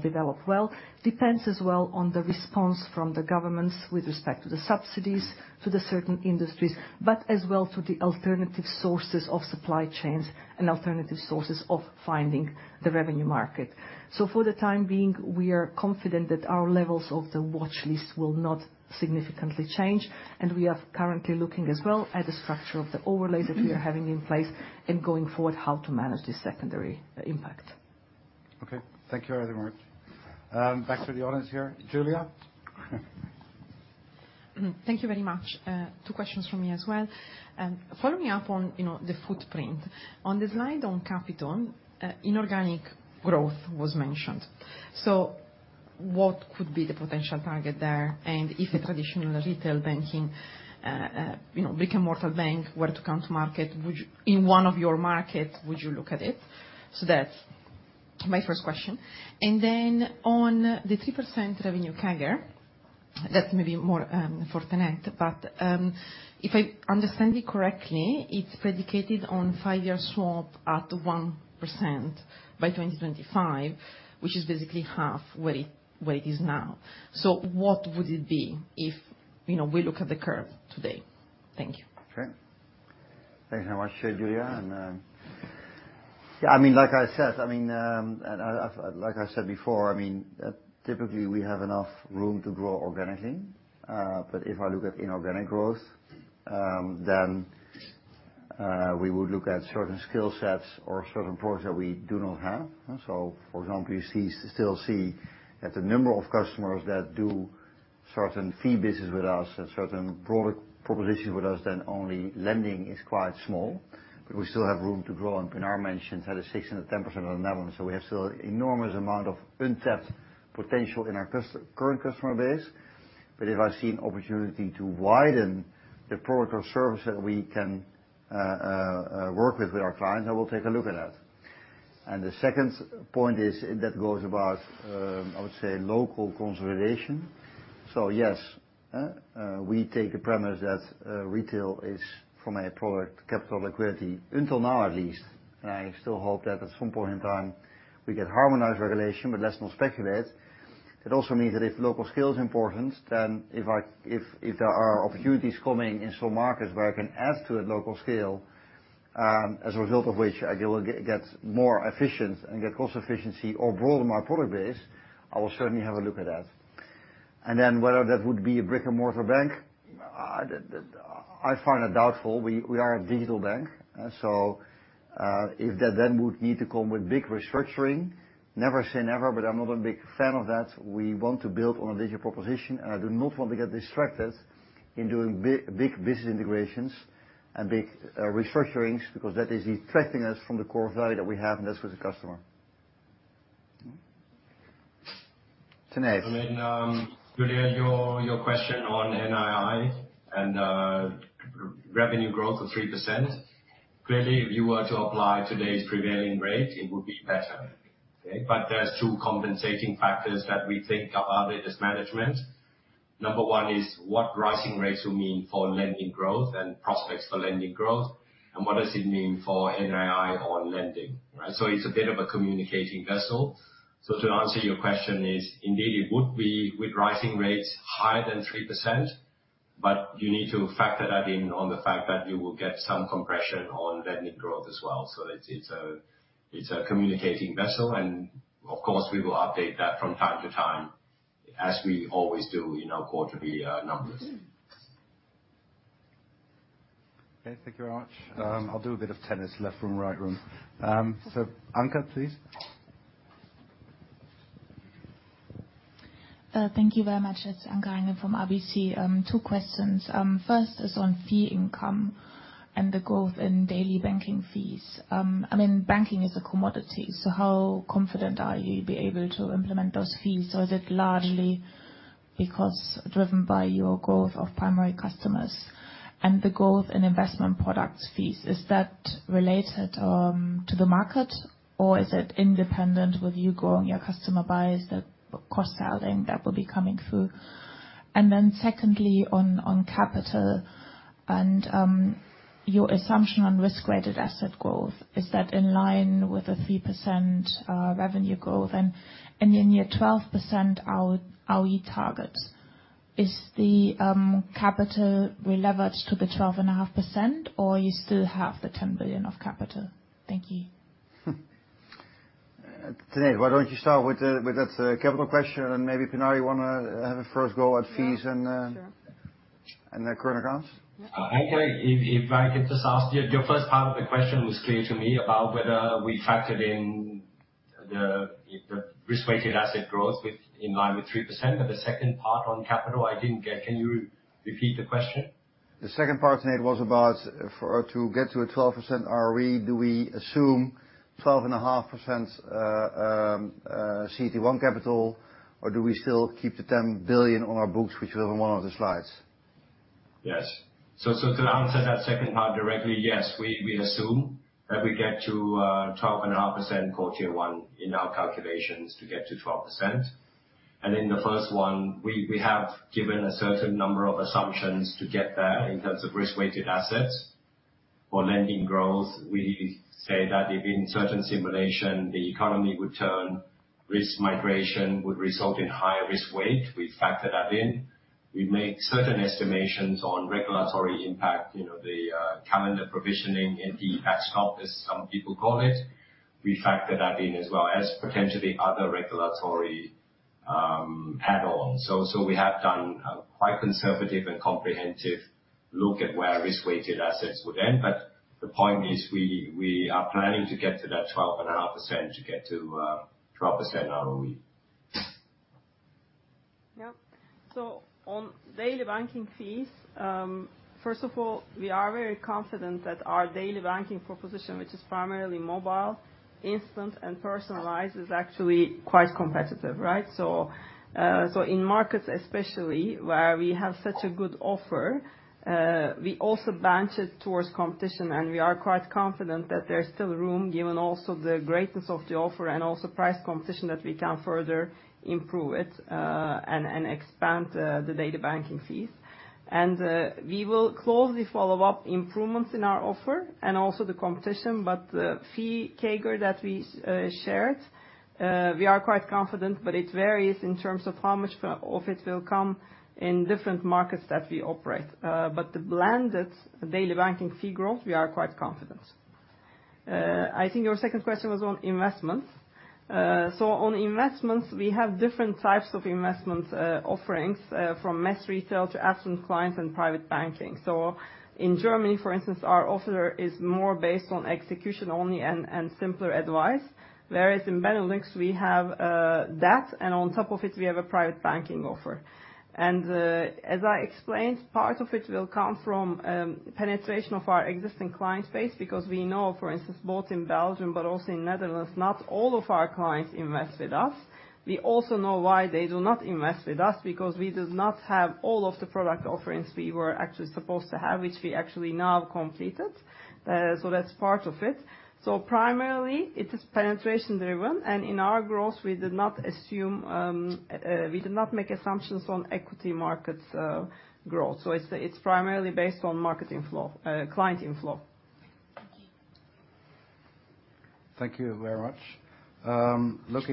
S10: develop well, depends as well on the response from the governments with respect to the subsidies to the certain industries, but as well to the alternative sources of supply chains and alternative sources of finding the revenue market. For the time being, we are confident that our levels of the watchlist will not significantly change, and we are currently looking as well at the structure of the overlay that we are having in place and going forward, how to manage this secondary impact.
S1: Okay. Thank you very much. Back to the audience here. Giulia?
S14: Thank you very much. Two questions from me as well. Following up on, you know, the footprint. On the slide on capital, inorganic growth was mentioned. What could be the potential target there? If a traditional retail banking, you know, brick-and-mortar bank were to come to market, would you in one of your markets look at it? That's my first question. On the 3% revenue CAGR, that's maybe more for Tanate, but if I understand it correctly, it's predicated on five-year swap at 1% by 2025, which is basically half where it is now. What would it be if, you know, we look at the curve today? Thank you.
S2: Okay. Thanks so much, Giulia. Yeah, I mean, like I said before, I mean, typically we have enough room to grow organically. If I look at inorganic growth, then we would look at certain skill sets or certain products that we do not have. For example, you still see that the number of customers that do certain fee business with us and certain product propositions with us than only lending is quite small. We still have room to grow. Pinar mentioned that is 6% and 10% on that one. We have still enormous amount of untapped potential in our current customer base. If I see an opportunity to widen the product or service that we can work with our clients, I will take a look at that. The second point is that is about, I would say local consolidation. Yes, we take the premise that retail is from a product, capital, liquidity until now at least, and I still hope that at some point in time we get harmonized regulation, but let's not speculate. It also means that if local scale is important, then if there are opportunities coming in some markets where I can add to a local scale, as a result of which I will get more efficient and get cost efficiency or broaden my product base, I will certainly have a look at that. Whether that would be a brick-and-mortar bank, I find that doubtful. We are a digital bank, so if that then would need to come with big restructuring, never say never, but I'm not a big fan of that. We want to build on a digital proposition, and I do not want to get distracted in doing big business integrations and big restructurings, because that is detracting us from the core value that we have, and that's with the customer. Tanate.
S11: I mean, Giulia, your question on NII and revenue growth of 3%. Clearly, if you were to apply today's prevailing rate, it would be better, okay? There's two compensating factors that we think about it as management. Number one is what rising rates will mean for lending growth and prospects for lending growth, and what does it mean for NII on lending, right? It's a bit of a communicating vessel. To answer your question is, indeed, it would be with rising rates higher than 3%, but you need to factor that in on the fact that you will get some compression on lending growth as well. It's a communicating vessel and, of course, we will update that from time to time, as we always do in our quarterly numbers.
S1: Okay. Thank you very much. I'll do a bit of tennis, left room, right room. Anke, please.
S15: Thank you very much. It's Anke Reingen from RBC. Two questions. First is on fee income and the growth in daily banking fees. I mean, banking is a commodity, so how confident are you you'll be able to implement those fees? Or is it largely because driven by your growth of primary customers? The growth in investment products fees, is that related to the market, or is it independent with you growing your customer base, the cross-selling that will be coming through? Secondly, on capital and your assumption on risk-weighted asset growth, is that in line with the 3% revenue growth, and your near 12% ROE target? Is the capital releveraged to the 12.5%, or you still have the 10 billion of capital? Thank you.
S2: Tanate, why don't you start with that capital question, and maybe, Pinar, you wanna have a first go at fees and-
S8: Sure.
S11: the current accounts.
S13: Yeah.
S11: Anke, if I could just ask you, your first part of the question was clear to me about whether we factored in the risk-weighted asset growth in line with 3%, but the second part on capital, I didn't get. Can you repeat the question?
S2: The second part, Tanate, was about how to get to a 12% ROE, do we assume 12.5% CET1 capital, or do we still keep the 10 billion on our books, which was on one of the slides?
S11: Yes. To answer that second part directly, yes. We assume that we get to 12.5% Core Tier 1 in our calculations to get to 12%. In the first one, we have given a certain number of assumptions to get there in terms of Risk-Weighted Assets. For lending growth, we say that if in certain simulation the economy would turn, risk migration would result in higher risk weight. We've factored that in. We've made certain estimations on regulatory impact, you know, the calendar provisioning and the backstop, as some people call it. We factored that in as well as potentially other regulatory add-ons. We have done a quite conservative and comprehensive Look at where Risk-Weighted Assets would end. The point is we are planning to get to that 12.5% to get to 12% ROE.
S8: Yeah. On daily banking fees, first of all, we are very confident that our daily banking proposition, which is primarily mobile, instant, and personalized, is actually quite competitive, right? In markets especially where we have such a good offer, we also benchmark it against competition, and we are quite confident that there's still room, given also the greatness of the offer and also price competition, that we can further improve it, and expand the daily banking fees. We will closely follow up improvements in our offer and also the competition. The fee CAGR that we shared, we are quite confident, but it varies in terms of how much of it will come in different markets that we operate. The blended daily banking fee growth, we are quite confident. I think your second question was on investments. On investments, we have different types of investment offerings from mass retail to affluent clients and private banking. In Germany, for instance, our offer is more based on execution only and simpler advice, whereas in Benelux we have that, and on top of it we have a private banking offer. As I explained, part of it will come from penetration of our existing client base, because we know, for instance, both in Belgium but also in Netherlands, not all of our clients invest with us. We also know why they do not invest with us, because we do not have all of the product offerings we were actually supposed to have, which we actually now completed. That's part of it. Primarily it is penetration-driven, and in our growth, we did not make assumptions on equity markets growth. It's primarily based on marketing flow, client inflow.
S16: Thank you.
S1: Thank you very much.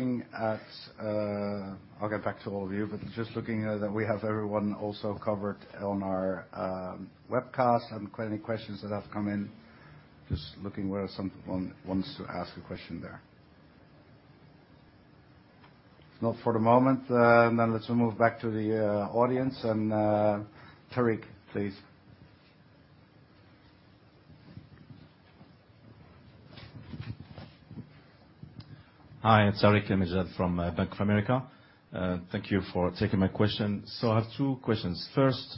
S1: I'll get back to all of you, but just looking at that we have everyone also covered on our webcast and if any questions that have come in. Just looking whether someone wants to ask a question there. Not for the moment, let's move back to the audience and, Tarik, please.
S17: Hi, it's Tarik El Mejjad from Bank of America. Thank you for taking my question. I have two questions. First,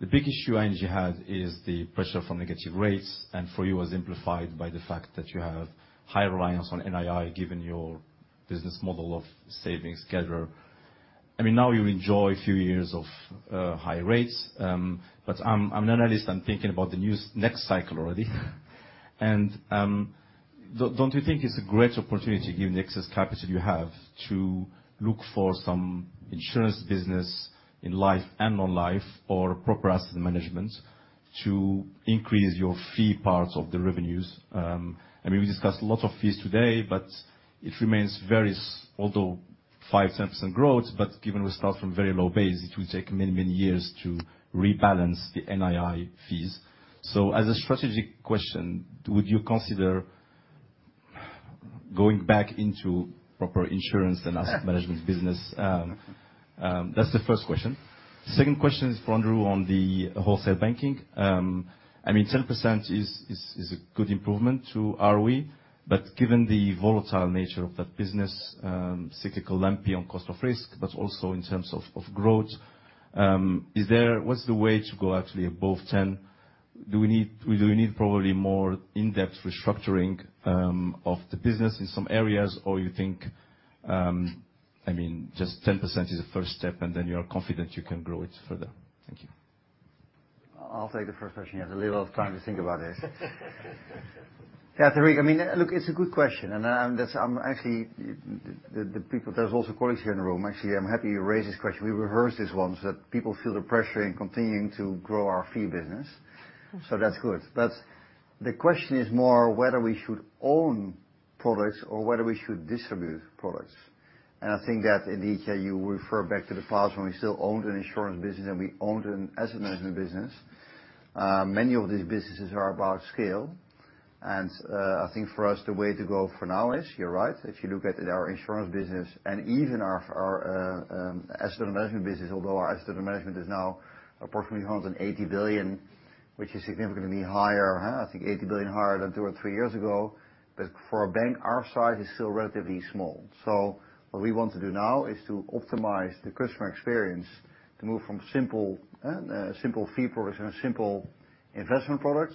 S17: the big issue ING had is the pressure from negative rates, and for you was amplified by the fact that you have high reliance on NII, given your business model of savings gatherer. I mean, now you enjoy a few years of high rates. I'm an analyst, I'm thinking about the new next cycle already. Don't you think it's a great opportunity given the excess capital you have to look for some insurance business in life and non-life or proper asset management to increase your fee parts of the revenues? I mean, we discussed a lot of fees today, but it remains very. 5%-10% growth, but given we start from very low base, it will take many years to rebalance the NII fees. As a strategic question, would you consider going back into proper insurance and asset management business? That's the first question. Second question is for Andrew on the wholesale banking. I mean, 10% is a good improvement to ROE, but given the volatile nature of that business, cyclical lumpy on cost of risk, but also in terms of growth, is there, what's the way to go actually above 10%? Do we need probably more in-depth restructuring of the business in some areas? Or you think just 10% is the first step, and then you are confident you can grow it further? Thank you.
S2: I'll take the first question. He has a little time to think about it. Yeah, Tarik, I mean, look, it's a good question, and I'm actually. The people, there's also colleagues here in the room. Actually, I'm happy you raised this question. We rehearse these ones, that people feel the pressure in continuing to grow our fee business.
S17: Mm-hmm.
S2: That's good. The question is more whether we should own products or whether we should distribute products. I think that, Tarik El Mejjad, you refer back to the past when we still owned an insurance business and we owned an asset management business. Many of these businesses are about scale, and I think for us, the way to go for now is, you're right, if you look at our insurance business and even our asset management business, although our asset management is now approximately 180 billion, which is significantly higher, I think 80 billion higher than two or three years ago. For a bank our size, it's still relatively small. What we want to do now is to optimize the customer experience to move from simple fee products and simple investment products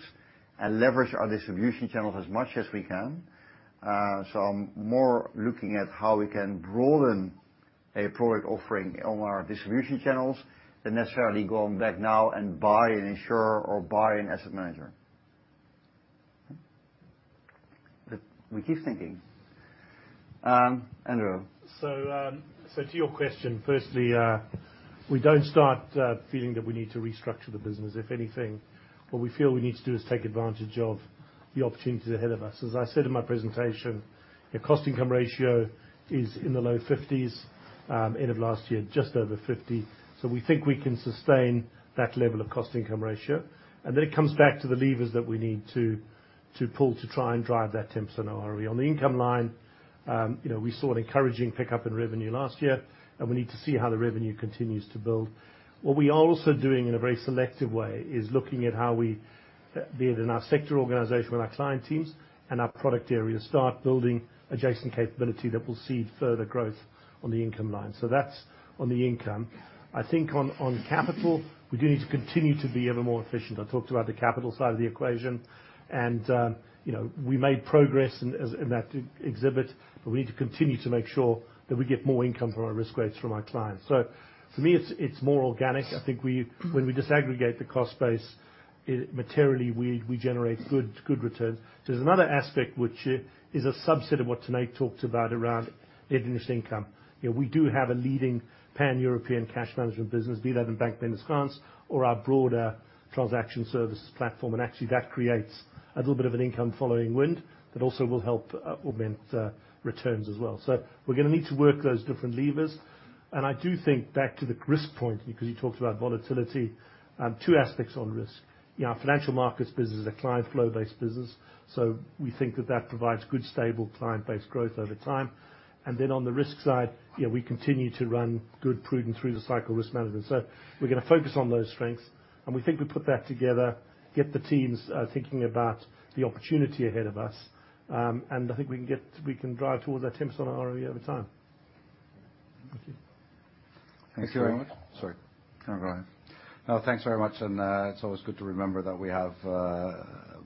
S2: and leverage our distribution channels as much as we can. I'm more looking at how we can broaden a product offering on our distribution channels than necessarily going back now and buy an insurer or buy an asset manager. We keep thinking. Andrew.
S9: To your question, firstly, we don't feel that we need to restructure the business. If anything, what we feel we need to do is take advantage of the opportunities ahead of us. As I said in my presentation, the cost-income ratio is in the low 50s end of last year, just over 50. We think we can sustain that level of cost-income ratio. It comes back to the levers that we need to pull to try and drive that 10% ROE. On the income line, you know, we saw an encouraging pickup in revenue last year, and we need to see how the revenue continues to build. What we are also doing in a very selective way is looking at how we, be it in our sector organization with our client teams and our product area, start building adjacent capability that will seed further growth on the income line. That's on the income. I think on capital, we do need to continue to be ever more efficient. I talked about the capital side of the equation, and we made progress in that exhibit, but we need to continue to make sure that we get more income from our risk rates from our clients. For me, it's more organic. I think when we disaggregate the cost base, it materially, we generate good returns. There's another aspect which is a subset of what Tanate Phutrakul talked about around net interest income. You know, we do have a leading Pan-European cash management business, be that in bank business clients or our broader transaction services platform. Actually, that creates a little bit of an income following wind that also will help, augment, returns as well. We're gonna need to work those different levers. I do think back to the risk point, because you talked about volatility, two aspects on risk. Our financial markets business is a client flow-based business. We think that that provides good, stable client-based growth over time. Then on the risk side, you know, we continue to run good prudent through the cycle risk management. We're gonna focus on those strengths, and we think we put that together, get the teams, thinking about the opportunity ahead of us. I think we can drive towards that 10% ROE over time.
S18: Thank you.
S1: Thank you very much. Sorry. Go ahead.
S2: No, thanks very much. It's always good to remember that we have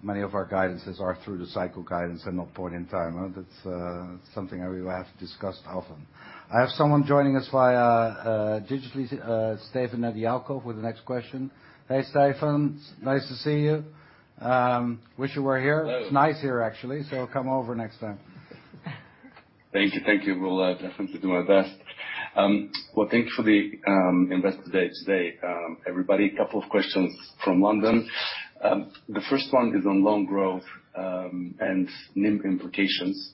S2: many of our guidances are Through-the-Cycle Guidance and not point in time. That's something we will have to discuss often. I have someone joining us via digitally, Stefan Nedialkov with the next question. Hey, Stefan. It's nice to see you. Wish you were here.
S19: Hello.
S2: It's nice here, actually. Come over next time.
S19: Thank you. Will definitely do my best. Well, thanks for the Investor Day today, everybody. A couple of questions from London. The first one is on loan growth and NIM implications.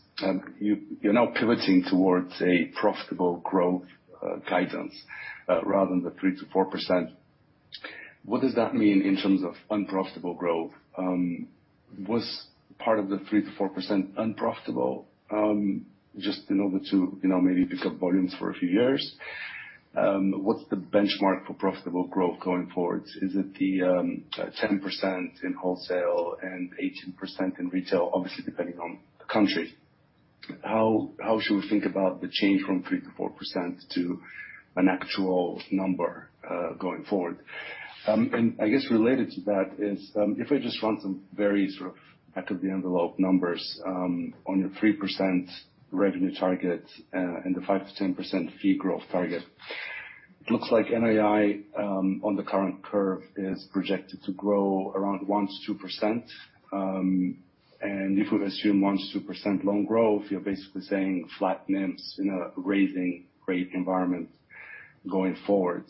S19: You're now pivoting towards a profitable growth guidance rather than the 3%-4%. What does that mean in terms of unprofitable growth? Was part of the 3%-4% unprofitable, just in order to, you know, maybe pick up volumes for a few years? What's the benchmark for profitable growth going forward? Is it the 10% in wholesale and 18% in retail, obviously, depending on the country? How should we think about the change from 3%-4% to an actual number going forward? I guess related to that is, if I just run some very sort of back of the envelope numbers, on your 3% revenue target, and the 5%-10% fee growth target. It looks like NII, on the current curve is projected to grow around 1%-2%. And if we assume 1%-2% loan growth, you're basically saying flat NIMs in a rising rate environment going forward.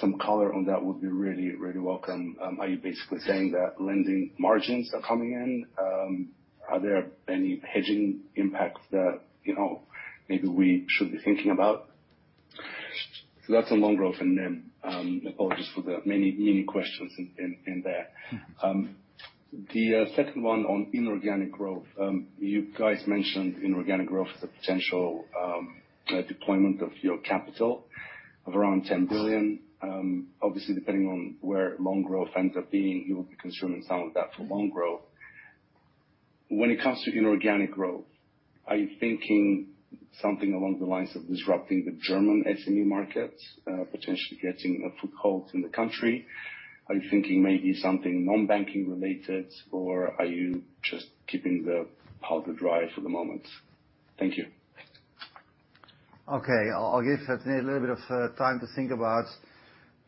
S19: Some color on that would be really, really welcome. Are you basically saying that lending margins are coming in? Are there any hedging impacts that, you know, maybe we should be thinking about? That's on loan growth and NIM. Apologies for the many, many questions in there. The second one on inorganic growth. You guys mentioned inorganic growth as a potential deployment of your capital of around 10 billion. Obviously, depending on where loan growth ends up being, you will be consuming some of that for loan growth. When it comes to inorganic growth, are you thinking something along the lines of disrupting the German SME markets, potentially getting a foothold in the country? Are you thinking maybe something non-banking related, or are you just keeping the powder dry for the moment? Thank you.
S2: Okay. I'll give Tanate Phutrakul a little bit of time to think about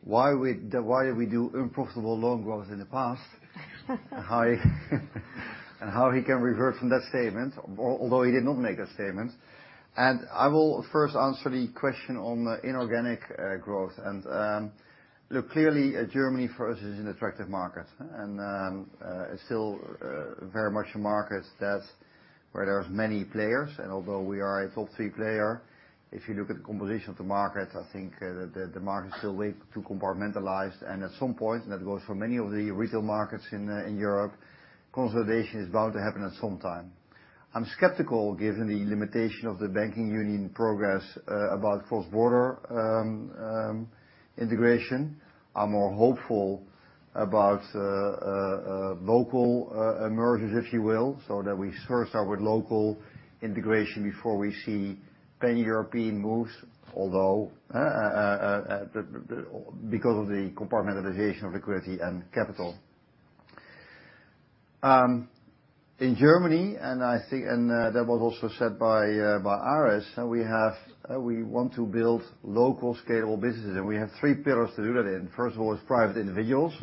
S2: why we do unprofitable loan growth in the past and how he can revert from that statement, although he did not make that statement. I will first answer the question on the inorganic growth. Look, clearly, Germany for us is an attractive market, and it's still very much a market that's where there's many players. Although we are a Top 3 player, if you look at the composition of the market, I think the market is still way too compartmentalized. At some point, and that goes for many of the retail markets in Europe, consolidation is bound to happen at some time. I'm skeptical, given the limitation of the banking union progress, about cross-border integration. I'm more hopeful about local mergers, if you will, so that we first start with local integration before we see Pan-European moves. Although, because of the compartmentalization of liquidity and capital in Germany, and I think that was also said by Aris, we want to build local scalable businesses, and we have three pillars to do that in. First of all, is private individuals.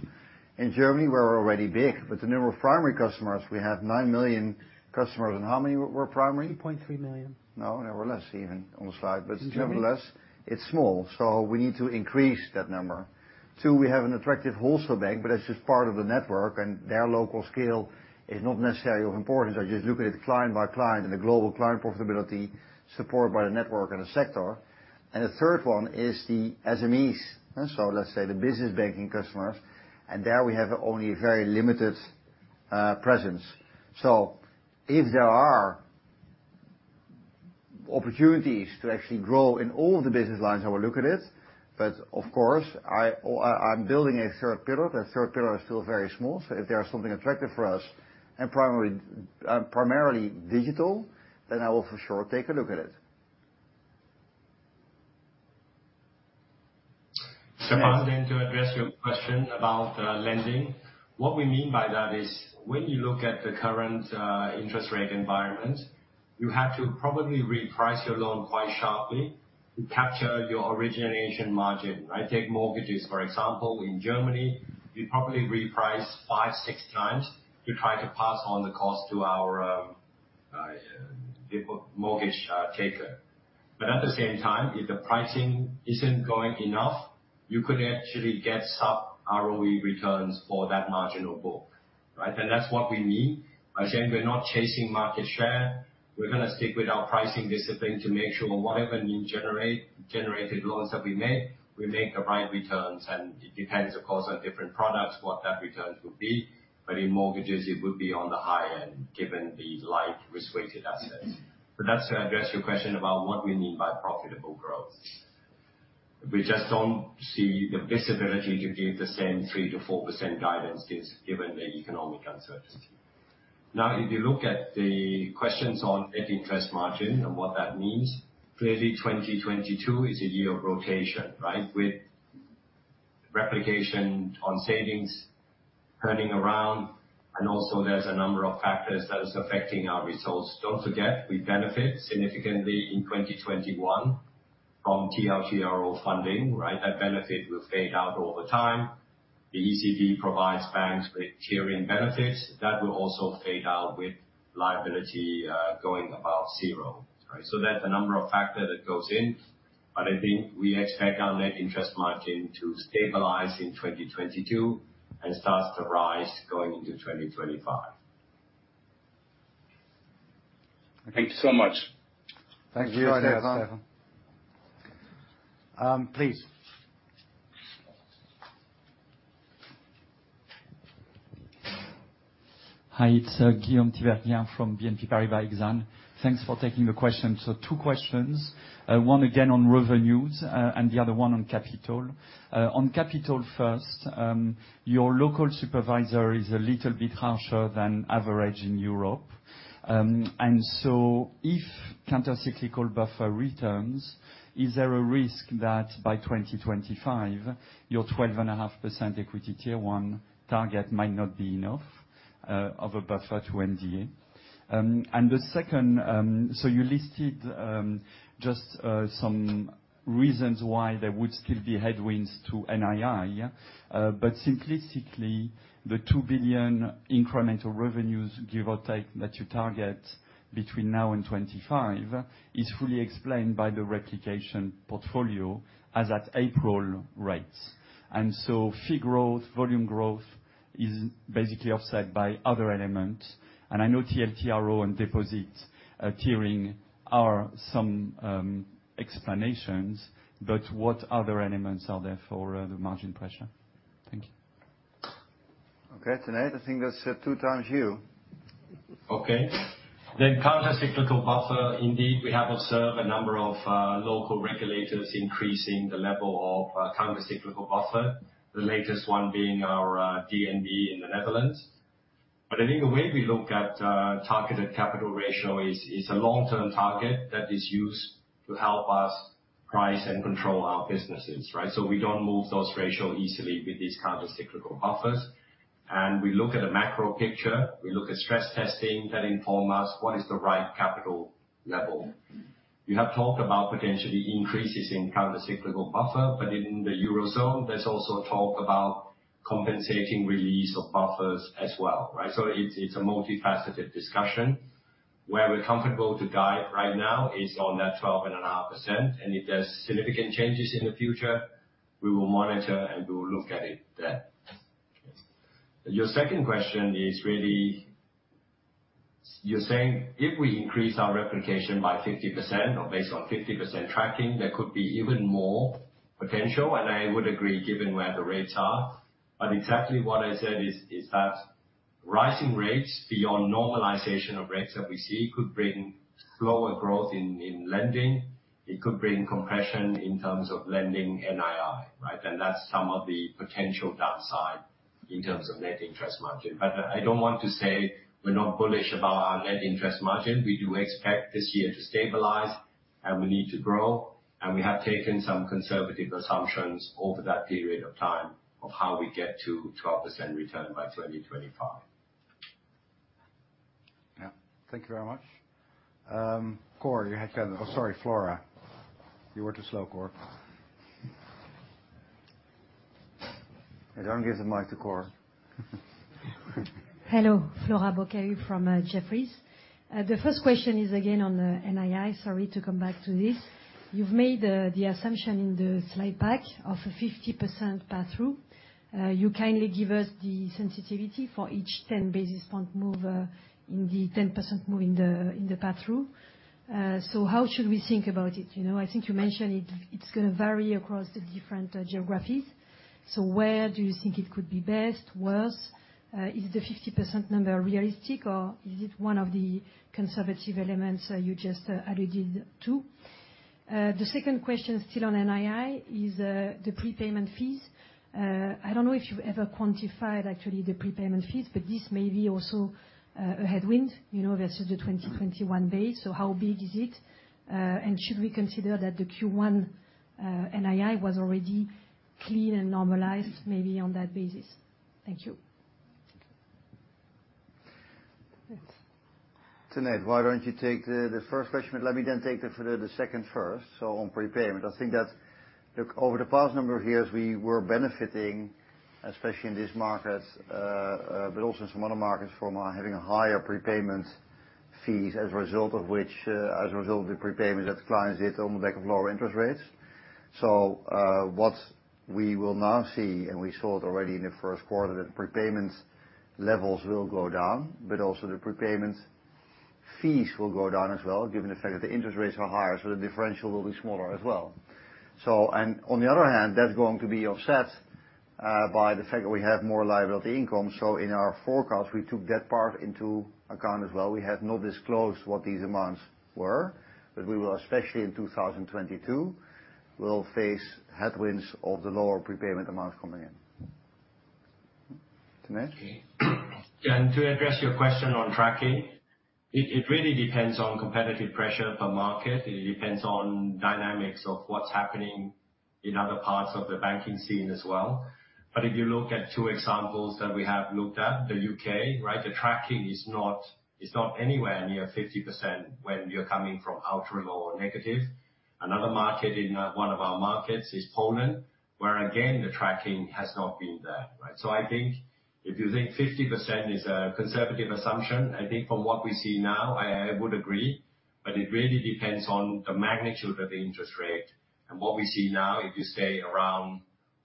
S2: In Germany, we're already big, but the number of primary customers we have, 9 million customers. How many were primary?
S11: 2.3 million.
S2: No, there were less even on the slide.
S8: Really?
S2: Nevertheless, it's small, so we need to increase that number. Two, we have an attractive wholesale bank, but that's just part of the network, and their local scale is not necessarily of importance. I just look at it client by client and the global client profitability supported by the network and the sector. The third one is the SMEs. Let's say the business banking customers. There we have only a very limited presence. If there are opportunities to actually grow in all of the business lines, I will look at it. Of course, I'm building a third pillar. The third pillar is still very small, so if there are something attractive for us and primarily digital, then I will for sure take a look at it.
S11: Stefan Nedialkov, to address your question about lending. What we mean by that is when you look at the current interest rate environment, you have to probably reprice your loan quite sharply to capture your origination margin. I take mortgages, for example, in Germany, you probably reprice five, six times to try to pass on the cost to our mortgage taker. But at the same time, if the pricing isn't good enough, you could actually get sub ROE returns for that marginal book, right? That's what we mean. Again, we're not chasing market share. We're gonna stick with our pricing discipline to make sure whatever generated loans that we make, we make the right returns. It depends, of course, on different products, what that returns will be. In mortgages, it would be on the high end given the low Risk-Weighted Assets. That's to address your question about what we mean by profitable growth. We just don't see the visibility to give the same 3%-4% guidance we gave, given the economic uncertainty. Now, if you look at the questions on Net Interest Margin and what that means, clearly 2022 is a year of rotation, right? With repricing on savings turning around, and also there's a number of factors that is affecting our results. Don't forget we benefit significantly in 2021 from TLTRO funding, right? That benefit will fade out over time. The ECB provides banks with tiering benefits that will also fade out with liability going above zero, right? There's a number of factors that goes in, but I think we expect our Net Interest Margin to stabilize in 2022 and starts to rise going into 2025.
S19: Thank you so much.
S11: Thank you.
S2: Thanks, Stefan.
S1: Please.
S20: Hi, it's Guillaume Tiberghien from BNP Paribas Exane. Thanks for taking the questions. Two questions. One again on revenues, and the other one on capital. On capital first, your local supervisor is a little bit harsher than average in Europe. If Countercyclical Buffer returns, is there a risk that by 2025, your 12.5% Equity Tier 1 target might not be enough of a buffer to MDA? The second, you listed just some reasons why there would still be headwinds to NII. But simplistically, the 2 billion incremental revenues, give or take, that you target between now and 2025 is fully explained by the Replication Portfolio as at April rates. Fee growth, volume growth is basically offset by other elements. I know TLTRO and deposit tiering are some explanations, but what other elements are there for the margin pressure? Thank you.
S2: Okay. Tanate, I think that's two times you.
S11: Okay. The Countercyclical Buffer, indeed, we have observed a number of local regulators increasing the level of Countercyclical Buffer, the latest one being our DNB in the Netherlands. I think the way we look at targeted capital ratio is a long-term target that is used to help us price and control our businesses, right? We don't move those ratio easily with these Countercyclical Buffers. We look at a macro picture. We look at stress testing that inform us what is the right capital level. We have talked about potentially increases in Countercyclical Buffer, but in the Eurozone, there's also talk about compensating release of buffers as well, right? It's a multifaceted discussion. Where we're comfortable to guide right now is on that 12.5%. If there's significant changes in the future, we will monitor, and we will look at it then. Your second question is really. You're saying if we increase our replication by 50% or based on 50% tracking, there could be even more potential. I would agree, given where the rates are. Exactly what I said is that rising rates beyond normalization of rates that we see could bring slower growth in lending. It could bring compression in terms of lending NII, right? That's some of the potential downside in terms of Net Interest Margin. I don't want to say we're not bullish about our Net Interest Margin. We do expect this year to stabilize, and we need to grow. We have taken some conservative assumptions over that period of time of how we get to 12% return by 2025.
S19: Yeah. Thank you very much.
S1: Oh, sorry, Flora. You were too slow, Cor.
S2: Don't give the mic to Cor.
S4: Hello. Flora Bocahut from Jefferies. The first question is again on the NII. Sorry to come back to this. You've made the assumption in the slide pack of a 50% pass-through. You kindly give us the sensitivity for each 10 basis point move in the 10% move in the pass-through. So how should we think about it? You know, I think you mentioned it. It's gonna vary across the different geographies. So where do you think it could be best, worse? Is the 50% number realistic, or is it one of the conservative elements you just alluded to? The second question, still on NII, is the prepayment fees. I don't know if you've ever quantified actually the prepayment fees, but this may be also a headwind, you know, versus the 2021 base. How big is it? Should we consider that the Q1 NII was already clean and normalized, maybe on that basis? Thank you.
S2: Tanate, why don't you take the first question and let me then take the second first. On prepayment, I think that, look, over the past number of years, we were benefiting, especially in this market, but also in some other markets, from having higher prepayment fees, as a result of the prepayment that the clients did on the back of lower interest rates. What we will now see, and we saw it already in the first quarter, that the prepayment levels will go down, but also the prepayment fees will go down as well, given the fact that the interest rates are higher, so the differential will be smaller as well. On the other hand, that's going to be offset by the fact that we have more liability income. In our forecast, we took that part into account as well. We have not disclosed what these amounts were, but we will especially in 2022, we'll face headwinds of the lower prepayment amounts coming in. Tanate Phutrakul?
S11: Flora Bocahut, to address your question on tracking, it really depends on competitive pressure per market. It depends on dynamics of what's happening in other parts of the banking scene as well. If you look at two examples that we have looked at, the UK, right? The tracking is not anywhere near 50% when you're coming from ultra low or negative. Another market in one of our markets is Poland, where again, the tracking has not been there, right? I think if you think 50% is a conservative assumption, I think from what we see now, I would agree, but it really depends on the magnitude of the interest rate. What we see now, if you stay around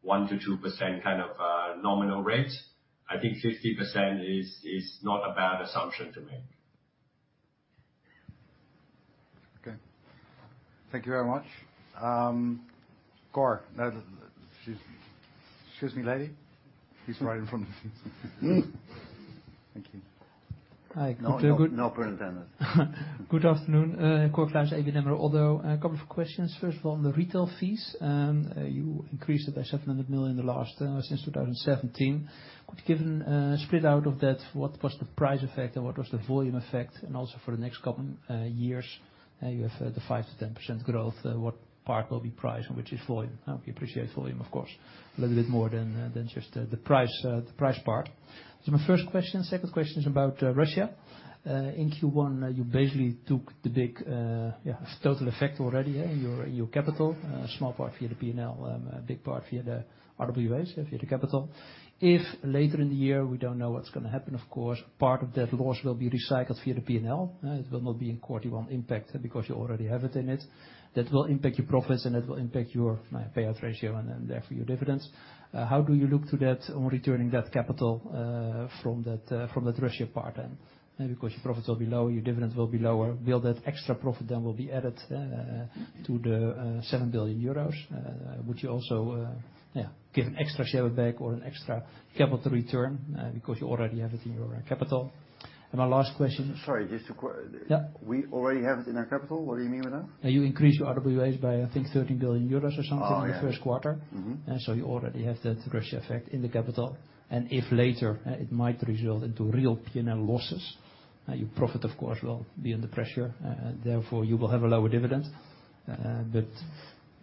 S11: 1%-2% kind of nominal rates, I think 50% is not a bad assumption to make.
S2: Okay. Thank you very much. Cor. No, excuse me, lady. He's right in front of you. Thank you.
S21: Hi.
S2: No, no pun intended.
S21: Good afternoon, Cor Kluis, ABN AMRO. Although a couple of questions. First of all, on the retail fees, you increased it by 700 million in the last since 2017. Could you give a split out of that? What was the price effect and what was the volume effect? And also for the next couple of years, you have the 5%-10% growth. What part will be price and which is volume? We appreciate volume, of course, a little bit more than just the price part. That's my first question. Second question is about Russia. In Q1, you basically took the big total effect already in your capital. Small part via the P&L, a big part via the RWAs, via the capital. If later in the year, we don't know what's gonna happen, of course, part of that loss will be recycled via the P&L. It will not be in quarter one impact because you already have it in it. That will impact your profits, and it will impact your payout ratio and therefore your dividends. How do you look to that on returning that capital from that Russia part then? Because your profits will be low, your dividends will be lower. Will that extra profit then be added to the 7 billion euros? Would you also give an extra share back or an extra capital return because you already have it in your capital? My last question-
S2: Sorry, just to clar-
S21: Yeah.
S2: We already have it in our capital? What do you mean by that?
S21: You increased your RWAs by, I think, 13 billion euros or something.
S2: Oh, yeah.
S21: in the first quarter.
S2: Mm-hmm.
S21: You already have that Russia effect in the capital. If later, it might result into real P&L losses, your profit, of course, will be under pressure, therefore you will have a lower dividend. But,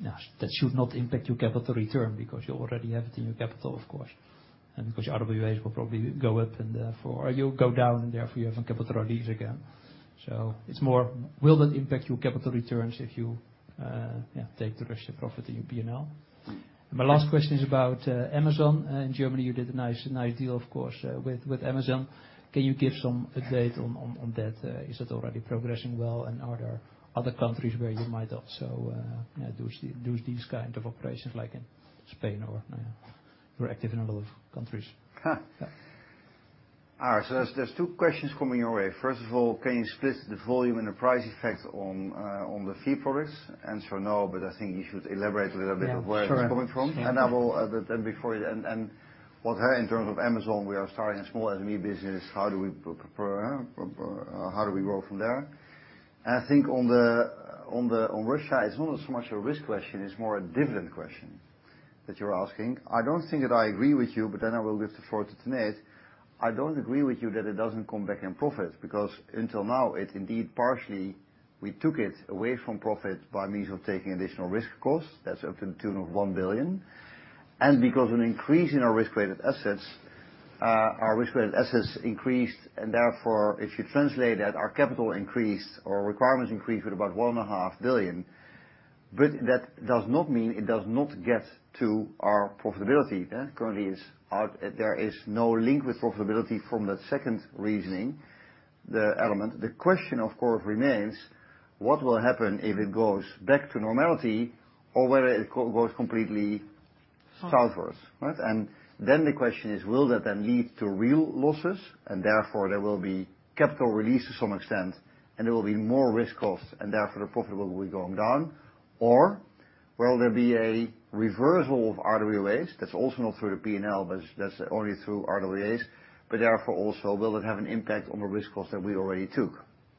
S21: yeah, that should not impact your capital return because you already have it in your capital, of course. Because your RWAs will probably go up and therefore, or you'll go down and therefore you have a capital release again. It's more will that impact your capital returns if you, yeah, take the Russia profit in your P&L. My last question is about Amazon. In Germany, you did a nice deal, of course, with Amazon. Can you give some update on that? Is it already progressing well? Are there other countries where you might also, you know, do these kind of operations like in Spain or, you know, you're active in a lot of countries?
S2: Ha. All right. There's two questions coming your way. First of all, can you split the volume and the price effect on the fee for this? Answer no, but I think you should elaborate a little bit of where it is coming from.
S21: Yeah, sure.
S2: In terms of Amazon, we are starting a small SME business. How do we grow from there? I think on Russia, it's not so much a risk question, it's more a dividend question that you're asking. I don't think that I agree with you, but then I will leave the floor to Tanate Phutrakul. I don't agree with you that it doesn't come back in profit, because until now, it's indeed partially we took it away from profit by means of taking additional risk costs. That's up to the tune of 1 billion. Because our Risk-Weighted Assets increased, and therefore, if you translate that, our capital increased or requirements increased with about 1.5 billion. That does not mean it does not get to our profitability. Currently, it's out there. There is no link with profitability from that second reasoning, the element. The question, of course, remains what will happen if it goes back to normality or whether it goes completely southwards, right? Then the question is, will that then lead to real losses? Therefore, there will be capital release to some extent, and there will be more risk costs, and therefore, the profit will be going down. Well, there'll be a reversal of RWA. That's also not through the P&L, but that's only through RWAs. Therefore, also will it have an impact on the risk costs that we already took.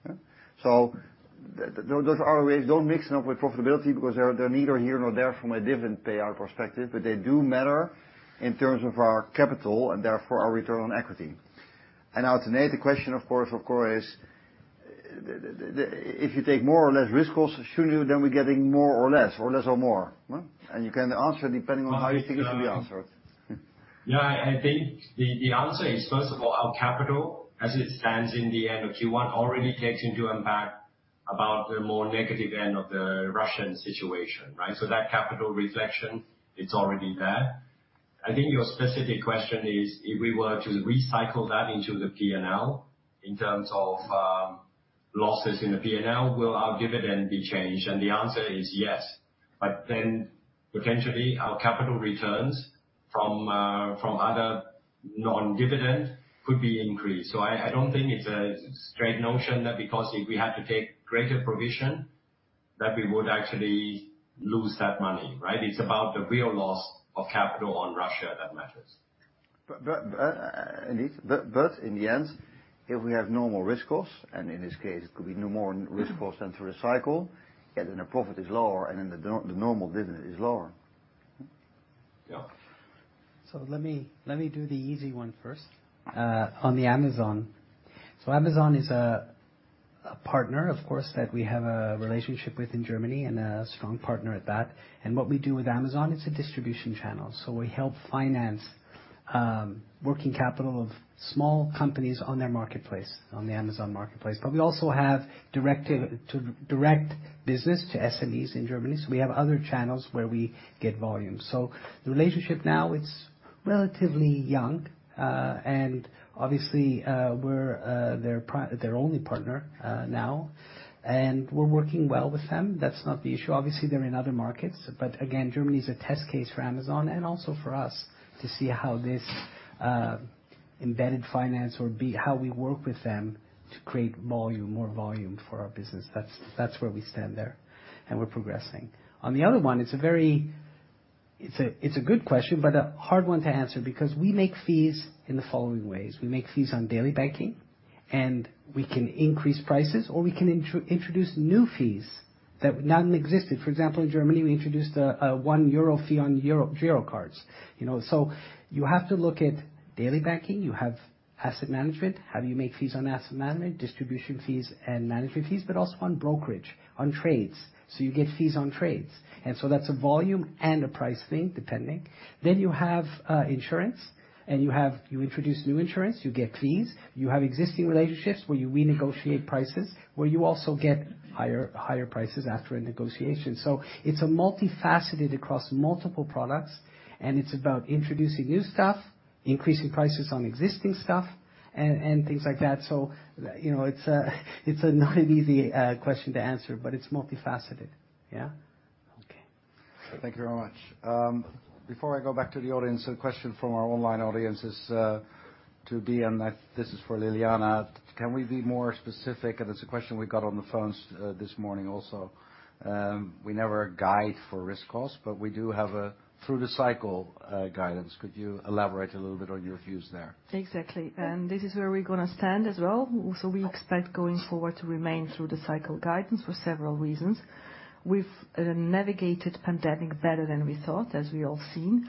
S2: Yeah. Those RWAs, don't mix them up with profitability because they're neither here nor there from a dividend payout perspective, but they do matter in terms of our capital and therefore our return on equity. Now, to Nate, the question, of course, if you take more or less risk costs, shouldn't you then be getting more or less? You can answer depending on how you think it should be answered.
S11: Yeah, I think the answer is, first of all, our capital as it stands in the end of Q1 already takes into impact about the more negative end of the Russian situation, right? That capital reflection, it's already there. I think your specific question is, if we were to recycle that into the P&L in terms of losses in the P&L, will our dividend be changed? The answer is yes. Potentially our capital returns from other non-dividend could be increased. I don't think it's a straight notion that because if we had to take greater provision that we would actually lose that money, right? It's about the real loss of capital on Russia that matters. In the end, if we have normal risk costs, and in this case it could be no more risk costs than through the cycle, then the profit is lower, and then the normal dividend is lower.
S2: Yeah.
S7: Let me do the easy one first on the Amazon. Amazon is a partner, of course, that we have a relationship with in Germany, and a strong partner at that. What we do with Amazon, it's a distribution channel. We help finance working capital of small companies on their marketplace, on the Amazon marketplace. We also have direct business to SMEs in Germany. We have other channels where we get volume. The relationship now, it's relatively young. Obviously, we're their only partner now, and we're working well with them. That's not the issue. Obviously, they're in other markets, but again, Germany is a test case for Amazon and also for us to see how this embedded finance. How we work with them to create volume, more volume for our business. That's where we stand there, and we're progressing. On the other one, it's a good question but a hard one to answer because we make fees in the following ways. We make fees on daily banking, and we can increase prices, or we can introduce new fees that none existed. For example, in Germany, we introduced a 1 euro fee on Girocard. You know, so you have to look at daily banking. You have asset management. How do you make fees on asset management? Distribution fees and management fees, but also on brokerage, on trades. You get fees on trades. That's a volume and a price thing, depending. You have insurance and you introduce new insurance, you get fees. You have existing relationships where you renegotiate prices, where you also get higher prices after a negotiation. It's a multifaceted across multiple products, and it's about introducing new stuff, increasing prices on existing stuff and things like that. You know, it's not an easy question to answer, but it's multifaceted. Yeah? Okay.
S2: Thank you very much. Before I go back to the audience, a question from our online audience is to BN. This is for Ljiljana. Can we be more specific? It's a question we got on the phones this morning also. We never guide for risk costs, but we do have a Through-the-Cycle Guidance. Could you elaborate a little bit on your views there?
S10: Exactly. This is where we're gonna stand as well. We expect going forward to remain Through-the-Cycle Guidance for several reasons. We've navigated pandemic better than we thought, as we all seen.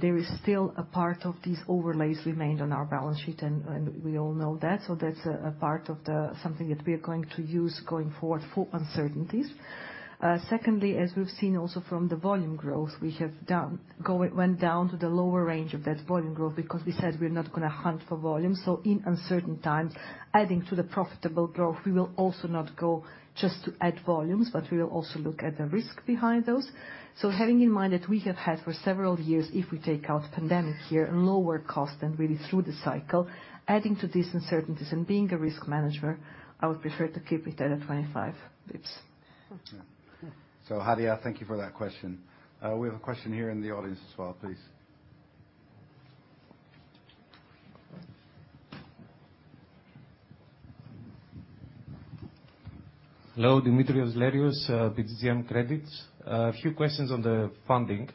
S10: There is still a part of these overlays remained on our balance sheet, and we all know that. That's a part of the something that we are going to use going forward for uncertainties. Secondly, as we've seen also from the volume growth we have done, went down to the lower range of that volume growth because we said we're not gonna hunt for volume. In uncertain times, adding to the profitable growth, we will also not go just to add volumes, but we will also look at the risk behind those. Having in mind that we have had for several years, if we take out pandemic here and lower cost and really through the cycle, adding to these uncertainties and being a risk manager, I would prefer to keep it at 25 basis points.
S9: Yeah. Hadia, thank you for that question. We have a question here in the audience as well, please.
S18: Hello. Dimitrios Larios, BGM Credits. A few questions on the funding.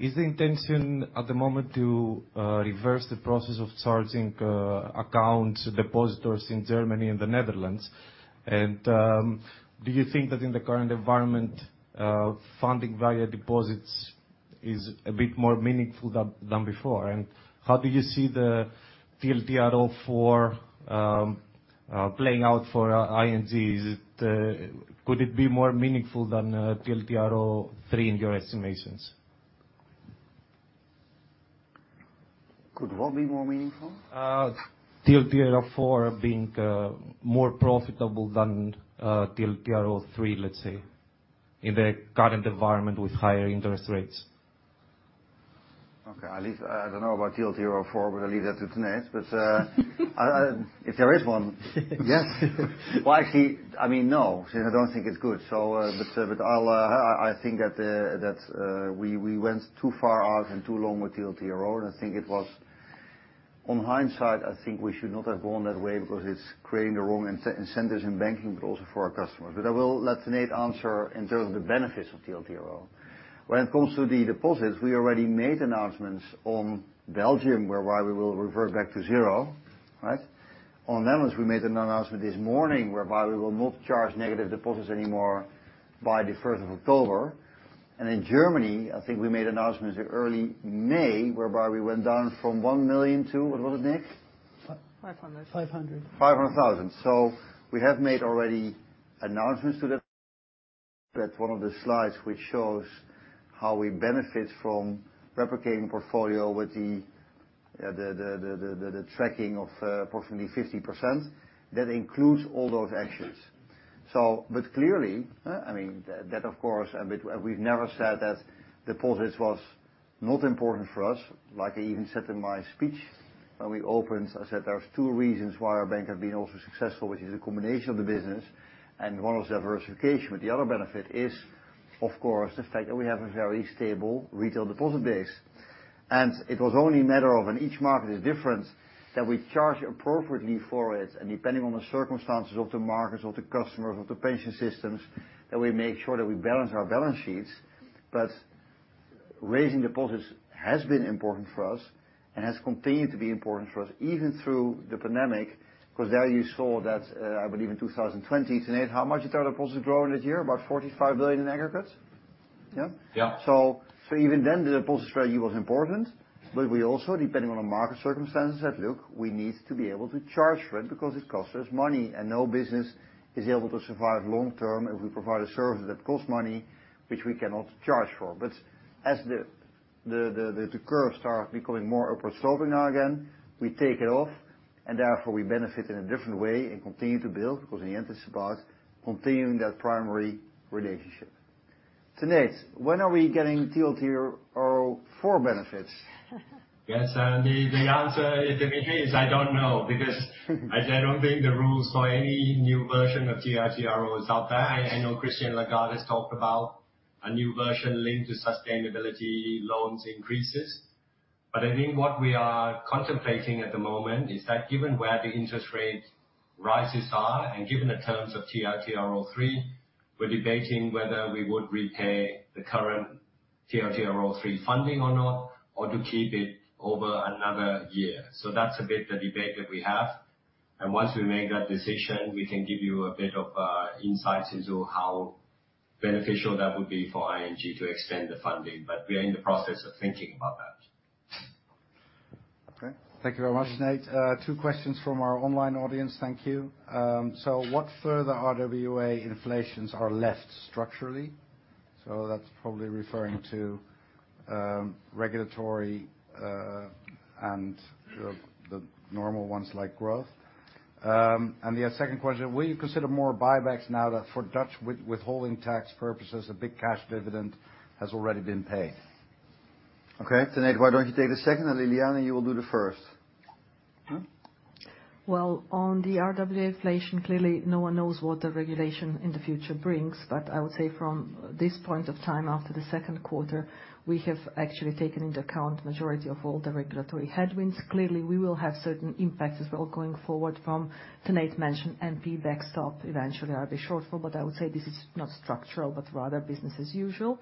S18: Is the intention at the moment to reverse the process of charging accounts depositors in Germany and the Netherlands? Do you think that in the current environment, funding via deposits is a bit more meaningful than before? How do you see the TLTRO IV playing out for ING? Could it be more meaningful than TLTRO III in your estimations?
S2: Could what be more meaningful?
S18: TLTRO IV being more profitable than TLTRO III, let's say, in the current environment with higher interest rates.
S2: Okay. I don't know about TLTRO IV, but I'll leave that to Nate. If there is one.
S22: Yes. Well, actually, I mean, no, since I don't think it's good. I think that we went too far out and too long with TLTRO, and I think it was
S2: In hindsight, I think we should not have gone that way because it's creating the wrong incentives in banking, but also for our customers. I will let Nate answer in terms of the benefits of TLTRO. When it comes to the deposits, we already made announcements on Belgium, whereby we will revert back to 0, right? On the Netherlands, we made an announcement this morning whereby we will not charge negative deposits anymore by the first of October. In Germany, I think we made announcements in early May, whereby we went down from 1 million to what was it, Nick?
S10: 500.
S6: 500.
S2: EUR 500,000. We have made already announcements to that. That's one of the slides which shows how we benefit from replicating portfolio with the tracking of approximately 50%. That includes all those actions. Clearly, I mean, that, of course, we've never said that deposits was not important for us. Like I even said in my speech when we opened, I said there are two reasons why our bank has been also successful, which is a combination of the business and one was diversification. The other benefit is, of course, the fact that we have a very stable retail deposit base. It was only a matter of, in each market is different, that we charge appropriately for it. Depending on the circumstances of the markets, of the customers, of the pension systems, that we make sure that we balance our balance sheets. Raising deposits has been important for us and has continued to be important for us, even through the pandemic, because there you saw that, I believe in 2020, Tanate, how much did our deposits grow in that year? About 45 billion in aggregate? Yeah?
S11: Yeah.
S2: Even then, the deposit strategy was important. We also, depending on the market circumstances, said, "Look, we need to be able to charge for it because it costs us money, and no business is able to survive long term if we provide a service that costs money, which we cannot charge for." As the curve starts becoming more upward sloping now again, we take it off, and therefore we benefit in a different way and continue to build, because in the end it's about continuing that primary relationship. To Tanate, when are we getting TLTRO IV benefits?
S11: Yes. The answer, Dimitrios Sapountzoglou, is I don't know because I don't think the rules or any new version of TLTRO is out there. I know Christine Lagarde has talked about a new version linked to sustainability loans increases. I think what we are contemplating at the moment is that given where the interest rate rises are and given the terms of TLTRO III, we're debating whether we would repay the current TLTRO III funding or not, or to keep it over another year. That's a bit of the debate that we have. Once we make that decision, we can give you a bit of insights into how beneficial that would be for ING to extend the funding. We are in the process of thinking about that.
S2: Okay. Thank you very much, Tanate Phutrakul. Two questions from our online audience. Thank you. What further RWA inflations are left structurally? That's probably referring to regulatory and the normal ones like growth. The second question, will you consider more buybacks now that for Dutch withholding tax purposes, a big cash dividend has already been paid? Okay. To Tanate Phutrakul, why don't you take the second, and Ljiljana Čortan, you will do the first.
S10: Well, on the RWA inflation, clearly, no one knows what the regulation in the future brings. I would say from this point of time after the second quarter, we have actually taken into account majority of all the regulatory headwinds. Clearly, we will have certain impacts as well going forward from Tanate mentioned NP backstop eventually are the shortfall, but I would say this is not structural, but rather business as usual.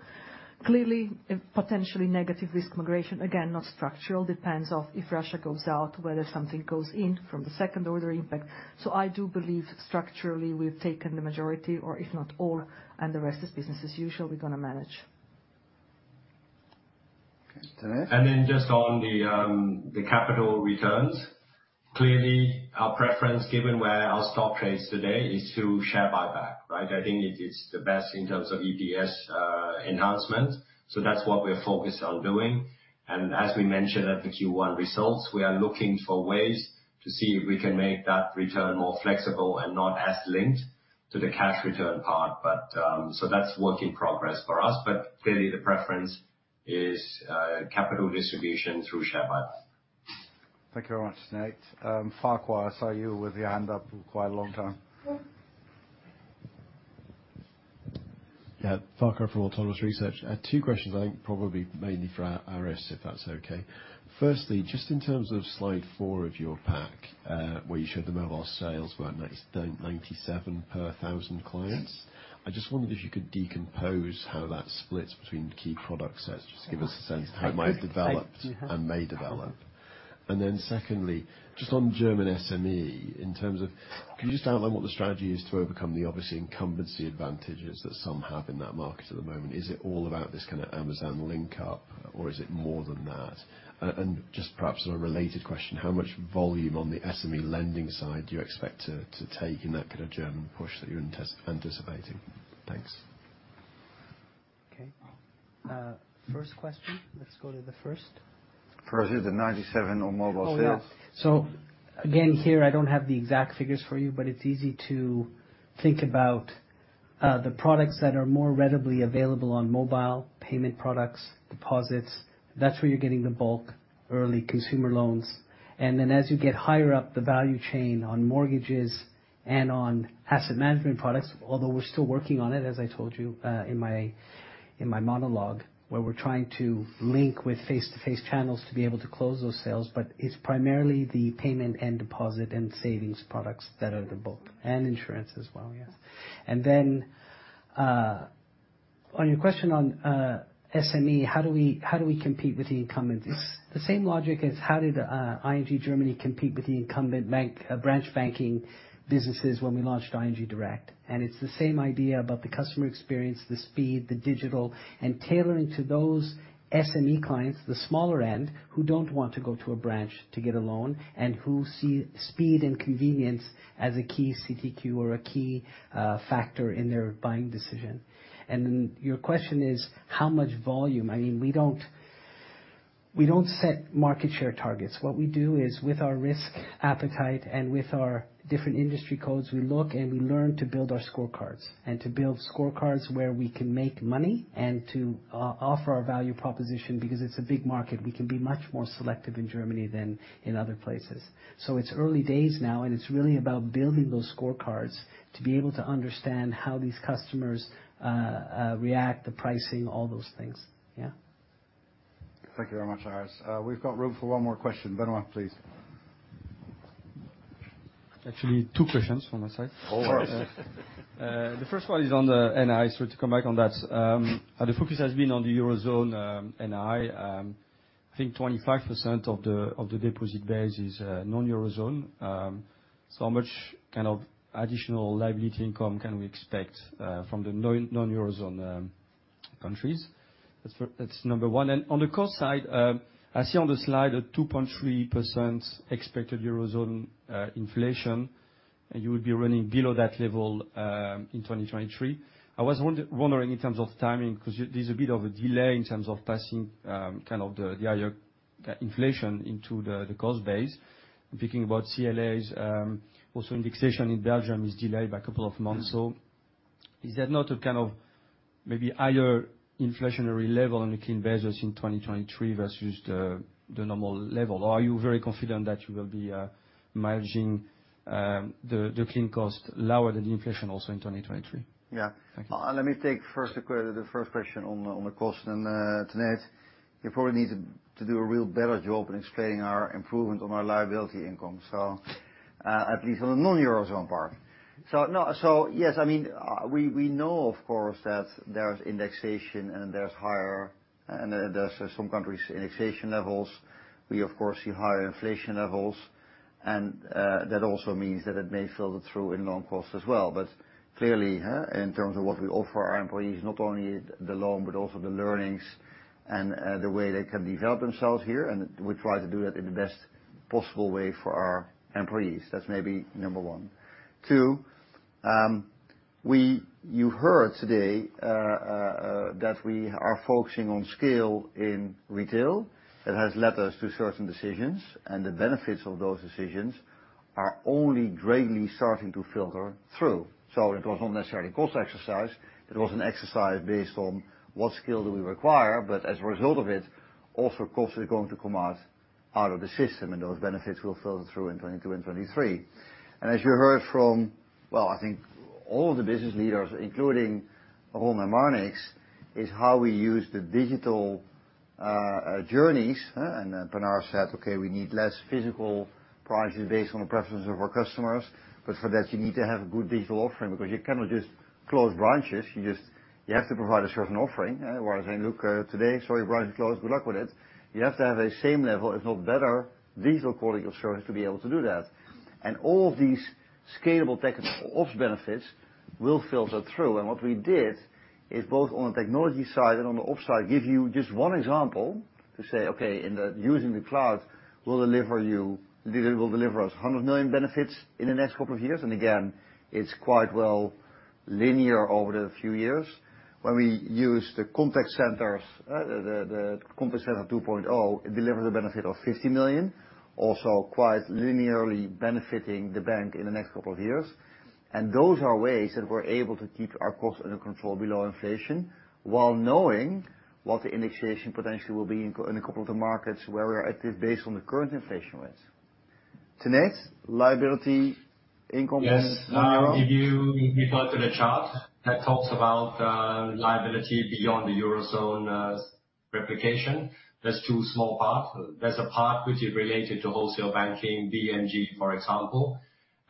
S10: Clearly, potentially negative risk migration, again, not structural, depends on if Russia goes out, whether something goes in from the second order impact. I do believe structurally, we've taken the majority or if not all, and the rest is business as usual, we're gonna manage.
S2: Okay, Tanate.
S11: Just on the capital returns. Clearly, our preference, given where our stock trades today, is to share buyback, right? I think it is the best in terms of EPS enhancement. That's what we're focused on doing. As we mentioned at the Q1 results, we are looking for ways to see if we can make that return more flexible and not as linked to the cash return part. That's work in progress for us. Clearly, the preference is capital distribution through share buy.
S1: Thank you very much, Tanate. Farquhar, I saw you with your hand up for quite a long time.
S23: Yeah. Farquhar Murray from Autonomous Research. Two questions, I think probably mainly for Aris Bogdaneris, if that's okay. Firstly, just in terms of slide four of your pack, where you showed the mobile sales were 97 per 1,000 clients. I just wondered if you could decompose how that splits between key product sets, just to give us a sense how it might developed and may develop. Secondly, just on German SME, in terms of the strategy. Can you just outline what the strategy is to overcome the obviously incumbency advantages that some have in that market at the moment? Is it all about this kinda Amazon link up, or is it more than that? Just perhaps on a related question, how much volume on the SME lending side do you expect to take in that kind of German push that you're anticipating? Thanks.
S7: Okay. First question. Let's go to the first.
S2: First is the 97 on mobile sales.
S7: Oh, yeah. Again, here, I don't have the exact figures for you, but it's easy to think about the products that are more readily available on mobile, payment products, deposits. That's where you're getting the bulk early consumer loans. Then as you get higher up the value chain on mortgages. On asset management products, although we're still working on it, as I told you, in my monologue, where we're trying to link with face-to-face channels to be able to close those sales, but it's primarily the payment and deposit and savings products that are the bulk. Insurance as well, yes. On your question on SME, how do we compete with the incumbent? It's the same logic as how did ING Germany compete with the incumbent bank branch banking businesses when we launched ING Direct. It's the same idea about the customer experience, the speed, the digital, and tailoring to those SME clients, the smaller end, who don't want to go to a branch to get a loan, and who see speed and convenience as a key CTQ or a key factor in their buying decision. Your question is how much volume? I mean, we don't set market share targets. What we do is, with our risk appetite and with our different industry codes, we look and we learn to build our scorecards and to build scorecards where we can make money and to offer our value proposition because it's a big market. We can be much more selective in Germany than in other places. It's early days now, and it's really about building those scorecards to be able to understand how these customers react, the pricing, all those things. Yeah.
S1: Thank you very much, Aris. We've got room for one more question. Benoit, please.
S13: Actually, two questions from my side.
S2: All right.
S13: The first one is on the NII. To come back on that, the focus has been on the Eurozone NII. I think 25% of the deposit base is non-Eurozone. So how much kind of additional liability income can we expect from the non-Eurozone countries? That's number one. On the cost side, I see on the slide a 2.3% expected Eurozone inflation, and you will be running below that level in 2023. I was wondering in terms of timing, 'cause there's a bit of a delay in terms of passing kind of the higher inflation into the cost base. I'm thinking about CLAs, also indexation in Belgium is delayed by a couple of months. Is that not a kind of maybe higher inflationary level on a clean basis in 2023 versus the normal level? Or are you very confident that you will be managing the clean cost lower than the inflation also in 2023?
S2: Yeah.
S13: Thank you.
S2: Let me take first the first question on the cost. Tanate Phutrakul, you probably need to do a real better job in explaining our improvement on our liability income, at least on the non-Eurozone part. No, yes, I mean, we know of course that there's indexation and higher and some countries' indexation levels. We of course see higher inflation levels, and that also means that it may filter through in loan costs as well. Clearly, in terms of what we offer our employees, not only the loan, but also the learnings and the way they can develop themselves here, and we try to do that in the best possible way for our employees. That's maybe number one.
S13: Two, you heard today that we are focusing on scale in retail. It has led us to certain decisions, and the benefits of those decisions are only greatly starting to filter through. It was not necessarily a cost exercise. It was an exercise based on what skill do we require, but as a result of it, also costs are going to come out of the system and those benefits will filter through in 2022 and 2023. As you heard from, well, I think all of the business leaders, including Roel and Marnix, is how we use the digital journeys. Pinar said, "Okay, we need less physical presence based on the preference of our customers." For that, you need to have a good digital offering because you cannot just close branches.
S2: You just have to provide a certain offering, otherwise they look today, sorry, branch is closed, good luck with it. You have to have the same level if not better digital quality of service to be able to do that. All of these scalable tech ops benefits will filter through. What we did is both on the technology side and on the ops side, give you just one example to say, okay, using the cloud will deliver us 100 million benefits in the next couple of years. Again, it's quite linear over the few years. When we use the contact centers, the contact center 2.0, it delivers a benefit of 50 million, also quite linearly benefiting the bank in the next couple of years. Those are ways that we're able to keep our costs under control below inflation while knowing what the indexation potentially will be in a couple of the markets where we are active based on the current inflation rates. Tanate Phutrakul, liability income-
S14: Yes.
S2: On your own.
S11: If you refer to the chart that talks about liability beyond the Eurozone replication, there are two small parts. There is a part which is related to wholesale banking, BNG, for example.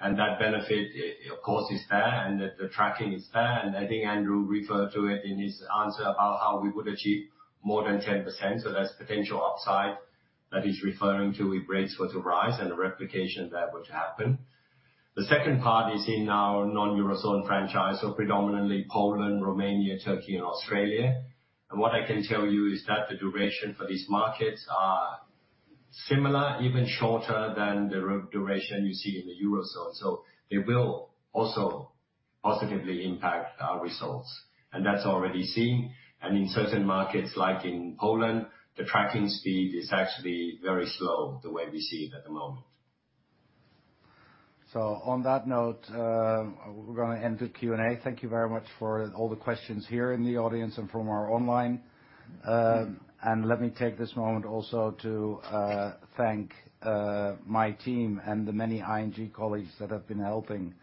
S11: That benefit, of course, is there, and the tracking is there. I think Andrew referred to it in his answer about how we would achieve more than 10%. There is potential upside that he is referring to if rates were to rise and a replication of that would happen. The second part is in our non-Eurozone franchise, so predominantly Poland, Romania, Turkey and Australia. What I can tell you is that the duration for these markets are similar, even shorter than the our duration you see in the Eurozone. They will also positively impact our results. That is already seen. In certain markets, like in Poland, the tracking speed is actually very slow the way we see it at the moment.
S1: On that note, we're gonna end the Q&A. Thank you very much for all the questions here in the audience and from our online Let me take this moment also to thank my team and the many ING colleagues that have been helping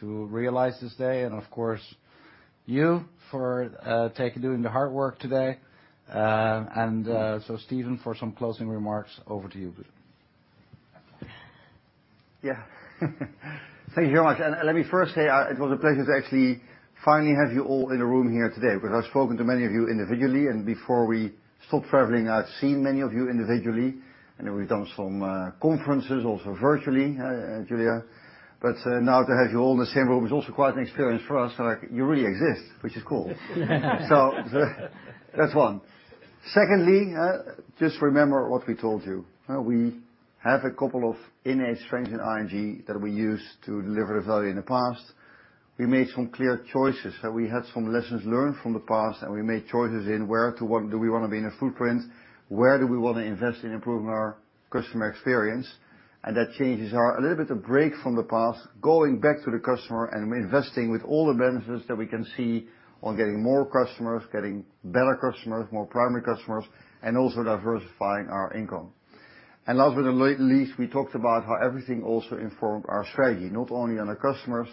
S1: to realize this day and, of course, you for doing the hard work today. Steven, for some closing remarks, over to you, please.
S2: Yeah. Thank you very much. Let me first say, it was a pleasure to actually finally have you all in a room here today, because I've spoken to many of you individually, and before we stopped traveling, I'd seen many of you individually, and then we've done some conferences also virtually, Giulia. Now to have you all in the same room is also quite an experience for us. Like, you really exist, which is cool. That's one. Secondly, just remember what we told you. We have a couple of innate strengths in ING that we used to deliver the value in the past. We made some clear choices. We had some lessons learned from the past, and we made choices in where do we wanna be in a footprint, where do we wanna invest in improving our customer experience. That changes a little bit of break from the past, going back to the customer and investing with all the benefits that we can see on getting more customers, getting better customers, more primary customers, and also diversifying our income. Last but not least, we talked about how everything also informed our strategy, not only on the customers,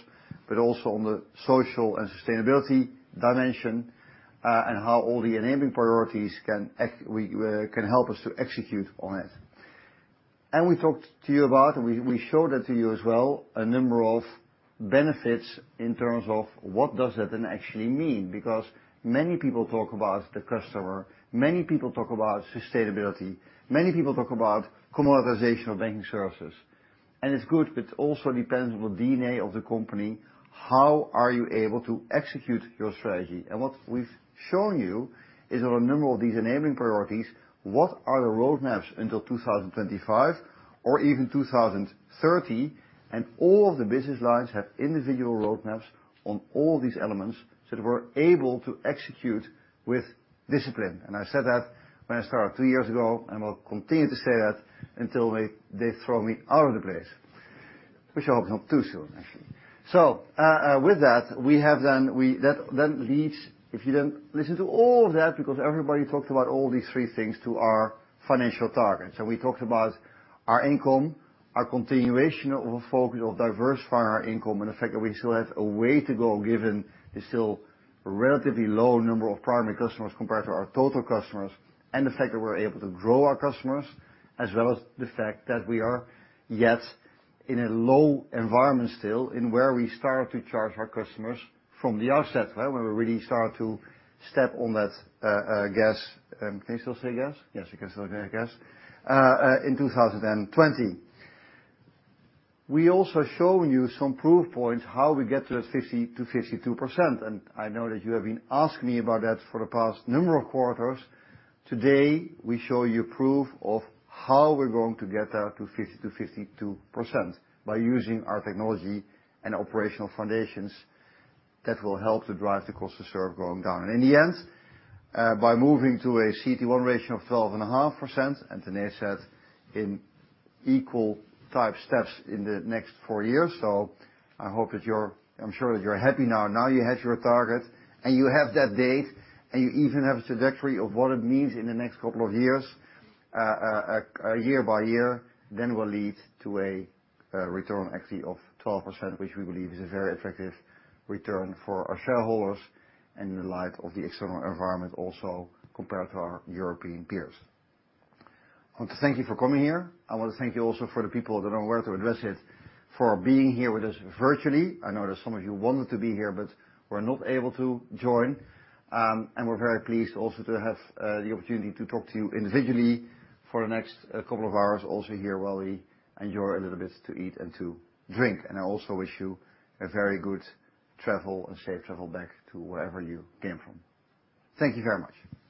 S2: but also on the social and sustainability dimension, and how all the enabling priorities can help us to execute on it. We talked to you about, we showed that to you as well, a number of benefits in terms of what does that then actually mean? Because many people talk about the customer, many people talk about sustainability, many people talk about commoditization of banking services. It's good, but it also depends on the DNA of the company, how are you able to execute your strategy? What we've shown you is there are a number of these enabling priorities, what are the roadmaps until 2025 or even 2030, and all of the business lines have individual roadmaps on all these elements, so that we're able to execute with discipline. I said that when I started two years ago, and will continue to say that until they throw me out of the place, which I hope is not too soon, actually. With that then leads, if you then listen to all of that, because everybody talked about all these three things to our financial targets.
S17: We talked about our income, our continuation of a focus of diversifying our income, and the fact that we still have a way to go, given the still relatively low number of primary customers compared to our total customers, and the fact that we're able to grow our customers, as well as the fact that we are yet in a low environment still in where we start to charge our customers from the outset, where we really start to step on that gas in 2020. We also shown you some proof points how we get to a 50%-52%. I know that you have been asking me about that for the past number of quarters.
S2: Today, we show you proof of how we're going to get that to 50%-52% by using our technology and operational foundations that will help to drive the cost to serve going down. In the end, by moving to a CET1 ratio of 12.5%, and Tanate said in equal-sized steps in the next four years. I hope that you're happy now. I'm sure that you're happy now. Now you have your target, and you have that date, and you even have a trajectory of what it means in the next couple of years, year by year, then will lead to a return actually of 12%, which we believe is a very effective return for our shareholders and in light of the external environment also compared to our European peers. I want to thank you for coming here. I wanna thank you also for the people that are not here to address it, for being here with us virtually. I know that some of you wanted to be here but were not able to join. We're very pleased also to have the opportunity to talk to you individually for the next couple of hours, also here while we enjoy a little bit to eat and to drink. I also wish you a very good travel and safe travel back to wherever you came from. Thank you very much.